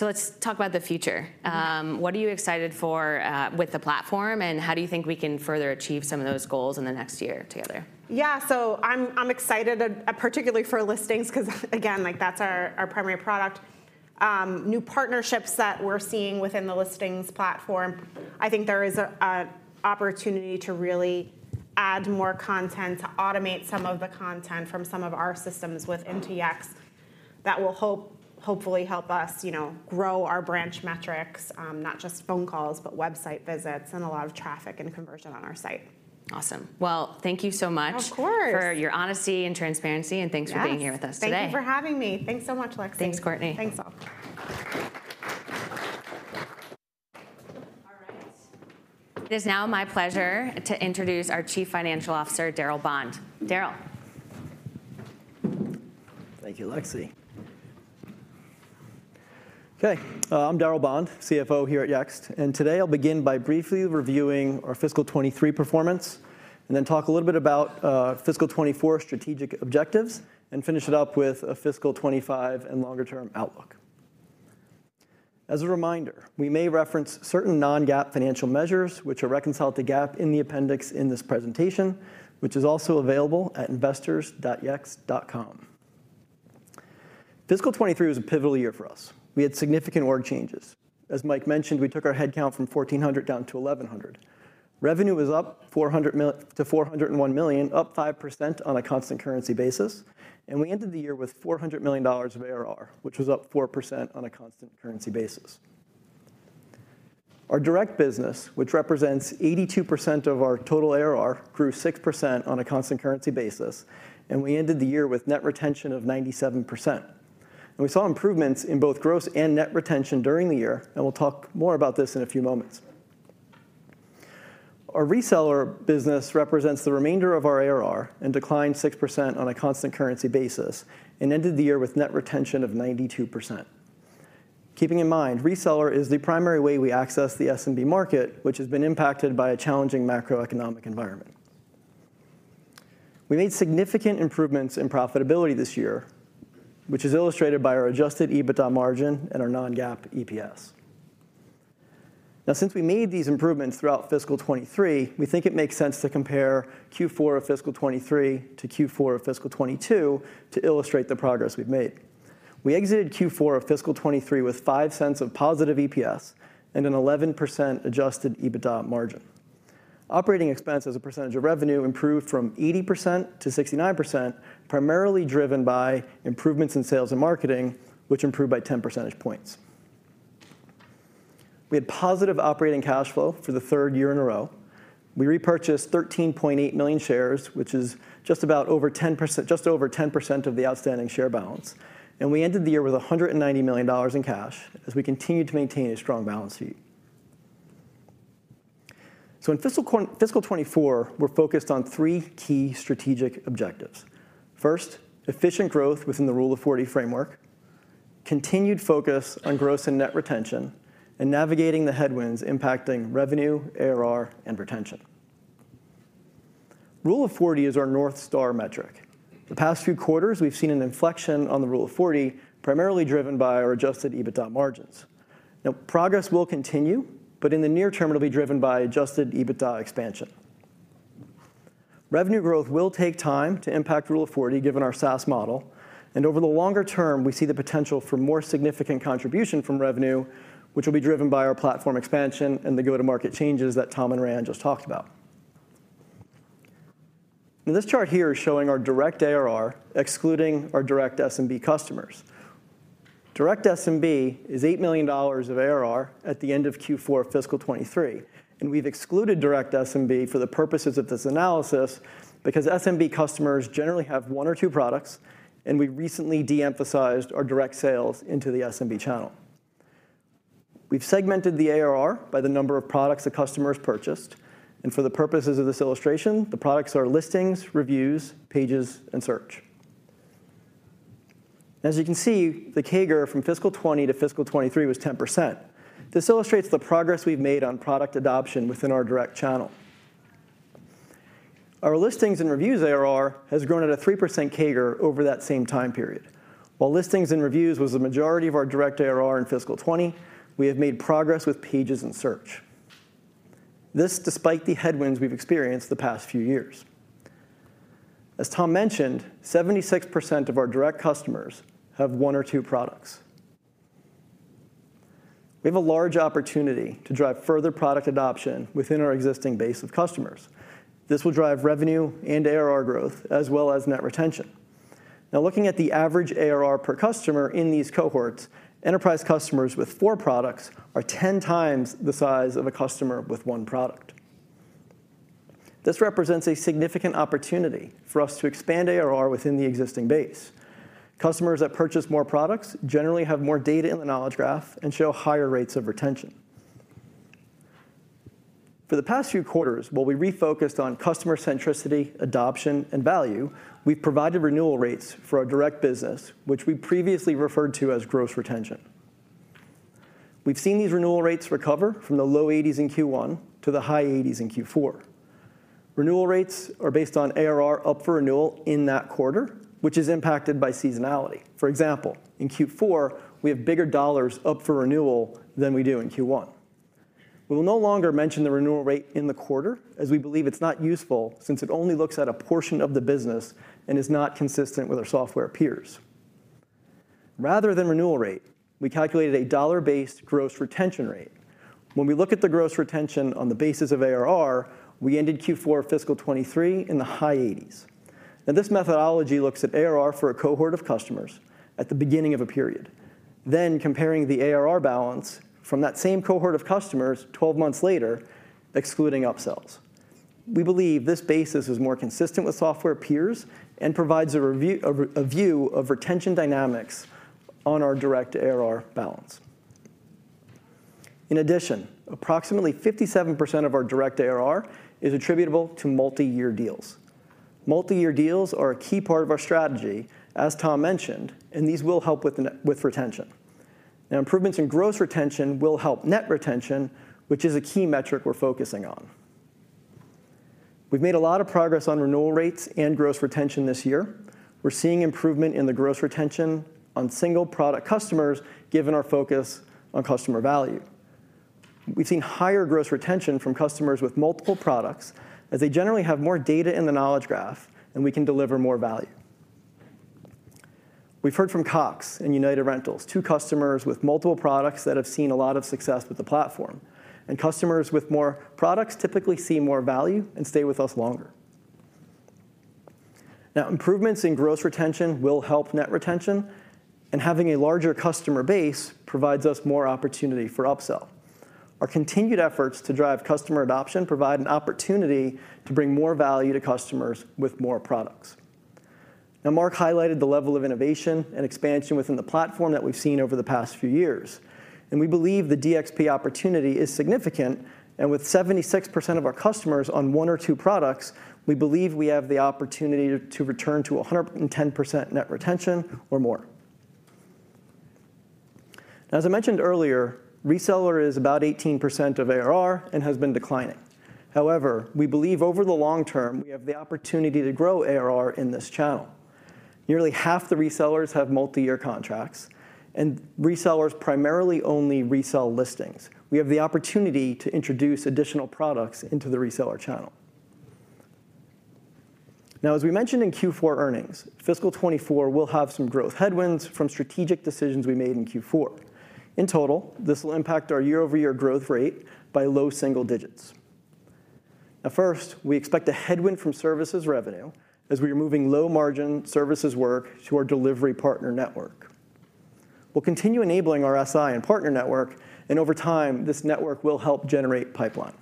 Let's talk about the future. Mm-hmm. What are you excited for, with the platform, and how do you think we can further achieve some of those goals in the next year together? Yeah. I'm excited particularly for Listings 'cause again, like, that's our primary product. New partnerships that we're seeing within the Listings platform, I think there is a opportunity to really add more content, to automate some of the content from some of our systems within Yext that will hopefully help us, you know, grow our branch metrics, not just phone calls, but website visits and a lot of traffic and conversion on our site. Awesome. Well, thank you so much. Of course. for your honesty and transparency, and thanks for being here with us today. Yes. Thank you for having me. Thanks so much, Lexi. Thanks, Courtney. Thanks, all. All right. It is now my pleasure to introduce our Chief Financial Officer, Darryl Bond. Darryl. Thank you, Lexi. Okay, I'm Darryl Bond, CFO here at Yext, and today I'll begin by briefly reviewing our fiscal 2023 performance and then talk a little bit about fiscal 2024 strategic objectives and finish it up with a fiscal 2025 and longer term outlook. As a reminder, we may reference certain non-GAAP financial measures which are reconciled to GAAP in the appendix in this presentation, which is also available at investors.yext.com. Fiscal 2023 was a pivotal year for us. We had significant org changes. As Mike mentioned, we took our head count from 1,400 down to 1,100. Revenue was up to $401 million, up 5% on a constant currency basis, and we ended the year with $400 million of ARR, which was up 4% on a constant currency basis. Our direct business, which represents 82% of our total ARR, grew 6% on a constant currency basis, and we ended the year with net retention of 97%. We saw improvements in both gross and net retention during the year, and we'll talk more about this in a few moments. Our reseller business represents the remainder of our ARR and declined 6% on a constant currency basis and ended the year with net retention of 92%. Keeping in mind, reseller is the primary way we access the SMB market, which has been impacted by a challenging macroeconomic environment. We made significant improvements in profitability this year, which is illustrated by our adjusted EBITDA margin and our non-GAAP EPS. Since we made these improvements throughout fiscal 2023, we think it makes sense to compare Q4 of fiscal 2023 to Q4 of fiscal 2022 to illustrate the progress we've made. We exited Q4 of fiscal 2023 with $0.05 of positive EPS and an 11% adjusted EBITDA margin. Operating expense as a percentage of revenue improved from 80% to 69%, primarily driven by improvements in sales and marketing, which improved by 10 percentage points. We had positive operating cash flow for the third year in a row. We repurchased 13.8 million shares, which is just over 10% of the outstanding share balance, and we ended the year with $190 million in cash as we continued to maintain a strong balance sheet. In fiscal 2024, we're focused on three key strategic objectives. Efficient growth within the Rule of 40 framework, continued focus on gross and net retention, navigating the headwinds impacting revenue, ARR, and retention. Rule of 40 is our North Star metric. The past few quarters, we've seen an inflection on the Rule of 40, primarily driven by our adjusted EBITDA margins. Progress will continue, but in the near term, it'll be driven by adjusted EBITDA expansion. Revenue growth will take time to impact Rule of 40, given our SaaS model, and over the longer term, we see the potential for more significant contribution from revenue, which will be driven by our platform expansion and the go-to-market changes that Tom and Raianne just talked about. This chart here is showing our direct ARR, excluding our direct SMB customers. Direct SMB is $8 million of ARR at the end of Q4 fiscal 2023. We've excluded direct SMB for the purposes of this analysis because SMB customers generally have one or two products. We recently de-emphasized our direct sales into the SMB channel. We've segmented the ARR by the number of products the customers purchased. For the purposes of this illustration, the products are Listings, Reviews, Pages, and Search. As you can see, the CAGR from fiscal 2020 to fiscal 2023 was 10%. This illustrates the progress we've made on product adoption within our direct channel. Our Listings and Reviews ARR has grown at a 3% CAGR over that same time period. While Listings and Reviews was the majority of our direct ARR in fiscal 2020, we have made progress with Pages and Search. This despite the headwinds we've experienced the past few years. As Tom mentioned, 76% of our direct customers have one or two products. We have a large opportunity to drive further product adoption within our existing base of customers. This will drive revenue and ARR growth, as well as net retention. Looking at the average ARR per customer in these cohorts, enterprise customers with four products are 10x the size of a customer with one product. This represents a significant opportunity for us to expand ARR within the existing base. Customers that purchase more products generally have more data in the Knowledge Graph and show higher rates of retention. For the past few quarters, while we refocused on customer centricity, adoption, and value, we've provided renewal rates for our direct business, which we previously referred to as gross retention. We've seen these renewal rates recover from the low 80s in Q1 to the high 80s in Q4. Renewal rates are based on ARR up for renewal in that quarter, which is impacted by seasonality. For example, in Q4, we have bigger dollars up for renewal than we do in Q1. We will no longer mention the renewal rate in the quarter, as we believe it's not useful since it only looks at a portion of the business and is not consistent with our software peers. Rather than renewal rate, we calculated a dollar-based gross retention rate. When we look at the gross retention on the basis of ARR, we ended Q4 fiscal 2023 in the high 80s. Now, this methodology looks at ARR for a cohort of customers at the beginning of a period, then comparing the ARR balance from that same cohort of customers 12 months later, excluding upsells. We believe this basis is more consistent with software peers and provides a view of retention dynamics on our direct ARR balance. In addition, approximately 57% of our direct ARR is attributable to multi-year deals. Multi-year deals are a key part of our strategy, as Tom mentioned, and these will help with retention. Improvements in gross retention will help net retention, which is a key metric we're focusing on. We've made a lot of progress on renewal rates and gross retention this year. We're seeing improvement in the gross retention on single-product customers, given our focus on customer value. We've seen higher gross retention from customers with multiple products, as they generally have more data in the Knowledge Graph, and we can deliver more value. We've heard from Cox and United Rentals, two customers with multiple products that have seen a lot of success with the platform. Customers with more products typically see more value and stay with us longer. Improvements in gross retention will help net retention. Having a larger customer base provides us more opportunity for upsell. Our continued efforts to drive customer adoption provide an opportunity to bring more value to customers with more products. Marc highlighted the level of innovation and expansion within the platform that we've seen over the past few years. We believe the DXP opportunity is significant. With 76% of our customers on one or two products, we believe we have the opportunity to return to 110% net retention or more. As I mentioned earlier, reseller is about 18% of ARR and has been declining. However, we believe over the long term, we have the opportunity to grow ARR in this channel. Nearly half the resellers have multi-year contracts, and resellers primarily only resell listings. We have the opportunity to introduce additional products into the reseller channel. As we mentioned in Q4 earnings, fiscal 2024 will have some growth headwinds from strategic decisions we made in Q4. In total, this will impact our year-over-year growth rate by low single digits. First, we expect a headwind from services revenue as we are moving low-margin services work to our delivery partner network. We'll continue enabling our SI and partner network, and over time, this network will help generate pipeline.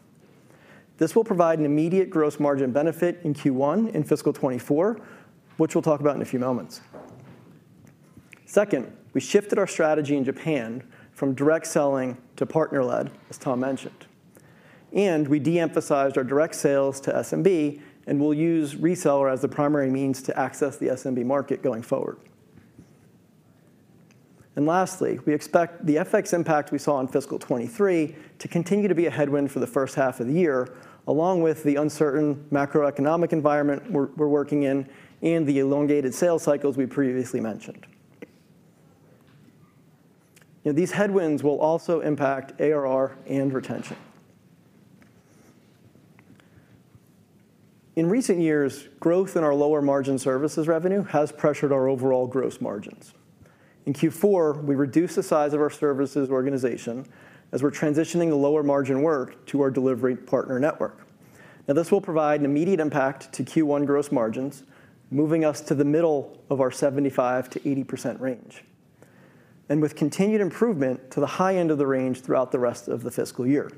This will provide an immediate gross margin benefit in Q1 in fiscal 2024, which we'll talk about in a few moments. Second, we shifted our strategy in Japan from direct selling to partner-led, as Tom mentioned. We de-emphasized our direct sales to SMB and will use reseller as the primary means to access the SMB market going forward. Lastly, we expect the FX impact we saw in fiscal 2023 to continue to be a headwind for the first half of the year, along with the uncertain macroeconomic environment we're working in and the elongated sales cycles we previously mentioned. Now, these headwinds will also impact ARR and retention. In recent years, growth in our lower-margin services revenue has pressured our overall gross margins. In Q4, we reduced the size of our services organization as we're transitioning the lower-margin work to our delivery partner network. This will provide an immediate impact to Q1 gross margins, moving us to the middle of our 75%-80% range, and with continued improvement to the high end of the range throughout the rest of the fiscal year.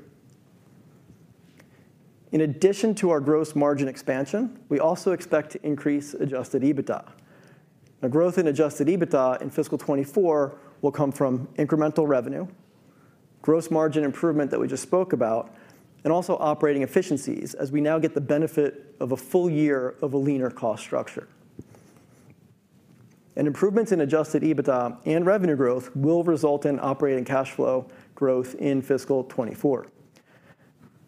In addition to our gross margin expansion, we also expect to increase adjusted EBITDA. Growth in adjusted EBITDA in fiscal 2024 will come from incremental revenue, gross margin improvement that we just spoke about, and also operating efficiencies as we now get the benefit of a full year of a leaner cost structure. Improvements in adjusted EBITDA and revenue growth will result in operating cash flow growth in fiscal 2024.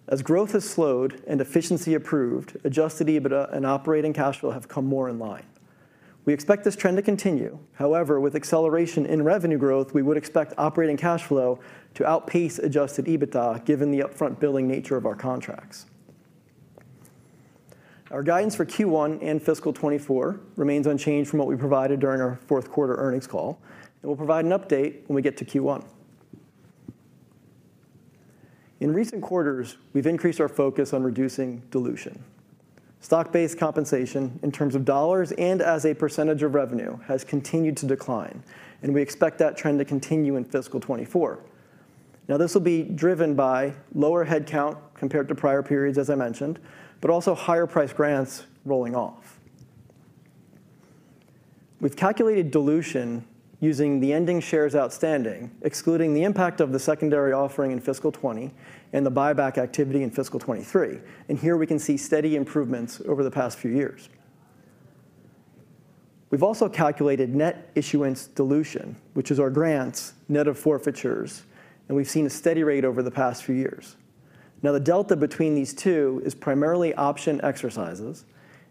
As growth has slowed and efficiency improved, adjusted EBITDA and operating cash flow have come more in line. We expect this trend to continue. With acceleration in revenue growth, we would expect operating cash flow to outpace adjusted EBITDA given the upfront billing nature of our contracts. Our guidance for Q1 and fiscal 2024 remains unchanged from what we provided during our fourth quarter earnings call. We'll provide an update when we get to Q1. In recent quarters, we've increased our focus on reducing dilution. Stock-based compensation in terms of dollars and as a percentage of revenue has continued to decline. We expect that trend to continue in fiscal 2024. This will be driven by lower headcount compared to prior periods, as I mentioned, also higher-priced grants rolling off. We've calculated dilution using the ending shares outstanding, excluding the impact of the secondary offering in fiscal 2020 and the buyback activity in fiscal 2023. Here we can see steady improvements over the past few years. We've also calculated net issuance dilution, which is our grants net of forfeitures, and we've seen a steady rate over the past few years. The delta between these two is primarily option exercises,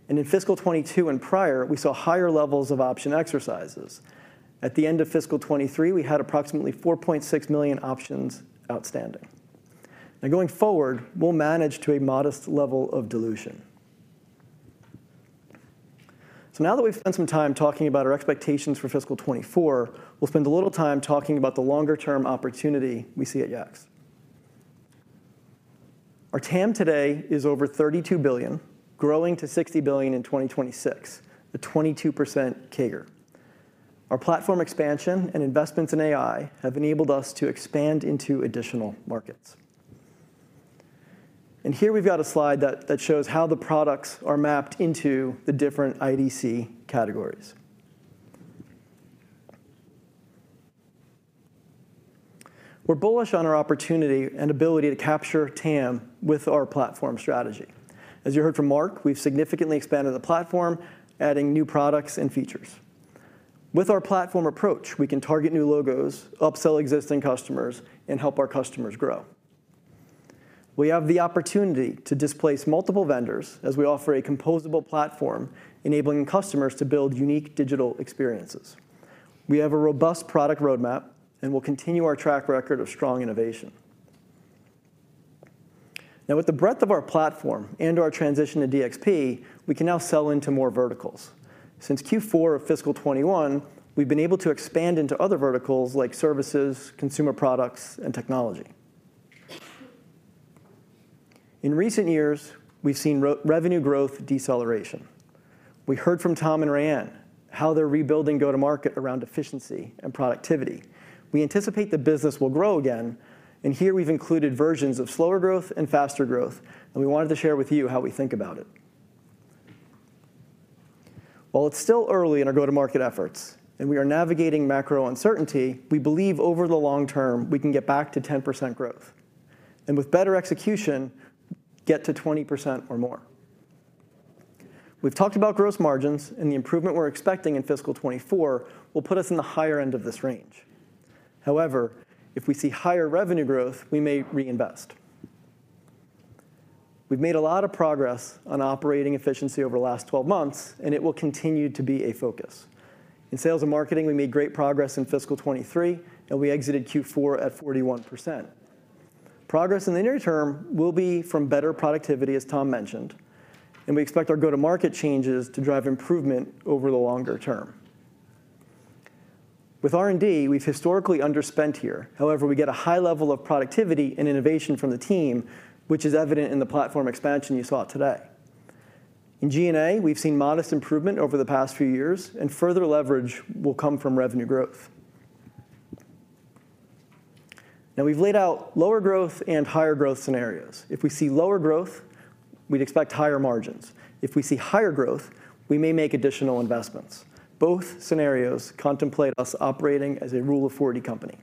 and in fiscal 2022 and prior, we saw higher levels of option exercises. At the end of fiscal 2023, we had approximately 4.6 million options outstanding. Going forward, we'll manage to a modest level of dilution. Now that we've spent some time talking about our expectations for fiscal 2024, we'll spend a little time talking about the longer-term opportunity we see at Yext. Our TAM today is over $32 billion, growing to $60 billion in 2026, a 22% CAGR. Our platform expansion and investments in AI have enabled us to expand into additional markets. Here we've got a slide that shows how the products are mapped into the different IDC categories. We're bullish on our opportunity and ability to capture TAM with our platform strategy. As you heard from Marc, we've significantly expanded the platform, adding new products and features. With our platform approach, we can target new logos, upsell existing customers, and help our customers grow. We have the opportunity to displace multiple vendors as we offer a composable platform enabling customers to build unique digital experiences. We have a robust product roadmap, and we'll continue our track record of strong innovation. With the breadth of our platform and our transition to DXP, we can now sell into more verticals. Since Q4 of fiscal 2021, we've been able to expand into other verticals like services, consumer products, and technology. In recent years, we've seen revenue growth deceleration. We heard from Tom and Raianne how they're rebuilding go-to-market around efficiency and productivity. We anticipate the business will grow again, and here we've included versions of slower growth and faster growth, and we wanted to share with you how we think about it. While it's still early in our go-to-market efforts and we are navigating macro uncertainty, we believe over the long term we can get back to 10% growth, and with better execution, get to 20% or more. We've talked about gross margins, and the improvement we're expecting in fiscal 2024 will put us in the higher end of this range. However, if we see higher revenue growth, we may reinvest. We've made a lot of progress on operating efficiency over the last 12 months, and it will continue to be a focus. In sales and marketing, we made great progress in fiscal 2023, and we exited Q4 at 41%. Progress in the near term will be from better productivity, as Tom mentioned, and we expect our go-to-market changes to drive improvement over the longer term. With R&D, we've historically underspent here. However, we get a high level of productivity and innovation from the team, which is evident in the platform expansion you saw today. In G&A, we've seen modest improvement over the past few years, and further leverage will come from revenue growth. We've laid out lower growth and higher growth scenarios. If we see lower growth, we'd expect higher margins. If we see higher growth, we may make additional investments. Both scenarios contemplate us operating as a Rule of 40 company.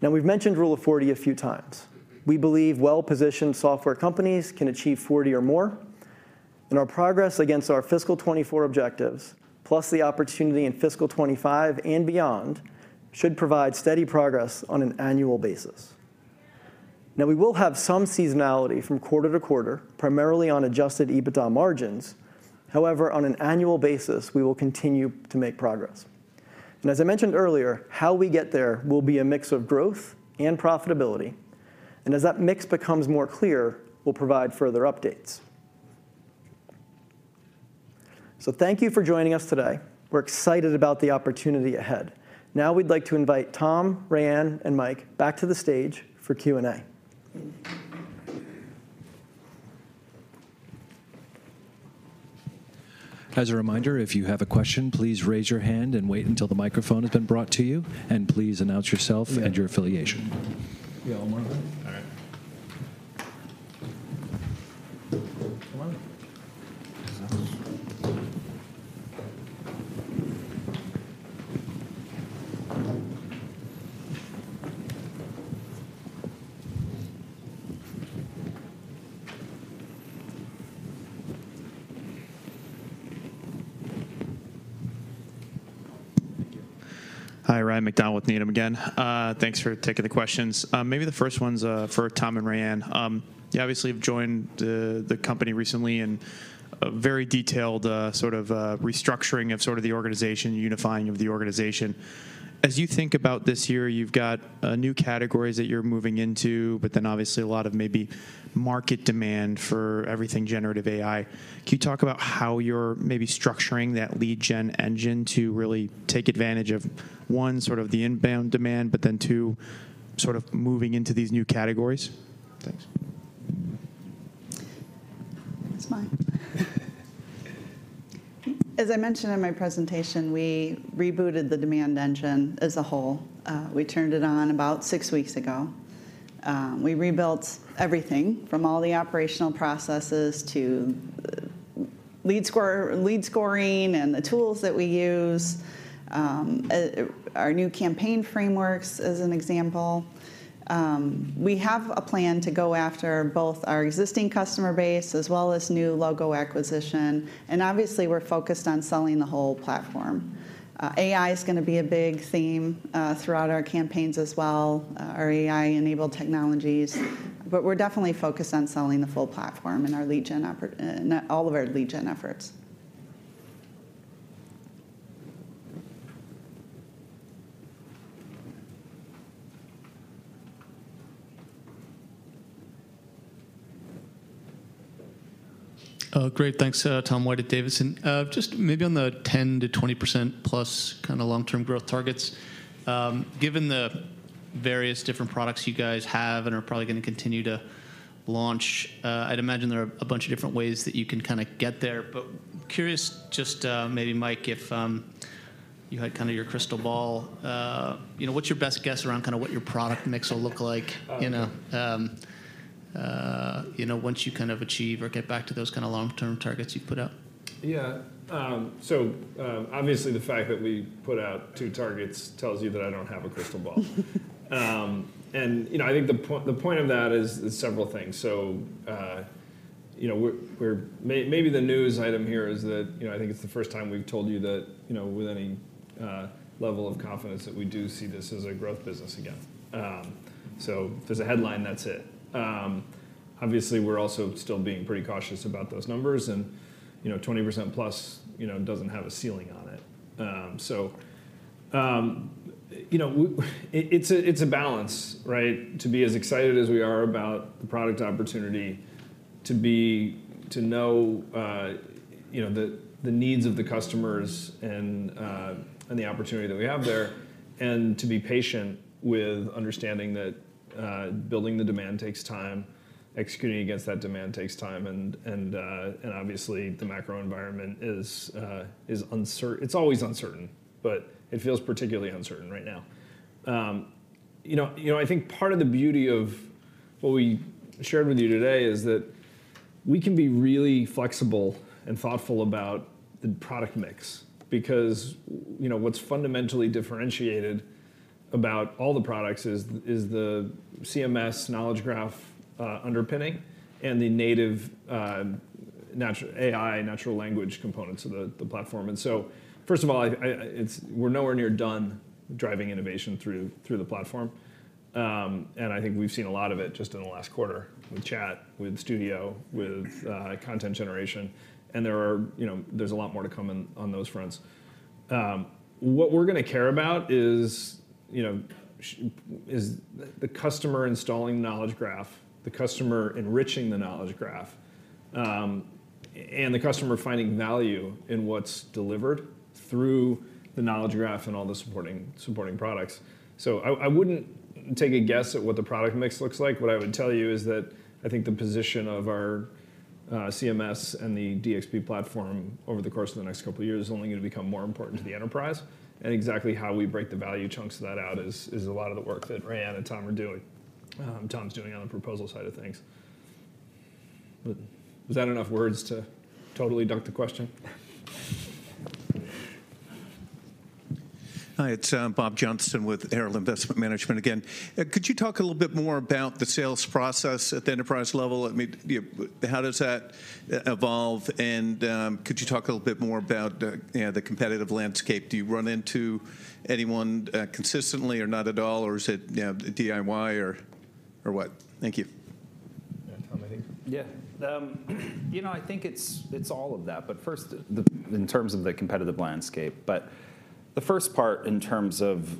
We've mentioned Rule of 40 a few times. We believe well-positioned software companies can achieve 40 or more, our progress against our fiscal 2024 objectives, plus the opportunity in fiscal 2025 and beyond, should provide steady progress on an annual basis. We will have some seasonality from quarter to quarter, primarily on adjusted EBITDA margins. However, on an annual basis, we will continue to make progress. As I mentioned earlier, how we get there will be a mix of growth and profitability, and as that mix becomes more clear, we'll provide further updates. Thank you for joining us today. We're excited about the opportunity ahead. We'd like to invite Tom, Raianne, and Mike back to the stage for Q&A. As a reminder, if you have a question, please raise your hand and wait until the microphone has been brought to you, and please announce yourself and your affiliation. We all want one? All right. Come on. Hi, Ryan MacDonald with Needham again. Thanks for taking the questions. Maybe the first one's for Tom and Raianne. You obviously have joined the company recently in a very detailed sort of restructuring of sort of the organization, unifying of the organization. As you think about this year, you've got new categories that you're moving into, but then obviously a lot of maybe market demand for everything generative AI. Can you talk about how you're maybe structuring that lead gen engine to really take advantage of, one, sort of the inbound demand, but then two, sort of moving into these new categories? Thanks. That's mine. As I mentioned in my presentation, we rebooted the demand engine as a whole. We turned it on about six weeks ago. We rebuilt everything from all the operational processes to lead scoring and the tools that we use, our new campaign frameworks, as an example. We have a plan to go after both our existing customer base as well as new logo acquisition. Obviously we're focused on selling the whole platform. AI is gonna be a big theme throughout our campaigns as well, our AI-enabled technologies. We're definitely focused on selling the full platform in all of our lead gen efforts. Great. Thanks. Tom White at Davidson. Just maybe on the 10%-20%+ plus kinda long-term growth targets, given the various different products you guys have and are probably gonna continue to launch, I'd imagine there are a bunch of different ways that you can kinda get there. Curious just, maybe Mike, if you had kinda your crystal ball, you know, what's your best guess around kinda what your product mix will look like, you know, once you kind of achieve or get back to those kinda long-term targets you put out? Yeah. Obviously the fact that we put out two targets tells you that I don't have a crystal ball. You know, I think the point of that is several things. You know, maybe the news item here is that, you know, I think it's the first time we've told you that, you know, with any level of confidence that we do see this as a growth business again. If there's a headline, that's it. Obviously we're also still being pretty cautious about those numbers and, you know, 20%+ doesn't have a ceiling on it. You know, it's a balance, right? To be as excited as we are about the product opportunity to be, to know, you know, the needs of the customers and the opportunity that we have there, and to be patient with understanding that building the demand takes time, executing against that demand takes time, and obviously the macro environment is uncertain. It's always uncertain, it feels particularly uncertain right now. You know, I think part of the beauty of what we shared with you today is that we can be really flexible and thoughtful about the product mix because, you know, what's fundamentally differentiated about all the products is the CMS Knowledge Graph underpinning and the native AI natural language components of the platform. First of all, I, we're nowhere near done driving innovation through the platform. I think we've seen a lot of it just in the last quarter with Chat, with Studio, with content generation, and there are, you know, there's a lot more to come in on those fronts. What we're gonna care about is, you know, is the customer installing Knowledge Graph, the customer enriching the Knowledge Graph, and the customer finding value in what's delivered through the Knowledge Graph and all the supporting products. I wouldn't take a guess at what the product mix looks like. What I would tell you is that I think the position of our CMS and the DXP platform over the course of the next couple of years is only gonna become more important to the enterprise, and exactly how we break the value chunks of that out is a lot of the work that Raianne and Tom are doing, Tom's doing on the proposal side of things. Was that enough words to totally duck the question? Hi, it's Bob Johnston with Herald Investment Management again. Could you talk a little bit more about the sales process at the enterprise level? I mean, how does that evolve, and could you talk a little bit more about, you know, the competitive landscape? Do you run into anyone consistently or not at all, or is it, you know, DIY or what? Thank you. Yeah. Tom, I think. Yeah. You know, I think it's all of that, in terms of the competitive landscape. The first part in terms of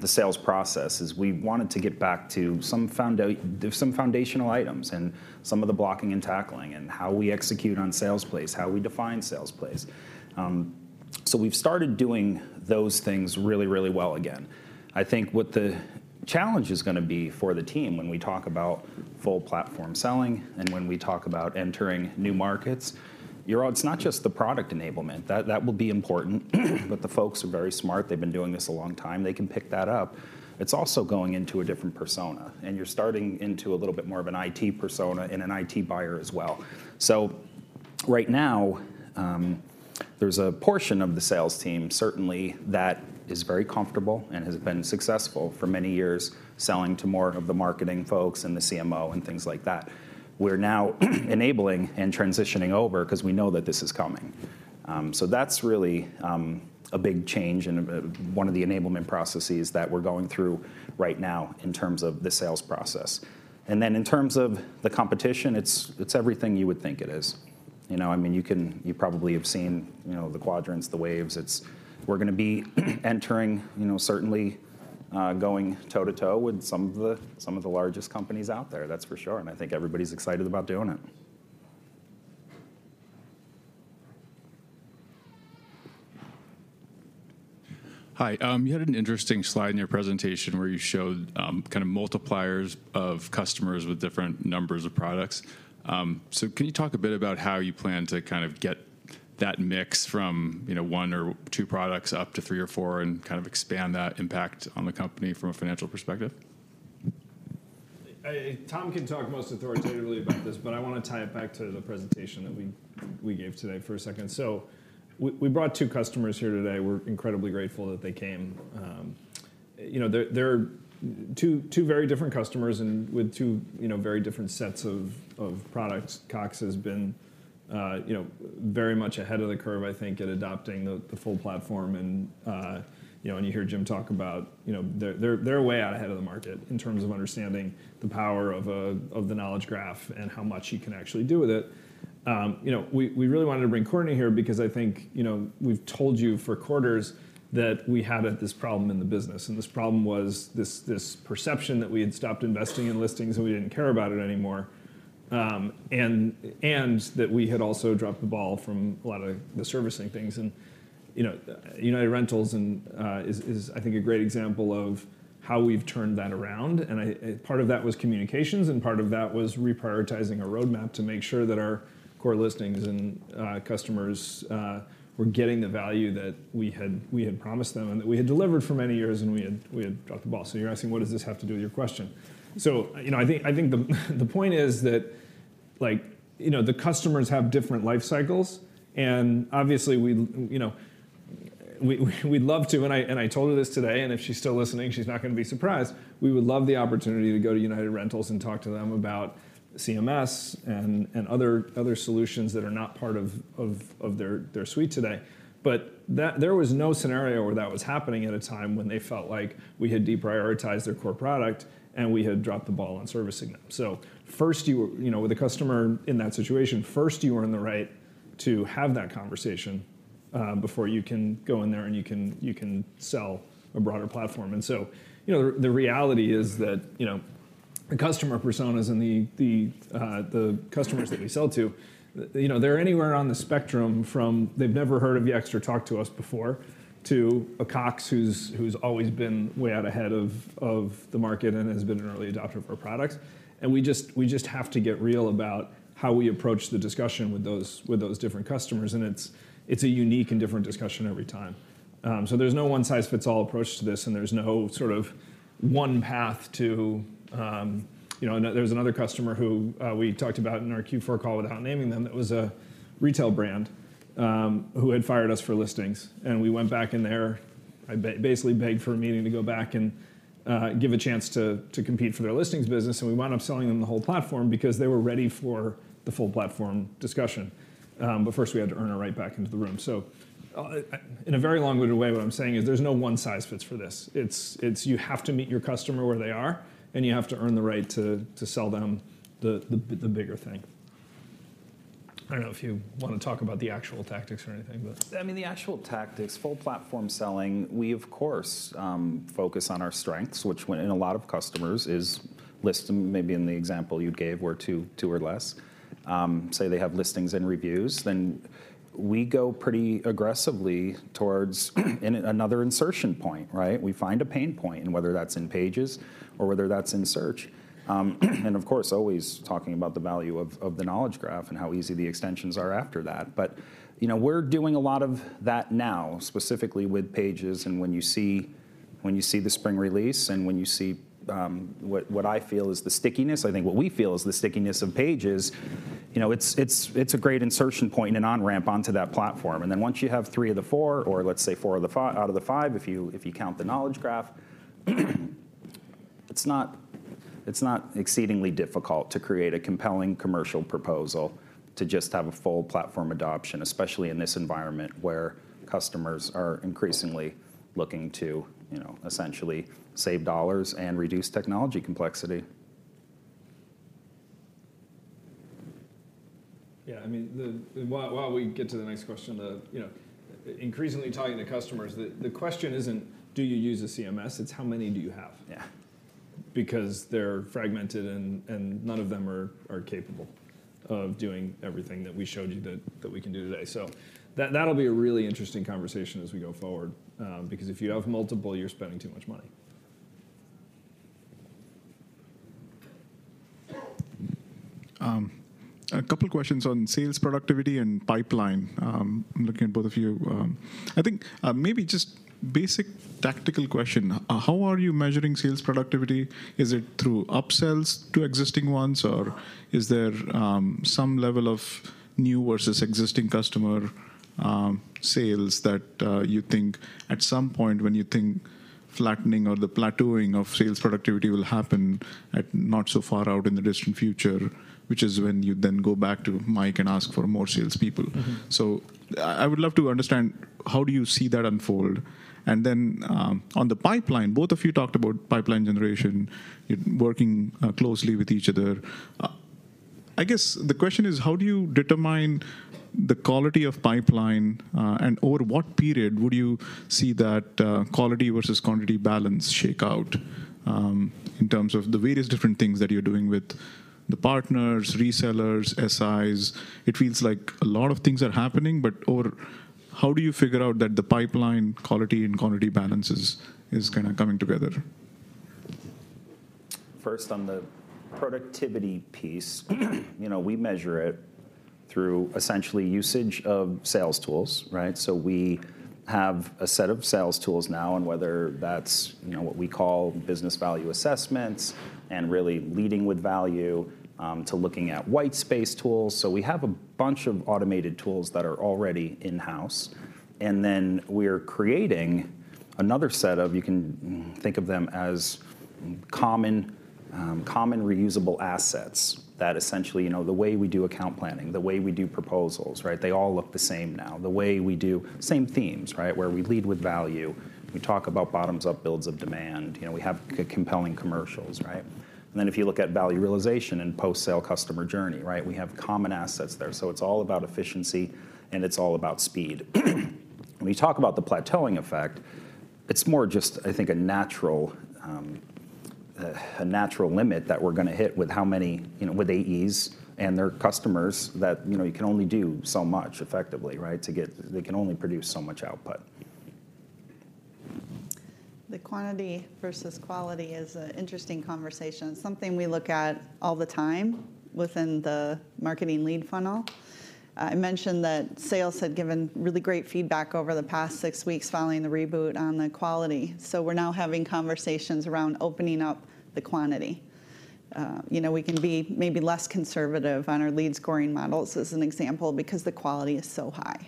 the sales process is we wanted to get back to some foundational items, and some of the blocking and tackling, and how we execute on sales plays, how we define sales plays. We've started doing those things really, really well again. I think what the challenge is gonna be for the team when we talk about full platform selling and when we talk about entering new markets, you know, it's not just the product enablement. That will be important, but the folks are very smart. They've been doing this a long time. They can pick that up. It's also going into a different persona, and you're starting into a little bit more of an IT persona and an IT buyer as well. Right now, there's a portion of the sales team certainly that is very comfortable and has been successful for many years selling to more of the marketing folks and the CMO and things like that. We're now enabling and transitioning over 'cause we know that this is coming. That's really a big change and one of the enablement processes that we're going through right now in terms of the sales process. In terms of the competition, it's everything you would think it is, you know. I mean, you can, you probably have seen, you know, the quadrants, the waves. We're gonna be entering, you know, certainly, going toe-to-toe with some of the largest companies out there, that's for sure. I think everybody's excited about doing it. Hi. You had an interesting slide in your presentation where you showed kind of multipliers of customers with different numbers of products. Can you talk a bit about how you plan to kind of get that mix from, you know, one or two products up to three or four and kind of expand that impact on the company from a financial perspective? Tom can talk most authoritatively about this, but I wanna tie it back to the presentation that we gave today for a second. We brought two customers here today. We're incredibly grateful that they came. You know, they're two very different customers and with two, you know, very different sets of products. Cox has been, you know, very much ahead of the curve, I think, at adopting the full platform and, you know, and you hear Jim talk about, you know, they're way out ahead of the market in terms of understanding the power of the Knowledge Graph and how much you can actually do with it. You know, we really wanted to bring Courtney here because I think, you know, we've told you for quarters that we have this problem in the business, and this problem was this perception that we had stopped investing in Listings and we didn't care about it anymore, and that we had also dropped the ball from a lot of the servicing things. You know, United Rentals and is I think a great example of how we've turned that around and I part of that was communications and part of that was reprioritizing our roadmap to make sure that our core Listings and customers were getting the value that we had promised them and that we had delivered for many years and we had dropped the ball. You're asking, what does this have to do with your question? You know, I think the point is that, like, you know, the customers have different life cycles, and obviously we, you know, we'd love to, and I, and I told her this today, and if she's still listening, she's not gonna be surprised, we would love the opportunity to go to United Rentals and talk to them about CMS and other solutions that are not part of their suite today. There was no scenario where that was happening at a time when they felt like we had deprioritized their core product and we had dropped the ball on servicing them. First you know, with a customer in that situation, first you earn the right to have that conversation before you can go in there and you can sell a broader platform. You know, the reality is that, you know, the customer personas and the customers that we sell to, you know, they're anywhere on the spectrum from they've never heard of Yext or talked to us before to a Cox who's always been way out ahead of the market and has been an early adopter of our products. We just have to get real about how we approach the discussion with those different customers, and it's a unique and different discussion every time. There's no one-size-fits-all approach to this and there's no sort of one path to, you know, there's another customer who we talked about in our Q4 call without naming them. It was a retail brand who had fired us for Listings. We went back in there, basically begged for a meeting to go back and give a chance to compete for their Listings business. We wound up selling them the whole platform because they were ready for the full platform discussion. First we had to earn our right back into the room. In a very long-winded way, what I'm saying is there's no one size fits for this. It's you have to meet your customer where they are, and you have to earn the right to sell them the bigger thing. I don't know if you wanna talk about the actual tactics or anything, but... I mean, the actual tactics, full platform selling, we of course focus on our strengths, which in a lot of customers is maybe in the example you gave were two or less. Say they have Listings and Reviews, we go pretty aggressively towards another insertion point, right? We find a pain point, whether that's in Pages or whether that's in Search. Of course, always talking about the value of the Knowledge Graph and how easy the extensions are after that. You know, we're doing a lot of that now, specifically with Pages and when you see, when you see the spring release and when you see what I feel is the stickiness, I think what we feel is the stickiness of Pages. You know, it's a great insertion point and on-ramp onto that platform. Once you have three of the four, or let's say four of the five, if you count the Knowledge Graph, it's not exceedingly difficult to create a compelling commercial proposal to just have a full platform adoption, especially in this environment where customers are increasingly looking to, you know, essentially save dollars and reduce technology complexity. Yeah. I mean, While we get to the next question, you know, increasingly talking to customers, the question isn't do you use a CMS? It's how many do you have? Yeah. Because they're fragmented and none of them are capable of doing everything that we showed you that we can do today. That'll be a really interesting conversation as we go forward, because if you have multiple, you're spending too much money. A couple questions on sales productivity and pipeline. I'm looking at both of you. I think, maybe just basic tactical question. How are you measuring sales productivity? Is it through upsells to existing ones, or is there some level of new versus existing customer sales that you think at some point when you think flattening or the plateauing of sales productivity will happen at not so far out in the distant future, which is when you then go back to Mike and ask for more salespeople. Mm-hmm. I would love to understand how do you see that unfold? On the pipeline, both of you talked about pipeline generation, working closely with each other. I guess the question is how do you determine the quality of pipeline, and over what period would you see that quality versus quantity balance shake out, in terms of the various different things that you're doing with the partners, resellers, SIs? It feels like a lot of things are happening, or how do you figure out that the pipeline quality and quantity balance is kinda coming together? First, on the productivity piece, you know, we measure it through essentially usage of sales tools, right? We have a set of sales tools now, and whether that's, you know, what we call business value assessments and really leading with value, to looking at whitespace tools. We have a bunch of automated tools that are already in-house, and then we're creating another set of, you can think of them as common reusable assets that essentially, you know, the way we do account planning, the way we do proposals, right? They all look the same now. Same themes, right? Where we lead with value. We talk about bottoms-up builds of demand. You know, we have compelling commercials, right? If you look at value realization and post-sale customer journey, right, we have common assets there. It's all about efficiency and it's all about speed. When you talk about the plateauing effect, it's more just, I think, a natural, a natural limit that we're gonna hit with how many, you know, with AEs and their customers that, you know, you can only do so much effectively, right? They can only produce so much output. The quantity versus quality is an interesting conversation, something we look at all the time within the marketing lead funnel. I mentioned that sales had given really great feedback over the past six weeks following the reboot on the quality, so we're now having conversations around opening up the quantity. You know, we can be maybe less conservative on our lead scoring models, as an example, because the quality is so high.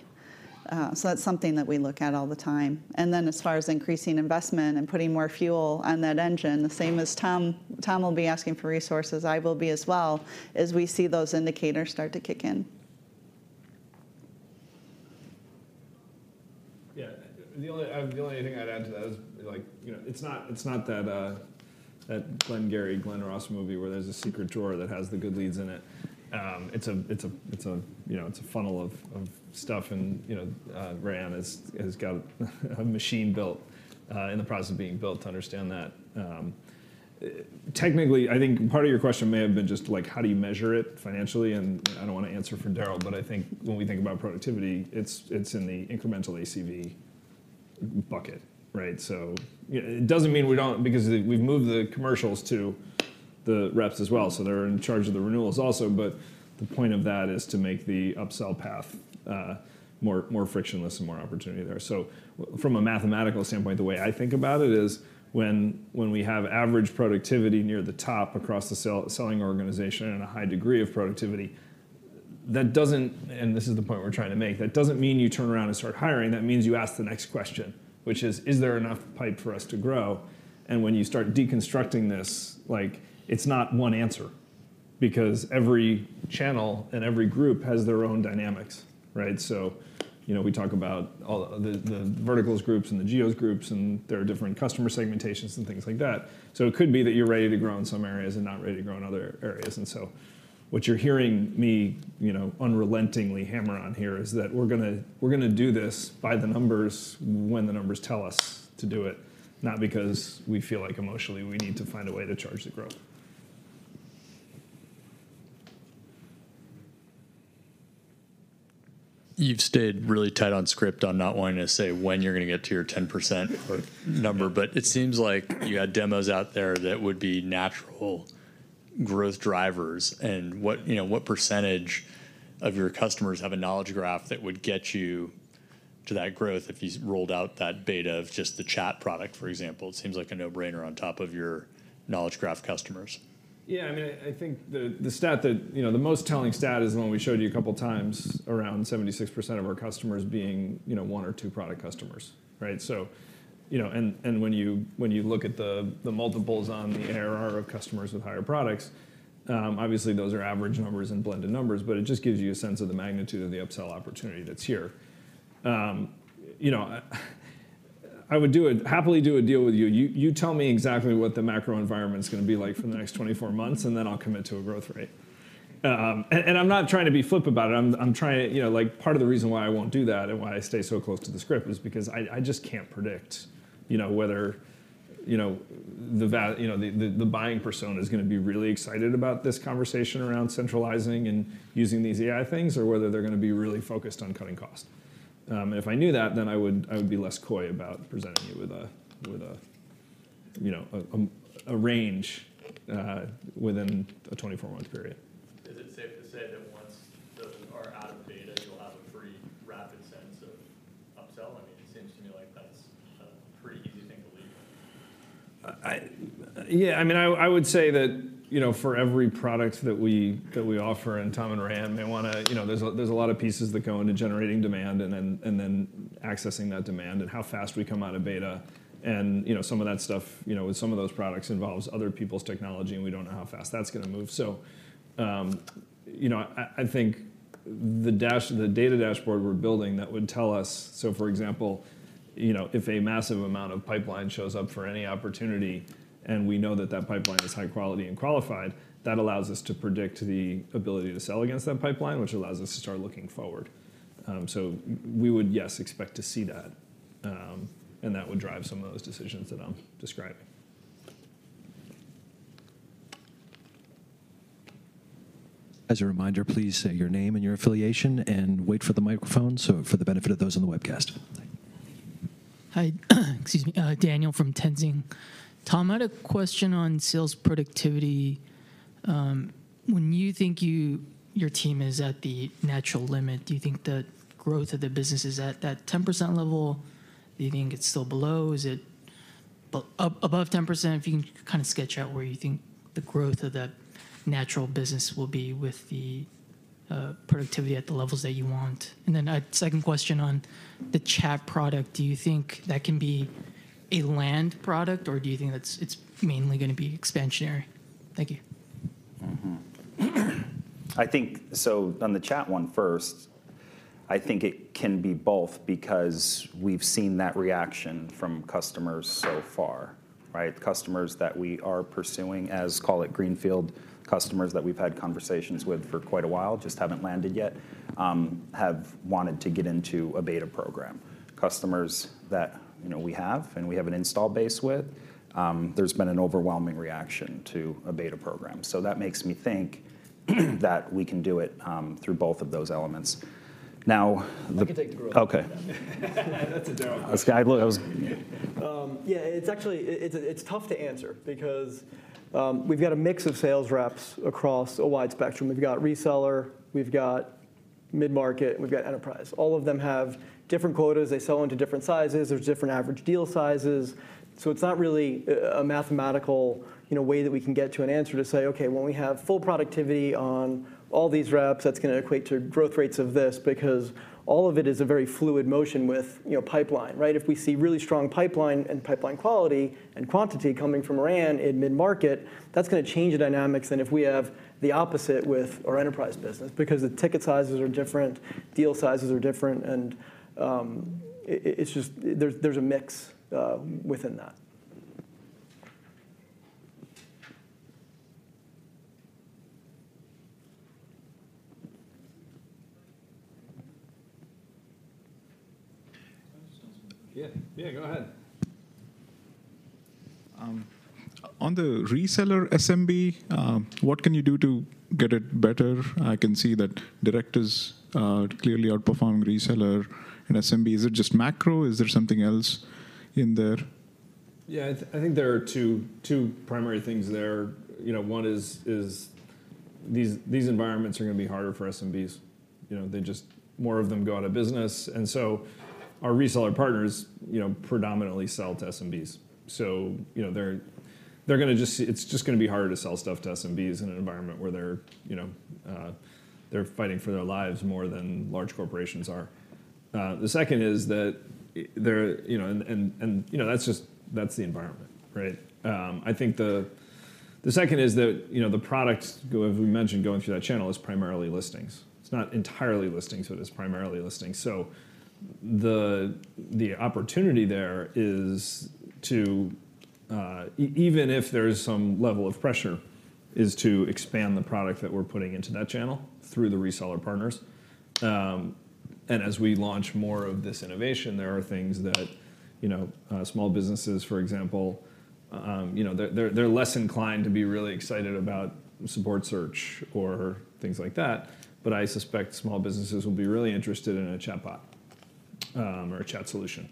That's something that we look at all the time. Then as far as increasing investment and putting more fuel on that engine, the same as Tom. Tom will be asking for resources, I will be as well, as we see those indicators start to kick in. Yeah. The only, the only thing I'd add to that is, like, you know, it's not, it's not that Glengarry Glen Ross movie where there's a secret drawer that has the good leads in it. It's a, you know, it's a funnel of stuff and, you know, Raianne has got a machine built in the process of being built to understand that. Technically, I think part of your question may have been just like, how do you measure it financially? I don't wanna answer for Darryl, but I think when we think about productivity, it's in the incremental ACV bucket, right? It doesn't mean we don't Because we've moved the commercials to the reps as well, so they're in charge of the renewals also. The point of that is to make the upsell path more, more frictionless and more opportunity there. From a mathematical standpoint, the way I think about it is when we have average productivity near the top across the selling organization and a high degree of productivity, and this is the point we're trying to make, that doesn't mean you turn around and start hiring. That means you ask the next question, which is: Is there enough pipe for us to grow? When you start deconstructing this, like, it's not one answer because every channel and every group has their own dynamics, right? You know, we talk about all the verticals groups and the geos groups, and there are different customer segmentations and things like that. It could be that you're ready to grow in some areas and not ready to grow in other areas. What you're hearing me, you know, unrelentingly hammer on here is that we're gonna, we're gonna do this by the numbers when the numbers tell us to do it, not because we feel like emotionally we need to find a way to charge the growth. You've stayed really tight on script on not wanting to say when you're gonna get to your 10% number. It seems like you had demos out there that would be natural growth drivers and what, you know, what percentage of your customers have a Knowledge Graph that would get you to that growth if you rolled out that beta of just the chat product, for example? It seems like a no-brainer on top of your Knowledge Graph customers. Yeah, I mean, I think the stat that, you know, the most telling stat is the one we showed you a couple times, around 76% of our customers being, you know, one or two product customers, right? You know, and when you look at the multiples on the ARR of customers with higher products, obviously those are average numbers and blended numbers, but it just gives you a sense of the magnitude of the upsell opportunity that's here. You know, I would happily do a deal with you. You tell me exactly what the macro environment's gonna be like for the next 24 months, and then I'll commit to a growth rate. I'm not trying to be flip about it. I'm trying, you know, like, part of the reason why I won't do that and why I stay so close to the script is because I just can't predict, you know, whether, you know, the buying persona is gonna be really excited about this conversation around centralizing and using these AI things or whether they're gonna be really focused on cutting cost. If I knew that, then I would be less coy about presenting you with a, you know, a range within a 24-month period. Is it safe to say that once those are out of beta, you'll have a pretty rapid sense of upsell? I mean, it seems to me like that's a pretty easy thing to lead with. Yeah, I mean, I would say that, you know, for every product that we offer, Tom and Raianne, they wanna, you know. There's a lot of pieces that go into generating demand and then accessing that demand and how fast we come out of beta and, you know, some of that stuff, you know, with some of those products involves other people's technology, and we don't know how fast that's gonna move. You know, I think the data dashboard we're building that would tell us. For example, you know, if a massive amount of pipeline shows up for any opportunity and we know that that pipeline is high quality and qualified, that allows us to predict the ability to sell against that pipeline, which allows us to start looking forward. We would, yes, expect to see that, and that would drive some of those decisions that I'm describing. As a reminder, please say your name and your affiliation and wait for the microphone for the benefit of those on the webcast. Hi. Excuse me. Daniel from Tenzing. Tom, I had a question on sales productivity. When you think your team is at the natural limit, do you think the growth of the business is at that 10% level? Do you think it's still below? Is it above 10%? If you can kinda sketch out where you think the growth of the natural business will be with the productivity at the levels that you want. A second question on the chat product. Do you think that can be a land product, or do you think that's it's mainly gonna be expansionary? Thank you. Mm-hmm. I think on the chat one first, I think it can be both because we've seen that reaction from customers so far, right? Customers that we are pursuing as, call it greenfield customers that we've had conversations with for quite a while, just haven't landed yet, have wanted to get into a beta program. Customers that, you know, we have and we have an install base with, there's been an overwhelming reaction to a beta program. That makes me think that we can do it through both of those elements. I can take the growth one. Okay. That's a joke. This guy blows... Yeah, it's actually, it's tough to answer because we've got a mix of sales reps across a wide spectrum. We've got reseller, we've got mid-market, and we've got enterprise. All of them have different quotas. They sell into different sizes. There's different average deal sizes. It's not really a mathematical, you know, way that we can get to an answer to say, "Okay, when we have full productivity on all these reps, that's gonna equate to growth rates of this," because all of it is a very fluid motion with, you know, pipeline, right? If we see really strong pipeline and pipeline quality and quantity coming from Raianne in mid-market, that's gonna change the dynamics than if we have the opposite with our enterprise business because the ticket sizes are different, deal sizes are different, and it's just there's a mix within that. Can I just ask one? Yeah. Yeah, go ahead. On the reseller SMB, what can you do to get it better? I can see that directors clearly outperform reseller and SMB. Is it just macro? Is there something else in there? Yeah, I think there are two primary things there. You know, one is these environments are gonna be harder for SMBs. You know, more of them go out of business. Our reseller partners, you know, predominantly sell to SMBs. You know, it's just gonna be harder to sell stuff to SMBs in an environment where they're, you know, fighting for their lives more than large corporations are. The second is that. You know, and, you know, that's just the environment, right? I think the second is that, you know, the product as we mentioned, going through that channel is primarily Listings. It's not entirely Listings, but it's primarily Listings. The opportunity there is to. Even if there's some level of pressure, is to expand the product that we're putting into that channel through the reseller partners. As we launch more of this innovation, there are things that, you know, small businesses, for example, you know, they're, they're less inclined to be really excited about support search or things like that. I suspect small businesses will be really interested in a chatbot, or a chat solution.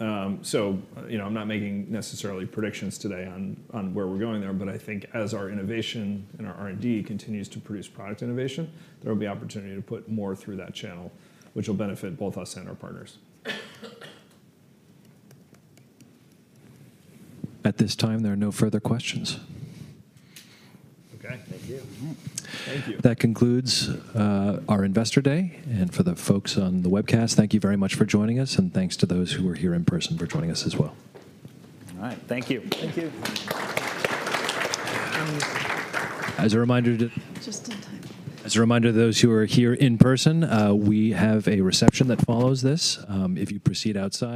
You know, I'm not making necessarily predictions today on where we're going there, but I think as our innovation and our R&D continues to produce product innovation, there will be opportunity to put more through that channel, which will benefit both us and our partners. At this time, there are no further questions. Okay. Thank you. Thank you. That concludes our Investor Day. For the folks on the webcast, thank you very much for joining us, and thanks to those who are here in person for joining us as well. All right. Thank you. Thank you. As a reminder. Just in time. As a reminder to those who are here in person, we have a reception that follows this. If you proceed outside.